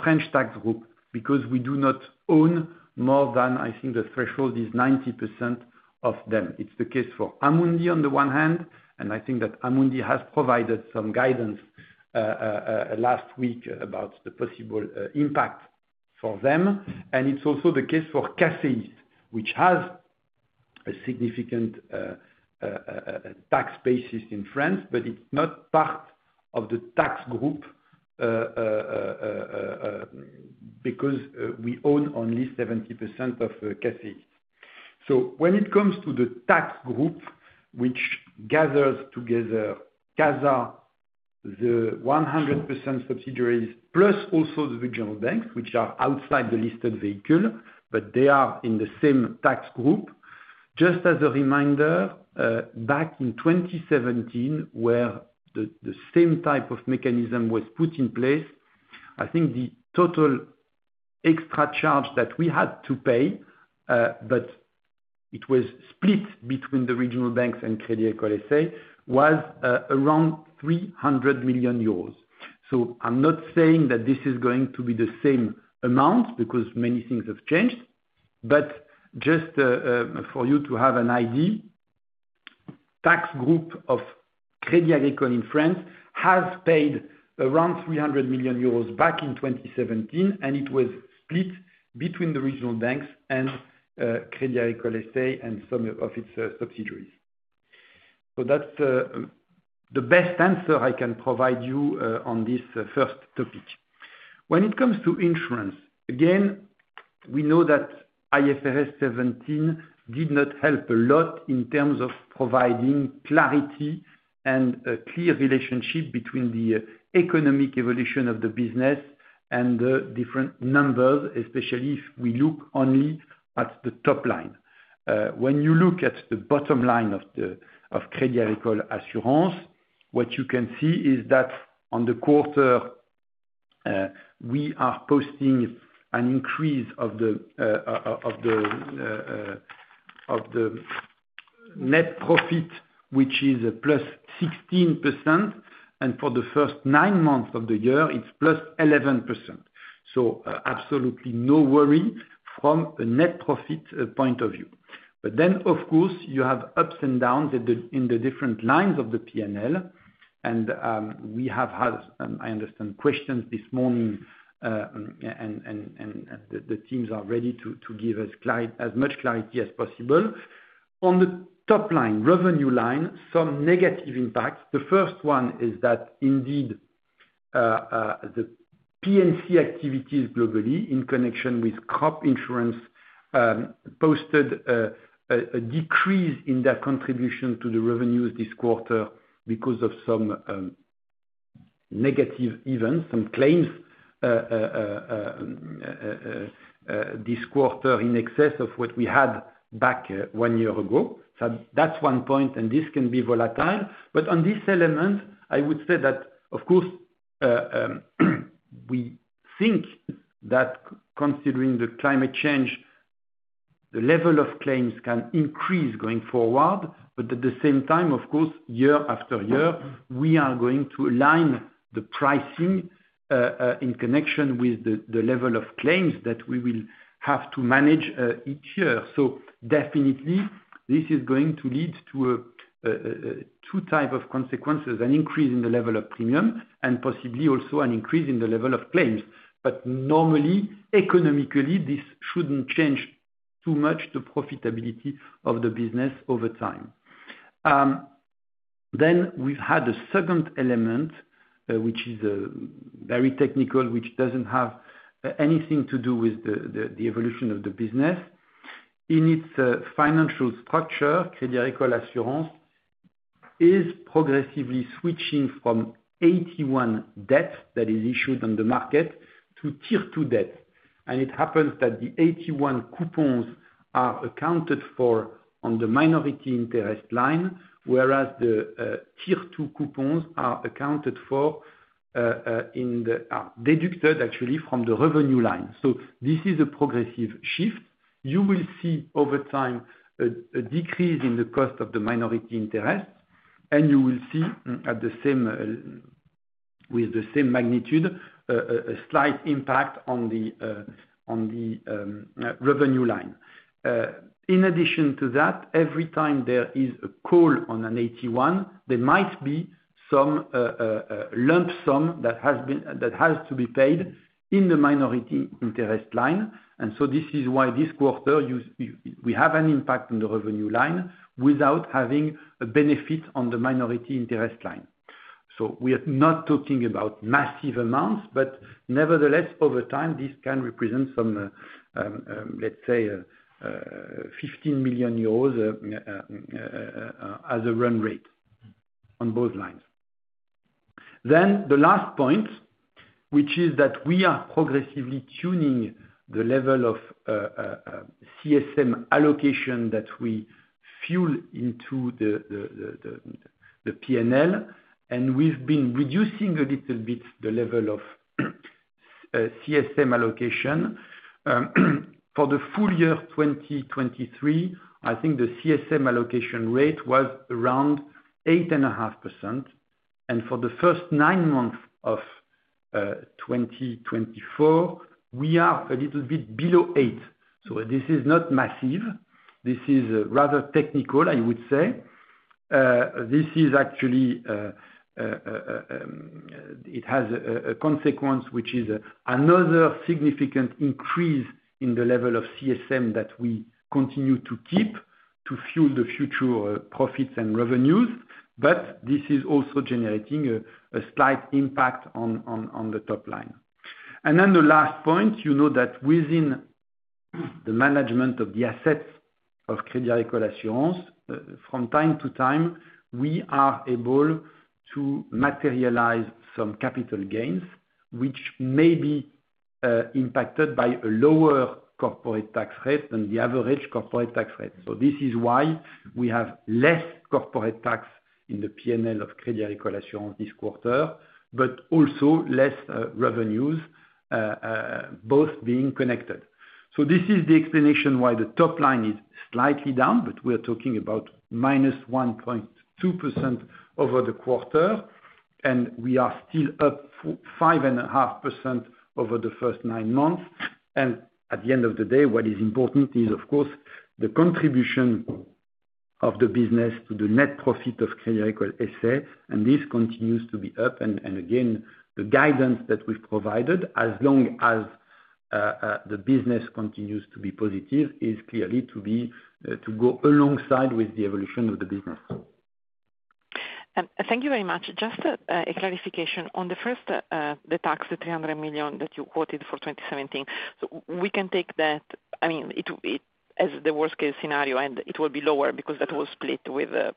French tax group because we do not own more than, I think the threshold is 90% of them. It's the case for Amundi on the one hand, and I think that Amundi has provided some guidance last week about the possible impact for them, and it's also the case for CACEIS, which has a significant tax basis in France, but it's not part of the tax group because we own only 70% of CACEIS, so when it comes to the tax group, which gathers together CASA, the 100% subsidiaries, plus also the regional banks, which are outside the listed vehicle, but they are in the same tax group. Just as a reminder, back in 2017, where the same type of mechanism was put in place, I think the total extra charge that we had to pay, but it was split between the regional banks and Crédit Agricole S.A., was around 300 million euros. I'm not saying that this is going to be the same amount because many things have changed, but just for you to have an idea, the tax group of Crédit Agricole in France has paid around 300 million euros back in 2017, and it was split between the regional banks and Crédit Agricole S.A. and some of its subsidiaries. That's the best answer I can provide you on this first topic. When it comes to insurance, again, we know that IFRS 17 did not help a lot in terms of providing clarity and a clear relationship between the economic evolution of the business and the different numbers, especially if we look only at the top line. When you look at the bottom line of Crédit Agricole Assurances, what you can see is that on the quarter, we are posting an increase of the net profit, which is plus 16%, and for the first nine months of the year, it's plus 11%. So absolutely no worry from a net profit point of view. But then, of course, you have ups and downs in the different lines of the P&L, and we have had, I understand, questions this morning, and the teams are ready to give as much clarity as possible. On the top line, revenue line, some negative impacts. The first one is that indeed the P&C activities globally in connection with crop insurance posted a decrease in their contribution to the revenues this quarter because of some negative events, some claims this quarter in excess of what we had back one year ago. So that's one point, and this can be volatile. But on this element, I would say that, of course, we think that considering the climate change, the level of claims can increase going forward, but at the same time, of course, year after year, we are going to align the pricing in connection with the level of claims that we will have to manage each year. So definitely, this is going to lead to two types of consequences: an increase in the level of premium and possibly also an increase in the level of claims. But normally, economically, this shouldn't change too much the profitability of the business over time. Then we've had a second element, which is very technical, which doesn't have anything to do with the evolution of the business. In its financial structure, Crédit Agricole Assurances is progressively switching from AT1 debts that are issued on the market to Tier 2 debts. It happens that the AT1 coupons are accounted for on the minority interest line, whereas the Tier 2 coupons are accounted for in the deducted, actually, from the revenue line. This is a progressive shift. You will see over time a decrease in the cost of the minority interest, and you will see with the same magnitude a slight impact on the revenue line. In addition to that, every time there is a call on an AT1, there might be some lump sum that has to be paid in the minority interest line. So this is why this quarter, we have an impact on the revenue line without having a benefit on the minority interest line. So we are not talking about massive amounts, but nevertheless, over time, this can represent some, let's say, 15 million euros as a run rate on both lines. Then the last point, which is that we are progressively tuning the level of CSM allocation that we fuel into the P&L, and we've been reducing a little bit the level of CSM allocation. For the full year 2023, I think the CSM allocation rate was around 8.5%, and for the first nine months of 2024, we are a little bit below 8. So this is not massive. This is rather technical, I would say. This is actually, it has a consequence, which is another significant increase in the level of CSM that we continue to keep to fuel the future profits and revenues, but this is also generating a slight impact on the top line. Then the last point, you know that within the management of the assets of Crédit Agricole Assurances, from time to time, we are able to materialize some capital gains, which may be impacted by a lower corporate tax rate than the average corporate tax rate. This is why we have less corporate tax in the P&L of Crédit Agricole Assurances this quarter, but also less revenues, both being connected. This is the explanation why the top line is slightly down, but we are talking about minus 1.2% over the quarter, and we are still up 5.5% over the first nine months. At the end of the day, what is important is, of course, the contribution of the business to the net profit of Crédit Agricole S.A., and this continues to be up. And again, the guidance that we've provided, as long as the business continues to be positive, is clearly to go alongside with the evolution of the business. Thank you very much. Just a clarification on the first, the tax, the 300 million that you quoted for 2017. So we can take that, I mean, as the worst-case scenario, and it will be lower because that was split with the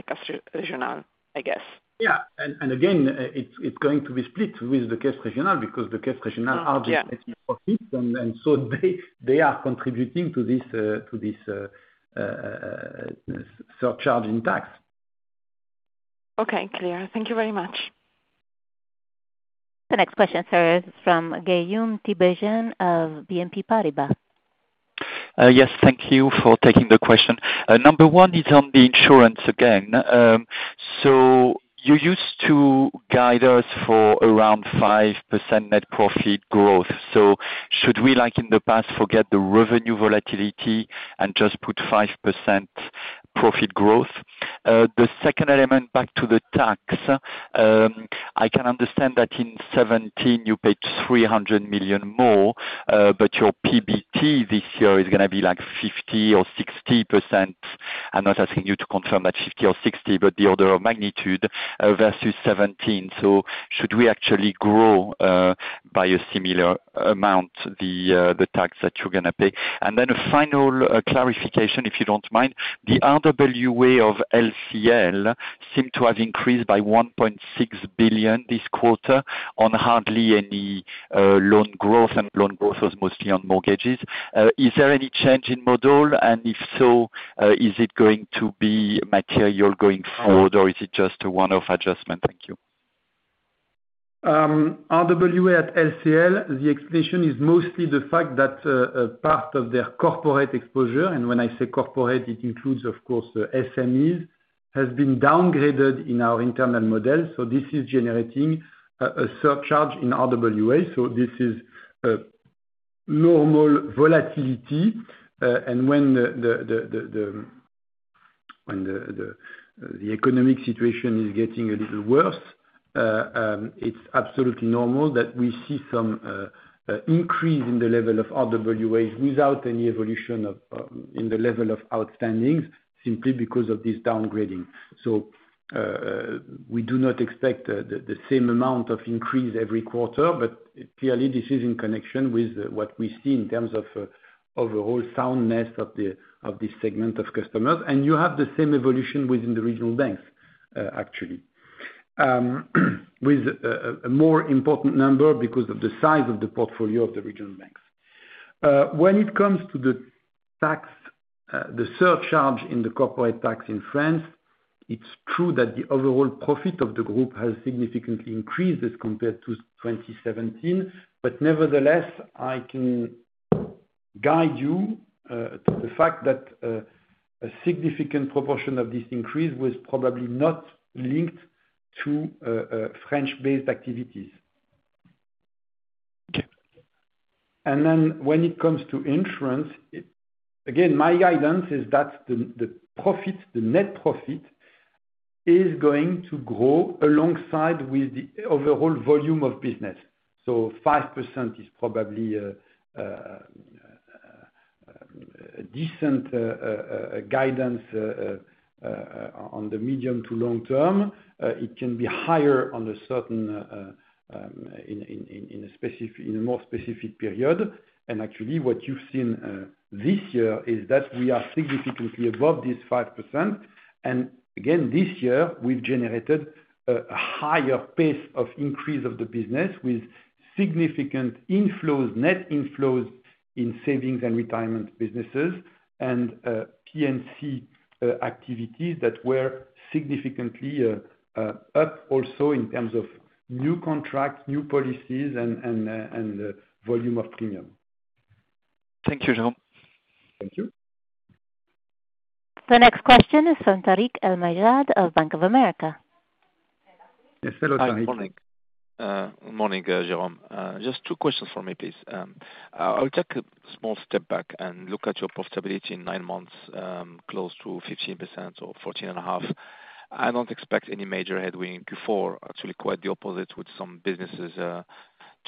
Caisses Régionales, I guess. Yeah. And again, it's going to be split with the Caisses régionale because the Caisses Régionales are just making profits, and so they are contributing to this surcharge in tax. Okay. Clear. Thank you very much. The next question, sir, is from Guillaume Tiberghien of BNP Paribas. Yes. Thank you for taking the question. Number one is on the insurance again. So you used to guide us for around 5% net profit growth. So should we, like in the past, forget the revenue volatility and just put 5% profit growth? The second element, back to the tax, I can understand that in 2017, you paid 300 million more, but your PBT this year is going to be like 50% or 60%. I'm not asking you to confirm that 50% or 60%, but the order of magnitude versus 2017. So should we actually grow by a similar amount the tax that you're going to pay? And then a final clarification, if you don't mind, the RWA of LCL seemed to have increased by 1.6 billion this quarter on hardly any loan growth, and loan growth was mostly on mortgages. Is there any change in model? And if so, is it going to be material going forward, or is it just a one-off adjustment? Thank you. RWA at LCL, the explanation is mostly the fact that part of their corporate exposure, and when I say corporate, it includes, of course, SMEs, has been downgraded in our internal model, so this is generating a surcharge in RWA, so this is normal volatility, and when the economic situation is getting a little worse, it's absolutely normal that we see some increase in the level of RWAs without any evolution in the level of outstandings, simply because of this downgrading, so we do not expect the same amount of increase every quarter, but clearly, this is in connection with what we see in terms of overall soundness of this segment of customers, and you have the same evolution within the regional banks, actually, with a more important number because of the size of the portfolio of the regional banks. When it comes to the surcharge in the corporate tax in France, it's true that the overall profit of the group has significantly increased as compared to 2017, but nevertheless, I can guide you to the fact that a significant proportion of this increase was probably not linked to French-based activities, and then when it comes to insurance, again, my guidance is that the net profit is going to grow alongside with the overall volume of business, so 5% is probably a decent guidance on the medium to long term. It can be higher on a certain in a more specific period, and actually, what you've seen this year is that we are significantly above this 5%. And again, this year, we've generated a higher pace of increase of the business with significant net inflows in savings and retirement businesses and P&C activities that were significantly up also in terms of new contracts, new policies, and volume of premium. Thank you, Jean-Claude. Thank you. The next question is from Tarik El Mejjad of Bank of America. Yes. Hello, Tarik. Good morning. Good morning, Jérôme. Just two questions for me, please. I'll take a small step back and look at your profitability in nine months, close to 15% or 14.5%. I don't expect any major headwind. Before, actually, quite the opposite with some businesses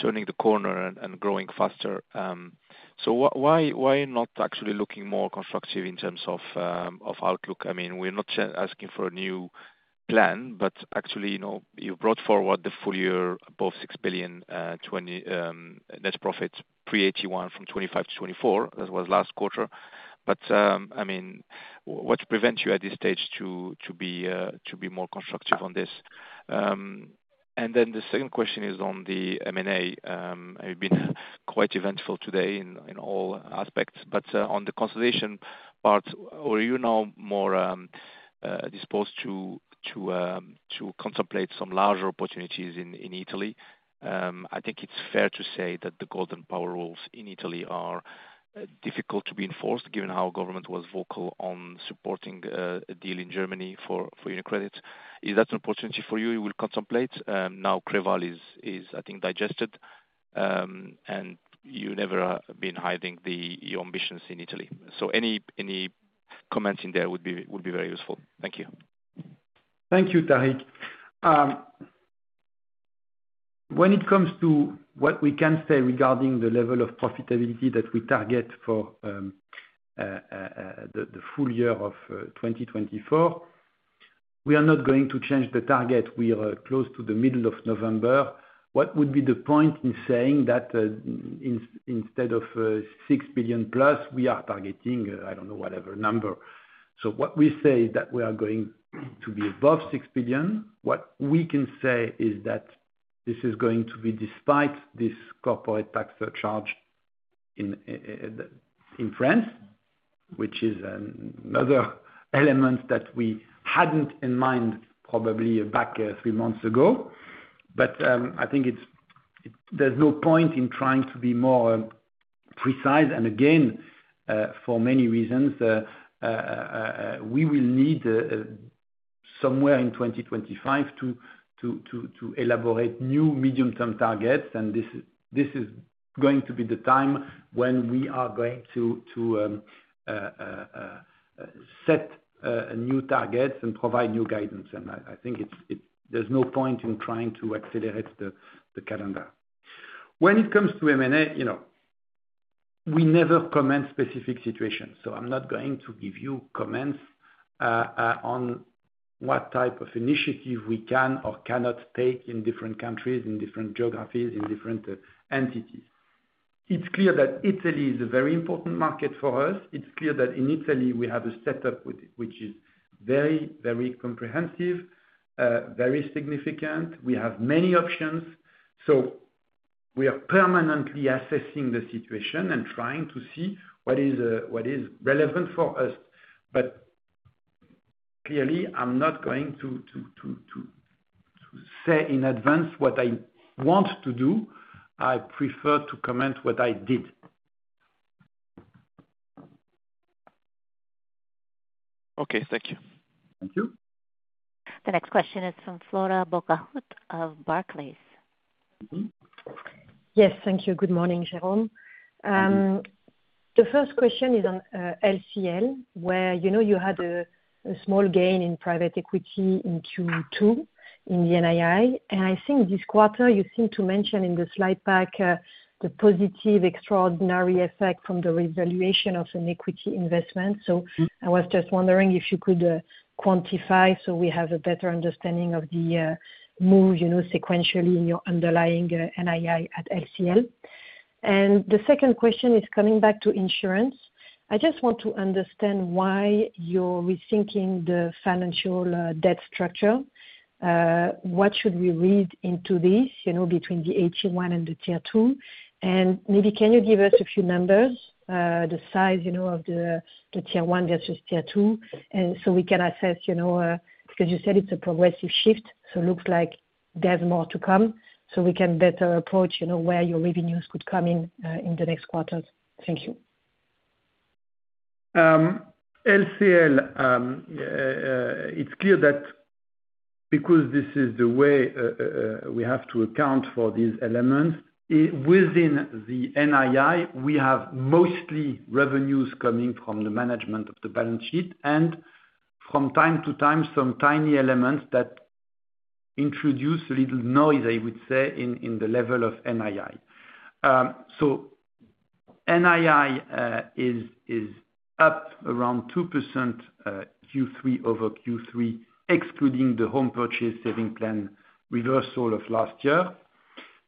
turning the corner and growing faster. So why not actually looking more constructive in terms of outlook? I mean, we're not asking for a new plan, but actually, you brought forward the full year above 6 billion net profit pre-AT1 from 2025 to 2024. That was last quarter. But I mean, what prevents you at this stage to be more constructive on this? And then the second question is on the M&A. You've been quite eventful today in all aspects. But on the consolidation part, are you now more disposed to contemplate some larger opportunities in Italy? I think it's fair to say that the golden power rules in Italy are difficult to be enforced, given how government was vocal on supporting a deal in Germany for UniCredit. Is that an opportunity for you? You will contemplate? Now, Creval is, I think, digested, and you never have been hiding your ambitions in Italy. So any comments in there would be very useful. Thank you. Thank you, Tarik. When it comes to what we can say regarding the level of profitability that we target for the full year of 2024, we are not going to change the target. We are close to the middle of November. What would be the point in saying that instead of 6 billion plus, we are targeting, I don't know, whatever number? So what we say is that we are going to be above 6 billion. What we can say is that this is going to be despite this corporate tax surcharge in France, which is another element that we hadn't in mind probably back three months ago. But I think there's no point in trying to be more precise, and again, for many reasons, we will need somewhere in 2025 to elaborate new medium-term targets. This is going to be the time when we are going to set new targets and provide new guidance. I think there's no point in trying to accelerate the calendar. When it comes to M&A, we never comment on specific situations. I'm not going to give you comments on what type of initiative we can or cannot take in different countries, in different geographies, in different entities. It's clear that Italy is a very important market for us. It's clear that in Italy, we have a setup which is very, very comprehensive, very significant. We have many options. We are permanently assessing the situation and trying to see what is relevant for us. Clearly, I'm not going to say in advance what I want to do. I prefer to comment on what I did. Okay. Thank you. Thank you. The next question is from Flora Bocahut of Barclays. Yes. Thank you. Good morning, Jérôme. The first question is on LCL, where you had a small gain in private equity in Q2 in the NII. And I think this quarter, you seem to mention in the slide pack the positive extraordinary effect from the revaluation of an equity investment. So I was just wondering if you could quantify so we have a better understanding of the move sequentially in your underlying NII at LCL. And the second question is coming back to insurance. I just want to understand why you're rethinking the financial debt structure. What should we read into this between the AT1 and the Tier 2? And maybe can you give us a few numbers, the size of the Tier 1 versus Tier 2, so we can assess? Because you said it's a progressive shift, so it looks like there's more to come, so we can better approach where your revenues could come in the next quarters. Thank you. LCL, it's clear that because this is the way we have to account for these elements, within the NII, we have mostly revenues coming from the management of the balance sheet and from time to time, some tiny elements that introduce a little noise, I would say, in the level of NII. So NII is up around 2% Q3 over Q3, excluding the home purchase savings plan reversal of last year.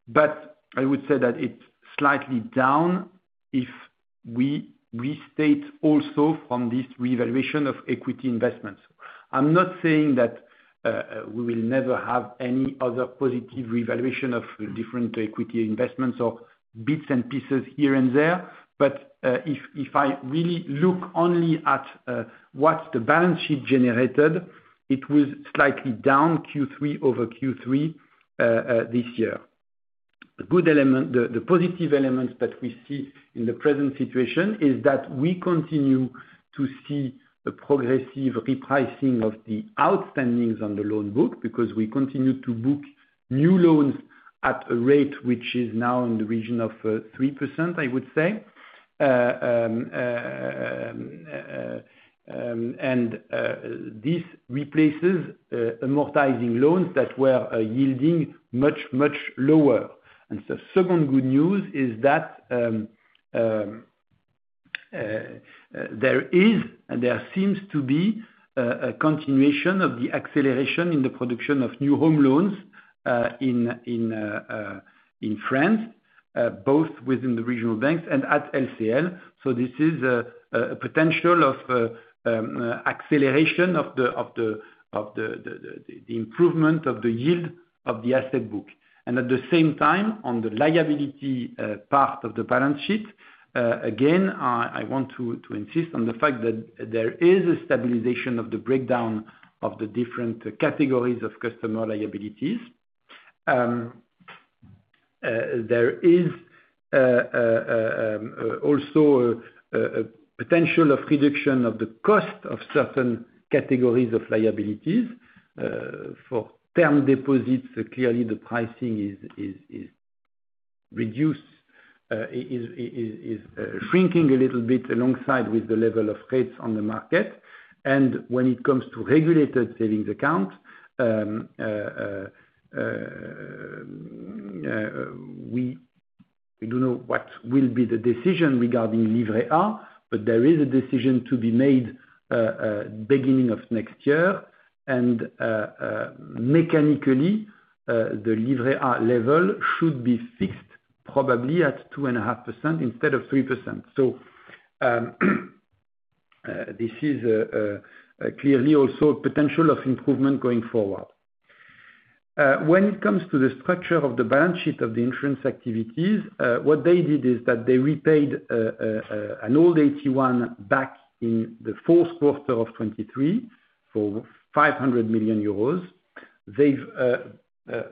But I would say that it's slightly down if we restate also from this revaluation of equity investments. I'm not saying that we will never have any other positive revaluation of different equity investments or bits and pieces here and there. If I really look only at what the balance sheet generated, it was slightly down Q3 over Q3 this year. The positive elements that we see in the present situation is that we continue to see a progressive repricing of the outstandings on the loan book because we continue to book new loans at a rate which is now in the region of 3%, I would say. This replaces amortizing loans that were yielding much, much lower. The second good news is that there is, and there seems to be, a continuation of the acceleration in the production of new home loans in France, both within the regional banks and at LCL. This is a potential of acceleration of the improvement of the yield of the asset book. And at the same time, on the liability part of the balance sheet, again, I want to insist on the fact that there is a stabilization of the breakdown of the different categories of customer liabilities. There is also a potential of reduction of the cost of certain categories of liabilities. For term deposits, clearly, the pricing is reduced, is shrinking a little bit alongside with the level of rates on the market. And when it comes to regulated savings accounts, we don't know what will be the decision regarding Livret A, but there is a decision to be made beginning of next year. And mechanically, the Livret A level should be fixed probably at 2.5% instead of 3%. So this is clearly also a potential of improvement going forward. When it comes to the structure of the balance sheet of the insurance activities, what they did is that they repaid an old AT1 back in the fourth quarter of 2023 for 500 million euros. They've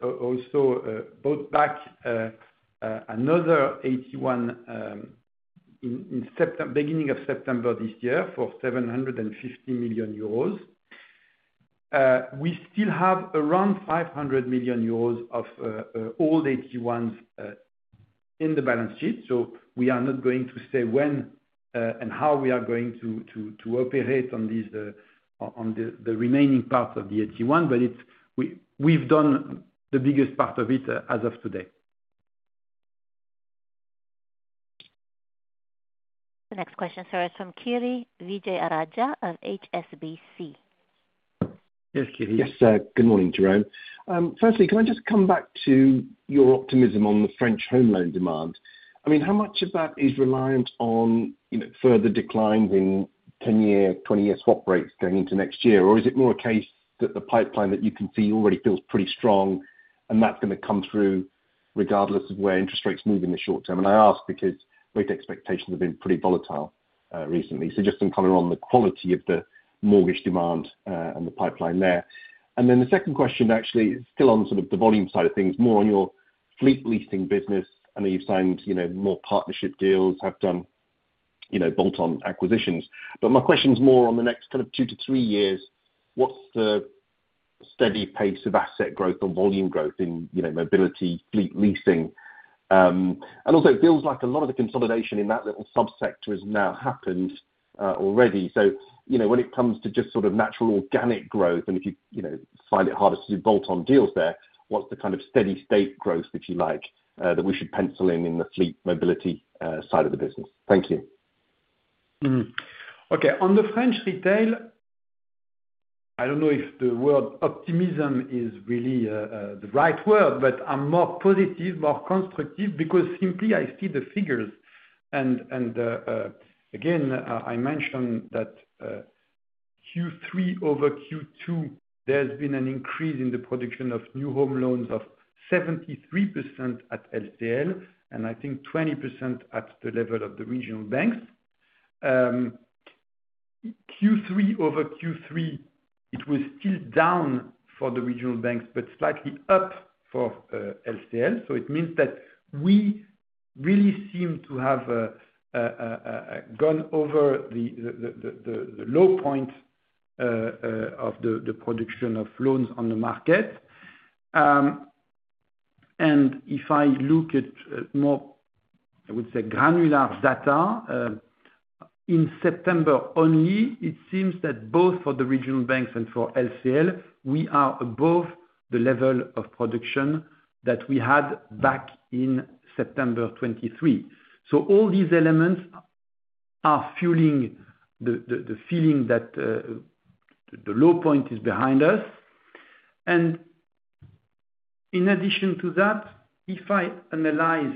also bought back another AT1 in the beginning of September this year for 750 million euros. We still have around 500 million euros of old AT1s in the balance sheet. So we are not going to say when and how we are going to operate on the remaining part of the AT1, but we've done the biggest part of it as of today. The next question, sir, is from Kiri Vijayarajah of HSBC. Yes, Kiri. Yes. Good morning, Jérôme. Firstly, can I just come back to your optimism on the French home loan demand? I mean, how much of that is reliant on further declines in 10-year, 20-year swap rates going into next year? Or is it more a case that the pipeline that you can see already feels pretty strong, and that's going to come through regardless of where interest rates move in the short term? And I ask because rate expectations have been pretty volatile recently. So just in color on the quality of the mortgage demand and the pipeline there. And then the second question, actually, is still on sort of the volume side of things, more on your fleet leasing business. I know you've signed more partnership deals, have done bolt-on acquisitions. But my question's more on the next kind of two to three years, what's the steady pace of asset growth or volume growth in mobility fleet leasing? And also, it feels like a lot of the consolidation in that little subsector has now happened already. So when it comes to just sort of natural organic growth, and if you find it harder to do bolt-on deals there, what's the kind of steady-state growth, if you like, that we should pencil in in the fleet mobility side of the business? Thank you. Okay. On the French retail, I don't know if the word optimism is really the right word, but I'm more positive, more constructive because simply I see the figures. And again, I mentioned that Q3 over Q2, there's been an increase in the production of new home loans of 73% at LCL, and I think 20% at the level of the regional banks. Q3 over Q3, it was still down for the regional banks, but slightly up for LCL. So it means that we really seem to have gone over the low point of the production of loans on the market. And if I look at more, I would say, granular data, in September only, it seems that both for the regional banks and for LCL, we are above the level of production that we had back in September 2023. So all these elements are fueling the feeling that the low point is behind us. And in addition to that, if I analyze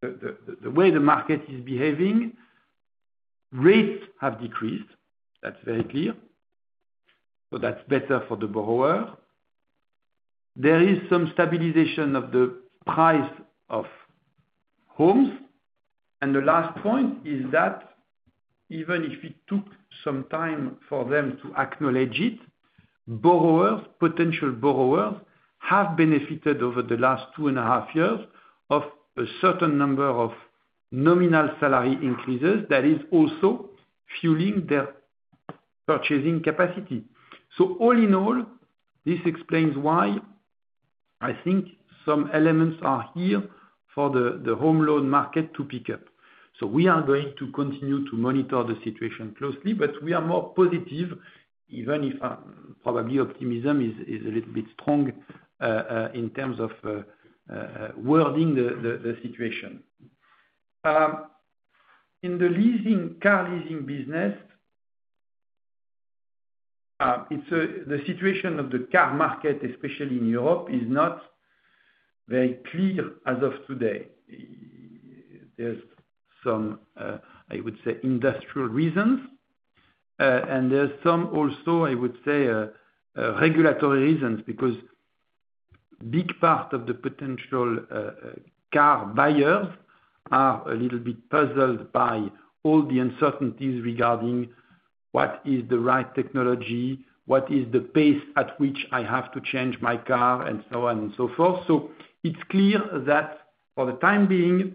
the way the market is behaving, rates have decreased. That's very clear. So that's better for the borrower. There is some stabilization of the price of homes. And the last point is that even if it took some time for them to acknowledge it, borrowers, potential borrowers, have benefited over the last two and a half years of a certain number of nominal salary increases that is also fueling their purchasing capacity. So all in all, this explains why I think some elements are here for the home loan market to pick up. So we are going to continue to monitor the situation closely, but we are more positive, even if probably optimism is a little bit strong in terms of wording the situation. In the car leasing business, the situation of the car market, especially in Europe, is not very clear as of today. There's some, I would say, industrial reasons. And there's some also, I would say, regulatory reasons because a big part of the potential car buyers are a little bit puzzled by all the uncertainties regarding what is the right technology, what is the pace at which I have to change my car, and so on and so forth. So it's clear that for the time being,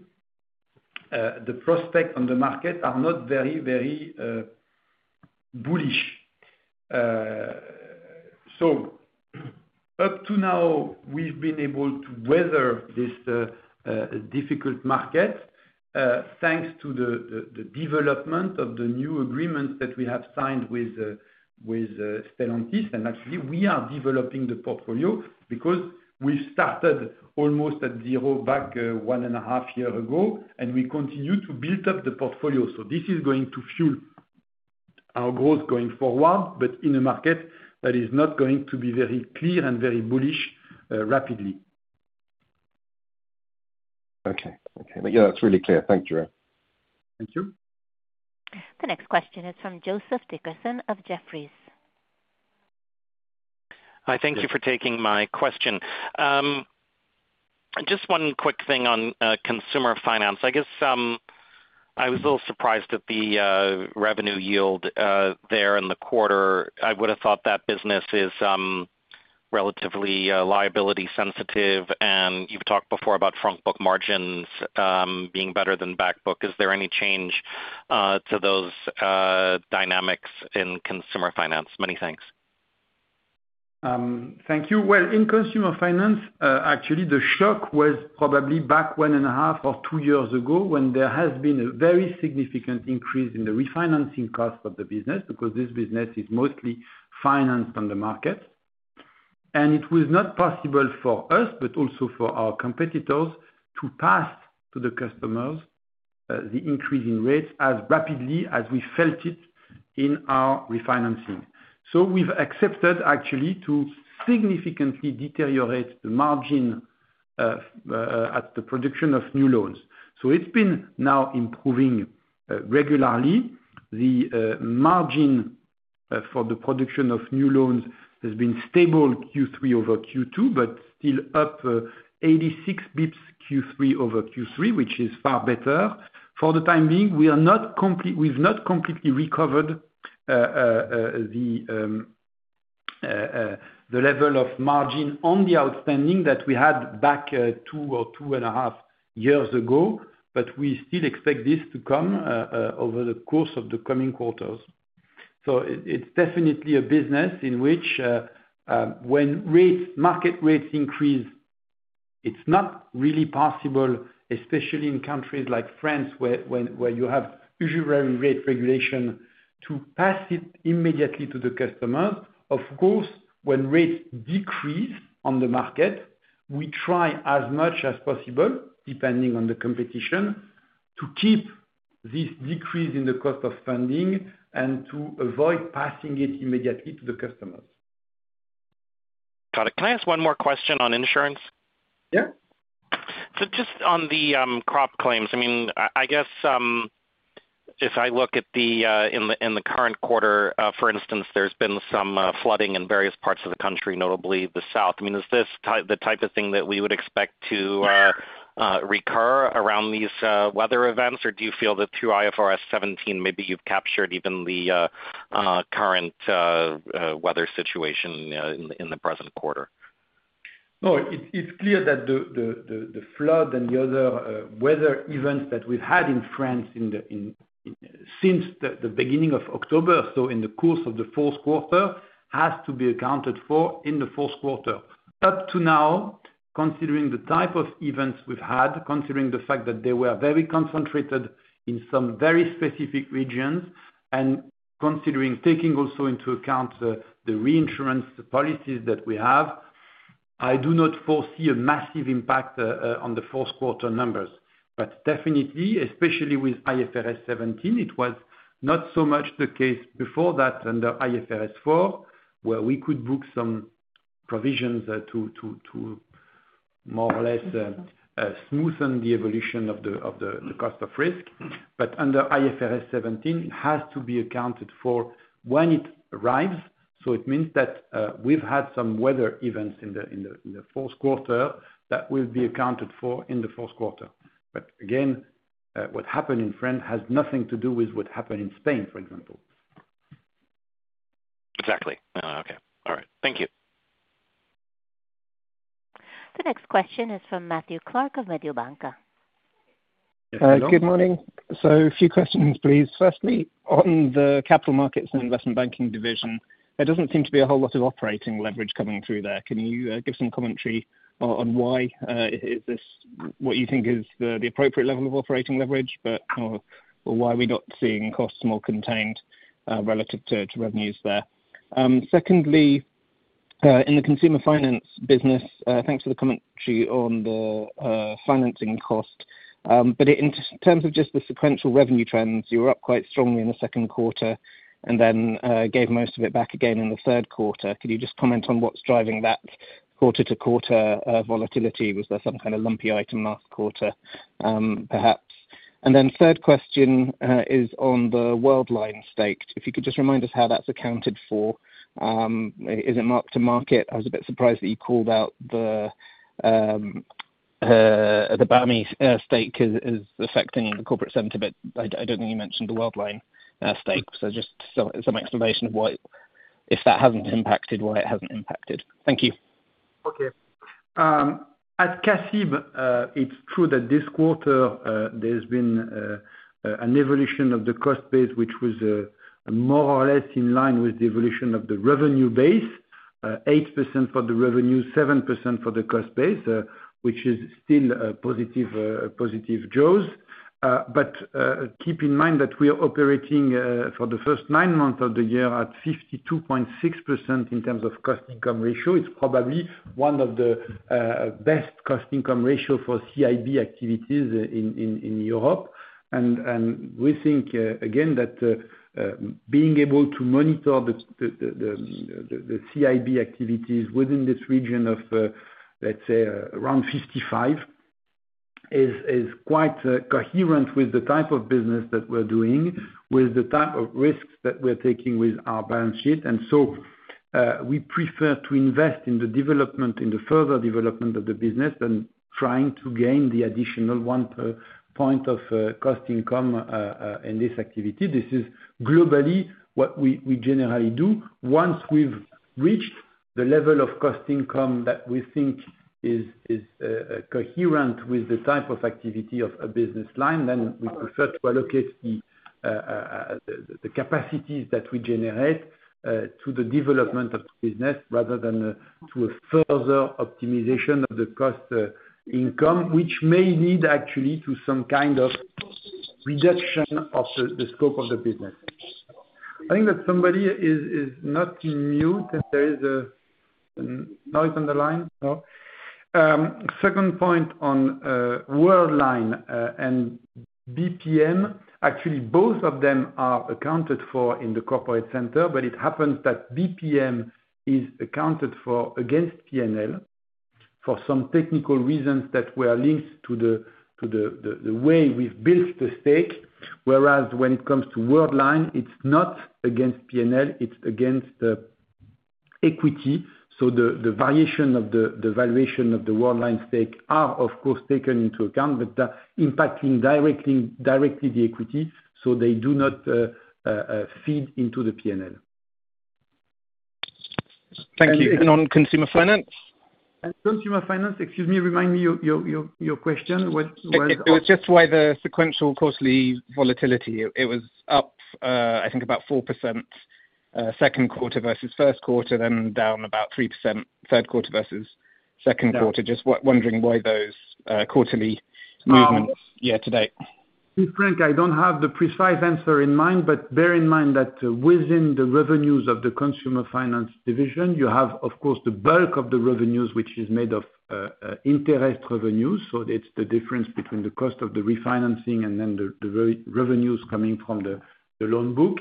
the prospects on the market are not very, very bullish. So up to now, we've been able to weather this difficult market thanks to the development of the new agreements that we have signed with Stellantis. And actually, we are developing the portfolio because we've started almost at zero back one and a half years ago, and we continue to build up the portfolio. So this is going to fuel our growth going forward, but in a market that is not going to be very clear and very bullish rapidly. Okay. Okay. Yeah, that's really clear. Thank you. Thank you. The next question is from Joseph Dickerson of Jefferies. Hi, thank you for taking my question. Just one quick thing on consumer finance. I guess I was a little surprised at the revenue yield there in the quarter. I would have thought that business is relatively liability-sensitive. And you've talked before about front-book margins being better than back-book. Is there any change to those dynamics in consumer finance? Many thanks. Thank you. Well, in consumer finance, actually, the shock was probably back one and a half or two years ago when there has been a very significant increase in the refinancing cost of the business because this business is mostly financed on the market. And it was not possible for us, but also for our competitors, to pass to the customers the increase in rates as rapidly as we felt it in our refinancing. So we've accepted, actually, to significantly deteriorate the margin at the production of new loans. So it's been now improving regularly. The margin for the production of new loans has been stable Q3 over Q2, but still up 86 basis points Q3 over Q3, which is far better. For the time being, we've not completely recovered the level of margin on the outstanding that we had back two or two and a half years ago, but we still expect this to come over the course of the coming quarters. So it's definitely a business in which when market rates increase, it's not really possible, especially in countries like France where you have usury rate regulation, to pass it immediately to the customers. Of course, when rates decrease on the market, we try as much as possible, depending on the competition, to keep this decrease in the cost of funding and to avoid passing it immediately to the customers. Got it. Can I ask one more question on insurance? Yeah. Just on the crop claims, I mean, I guess if I look at the end of the current quarter, for instance, there's been some flooding in various parts of the country, notably the south. I mean, is this the type of thing that we would expect to recur around these weather events, or do you feel that through IFRS 17, maybe you've captured even the current weather situation in the present quarter? No, it's clear that the flood and the other weather events that we've had in France since the beginning of October, so in the course of the fourth quarter, have to be accounted for in the fourth quarter. Up to now, considering the type of events we've had, considering the fact that they were very concentrated in some very specific regions, and considering taking also into account the reinsurance policies that we have, I do not foresee a massive impact on the fourth quarter numbers. But definitely, especially with IFRS 17, it was not so much the case before that under IFRS 4, where we could book some provisions to more or less smoothen the evolution of the cost of risk. But under IFRS 17, it has to be accounted for when it arrives. So it means that we've had some weather events in the fourth quarter that will be accounted for in the fourth quarter. But again, what happened in France has nothing to do with what happened in Spain, for example. Exactly. Okay. All right. Thank you. The next question is from Matthew Clark of Mediobanca. Yes, hello. Good morning. So a few questions, please. Firstly, on the capital markets and investment banking division, there doesn't seem to be a whole lot of operating leverage coming through there. Can you give some commentary on why is this what you think is the appropriate level of operating leverage, or why are we not seeing costs more contained relative to revenues there? Secondly, in the consumer finance business, thanks for the commentary on the financing cost. But in terms of just the sequential revenue trends, you were up quite strongly in the second quarter and then gave most of it back again in the third quarter. Could you just comment on what's driving that quarter-to-quarter volatility? Was there some kind of lumpy item last quarter, perhaps? And then third question is on the Worldline stake. If you could just remind us how that's accounted for. Is it marked to market? I was a bit surprised that you called out the BAMI stake as affecting the Corporate Center, but I don't think you mentioned the Worldline stake. So just some explanation of if that hasn't impacted, why it hasn't impacted. Thank you. Okay. At CACIB, it's true that this quarter, there's been an evolution of the cost base, which was more or less in line with the evolution of the revenue base, 8% for the revenue, 7% for the cost base, which is still positive jaws. But keep in mind that we are operating for the first nine months of the year at 52.6% in terms of cost-income ratio. It's probably one of the best cost-income ratios for CIB activities in Europe. We think, again, that being able to monitor the CIB activities within this region of, let's say, around 55% is quite coherent with the type of business that we're doing, with the type of risks that we're taking with our balance sheet. And so we prefer to invest in the development, in the further development of the business, than trying to gain the additional 1% of cost-income in this activity. This is globally what we generally do. Once we've reached the level of cost-income that we think is coherent with the type of activity of a business line, then we prefer to allocate the capacities that we generate to the development of the business rather than to a further optimization of the cost-income, which may lead actually to some kind of reduction of the scope of the business. I think that somebody is not mute. There is a noise on the line. Second point on Worldline and BPM, actually, both of them are accounted for in the Corporate Center, but it happens that BPM is accounted for against P&L for some technical reasons that were linked to the way we've built the stake. Whereas when it comes to Worldline, it's not against P&L. It's against equity. So the variation of the valuation of the Worldline stake are, of course, taken into account, but impacting directly the equity. So they do not feed into the P&L. Thank you. And on consumer finance? Consumer finance, excuse me, remind me your question. It was just why the sequential cost/income volatility. It was up, I think, about 4% second quarter versus first quarter, then down about 3% third quarter versus second quarter. Just wondering why those quarterly movements year to date. To be frank, I don't have the precise answer in mind, but bear in mind that within the revenues of the Consumer Finance division, you have, of course, the bulk of the revenues, which is made of interest revenues. So it's the difference between the cost of the refinancing and then the revenues coming from the loan book.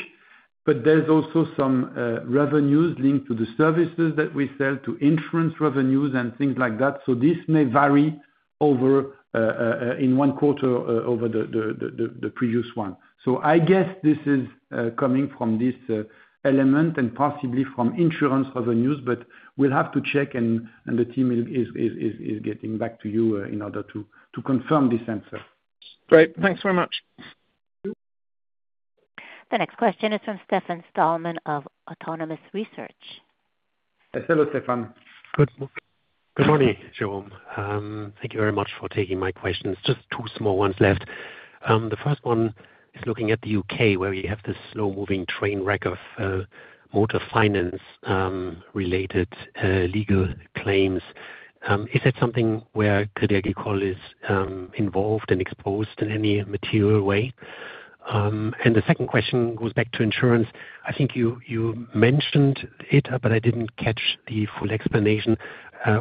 But there's also some revenues linked to the services that we sell to insurance revenues and things like that. So this may vary in one quarter over the previous one. So I guess this is coming from this element and possibly from insurance revenues, but we'll have to check, and the team is getting back to you in order to confirm this answer. Great. Thanks very much. The next question is from Stefan Stalmann of Autonomous Research. Hello, Stefan. Good morning, Jérôme. Thank you very much for taking my questions. Just two small ones left. The first one is looking at the U.K., where we have this slow-moving train wreck of motor finance-related legal claims. Is that something where Crédit Agricole is involved and exposed in any material way? And the second question goes back to insurance. I think you mentioned it, but I didn't catch the full explanation.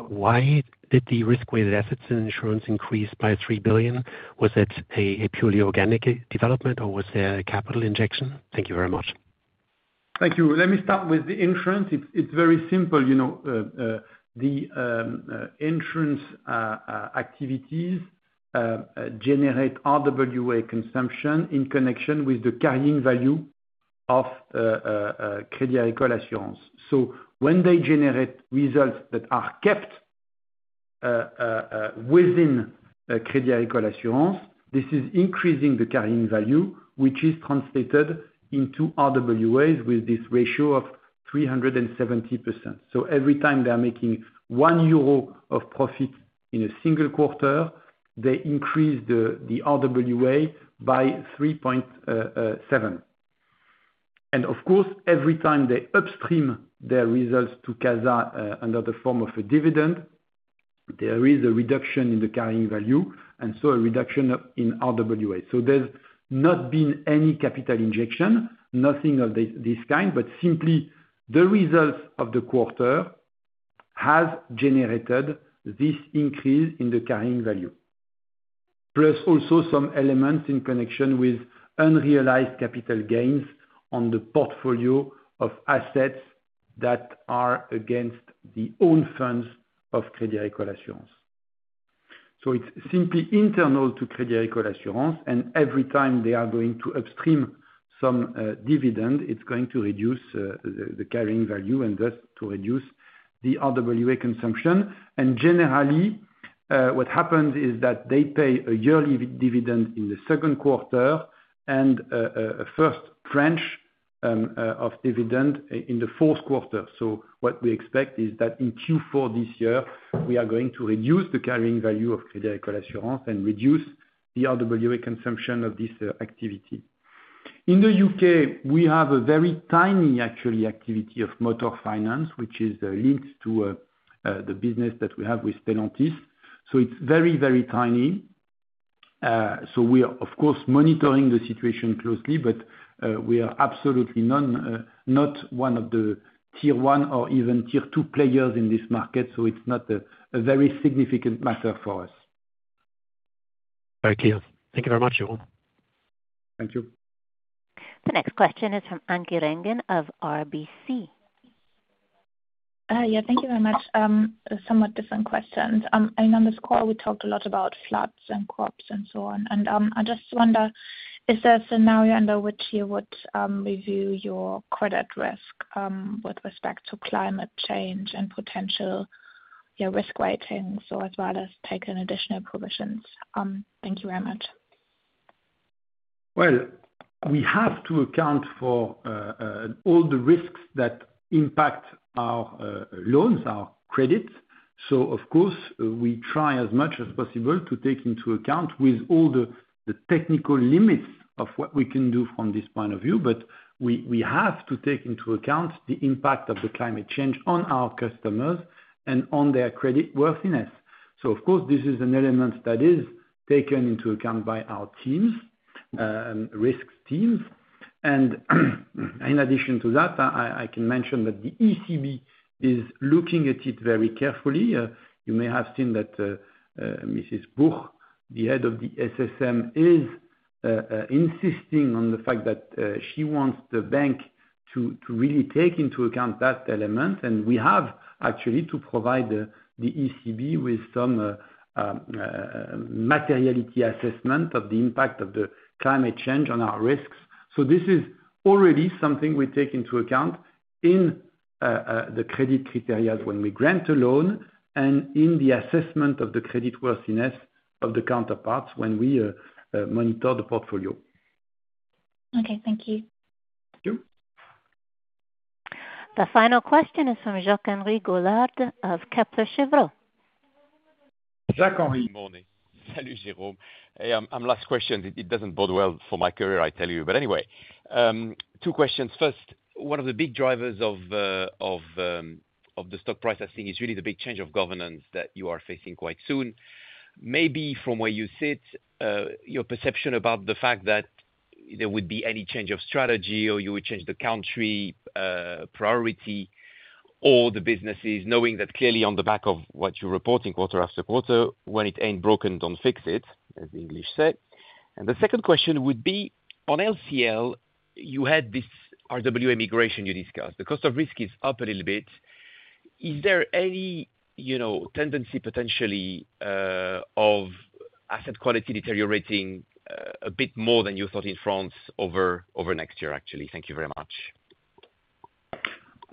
Why did the risk-weighted assets in insurance increase by 3 billion? Was it a purely organic development, or was there a capital injection? Thank you very much. Thank you. Let me start with the insurance. It's very simple. The insurance activities generate RWA consumption in connection with the carrying value of Crédit Agricole Assurances. So when they generate results that are kept within Crédit Agricole Assurances, this is increasing the carrying value, which is translated into RWAs with this ratio of 370%. So every time they are making 1 euro of profit in a single quarter, they increase the RWA by 3.7. And of course, every time they upstream their results to CASA under the form of a dividend, there is a reduction in the carrying value, and so a reduction in RWA. So there's not been any capital injection, nothing of this kind, but simply the results of the quarter have generated this increase in the carrying value, plus also some elements in connection with unrealized capital gains on the portfolio of assets that are against the own funds of Crédit Agricole Assurances. So it's simply internal to Crédit Agricole Assurances, and every time they are going to upstream some dividend, it's going to reduce the carrying value and thus to reduce the RWA consumption. Generally, what happens is that they pay a yearly dividend in the second quarter and a first tranche of dividend in the fourth quarter. So what we expect is that in Q4 this year, we are going to reduce the carrying value of Crédit Agricole Assurances and reduce the RWA consumption of this activity. In the U.K., we have a very tiny, actually, activity of motor finance, which is linked to the business that we have with Stellantis. So it's very, very tiny. So we are, of course, monitoring the situation closely, but we are absolutely not one of the tier one or even tier two players in this market. So it's not a very significant matter for us. Very clear. Thank you very much, Jérôme. Thank you. The next question is from Anke Reingen of RBC. Yeah, thank you very much. Somewhat different questions. And on this call, we talked a lot about floods and crops and so on. I just wonder, is there a scenario under which you would review your credit risk with respect to climate change and potential risk weighting, so as well as take in additional provisions? Thank you very much. Well, we have to account for all the risks that impact our loans, our credit. So, of course, we try as much as possible to take into account with all the technical limits of what we can do from this point of view, but we have to take into account the impact of the climate change on our customers and on their creditworthiness. So, of course, this is an element that is taken into account by our risk teams, and in addition to that, I can mention that the ECB is looking at it very carefully. You may have seen that Mrs. Buch, the head of the SSM, is insisting on the fact that she wants the bank to really take into account that element, and we have actually to provide the ECB with some materiality assessment of the impact of the climate change on our risks, so this is already something we take into account in the credit criteria when we grant a loan and in the assessment of the creditworthiness of the counterparties when we monitor the portfolio. Okay. Thank you. Thank you. The final question is from Jacques-Henri Gaulard of Kepler Cheuvreux. Jacques-Henri. Morning. Salut, Jérôme. And last question. It doesn't bode well for my career, I tell you. But anyway, two questions. First, one of the big drivers of the stock price, I think, is really the big change of governance that you are facing quite soon. Maybe from where you sit, your perception about the fact that there would be any change of strategy or you would change the country priority or the businesses, knowing that clearly on the back of what you're reporting quarter after quarter, when it ain't broken, don't fix it, as the English say, and the second question would be, on LCL, you had this RWA migration you discussed. The cost of risk is up a little bit. Is there any tendency potentially of asset quality deteriorating a bit more than you thought in France over next year, actually? Thank you very much.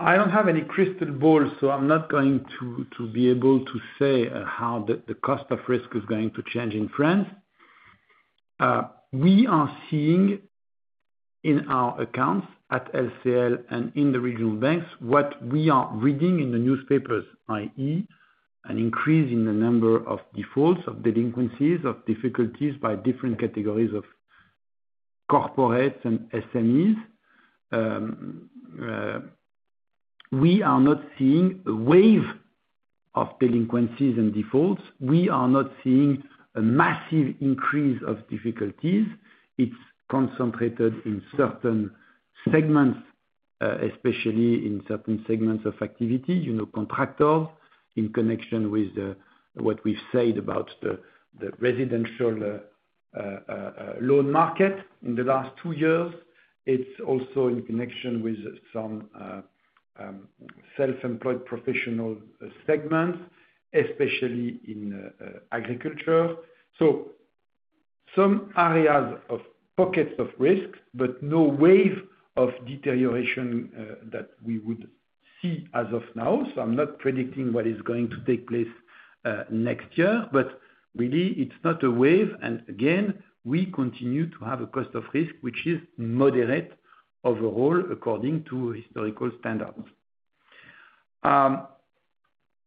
I don't have any crystal ball, so I'm not going to be able to say how the cost of risk is going to change in France. We are seeing in our accounts at LCL and in the regional banks what we are reading in the newspapers, i.e., an increase in the number of defaults, of delinquencies, of difficulties by different categories of corporates and SMEs. We are not seeing a wave of delinquencies and defaults. We are not seeing a massive increase of difficulties. It's concentrated in certain segments, especially in certain segments of activity, contractors in connection with what we've said about the residential loan market in the last two years. It's also in connection with some self-employed professional segments, especially in agriculture. So some areas of pockets of risk, but no wave of deterioration that we would see as of now. So I'm not predicting what is going to take place next year, but really, it's not a wave. Again, we continue to have a cost of risk, which is moderate overall according to historical standards.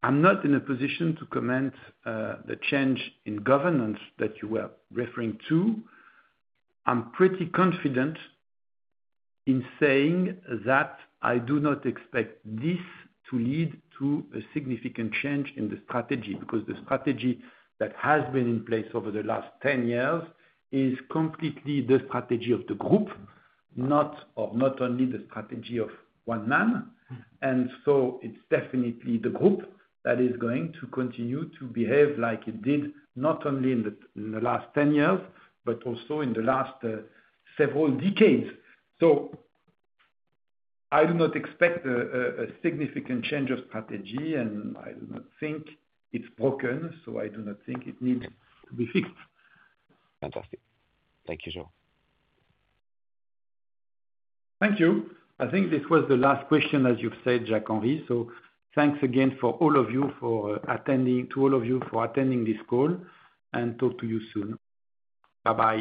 I'm not in a position to comment on the change in governance that you were referring to. I'm pretty confident in saying that I do not expect this to lead to a significant change in the strategy because the strategy that has been in place over the last 10 years is completely the strategy of the group, not only the strategy of one man. And so it's definitely the group that is going to continue to behave like it did not only in the last 10 years, but also in the last several decades. So I do not expect a significant change of strategy, and I do not think it's broken, so I do not think it needs to be fixed. Fantastic. Thank you, Jérôme. Thank you. I think this was the last question, as you've said, Jacques-Henri. Thanks again to all of you for attending this call, and talk to you soon. Bye-bye.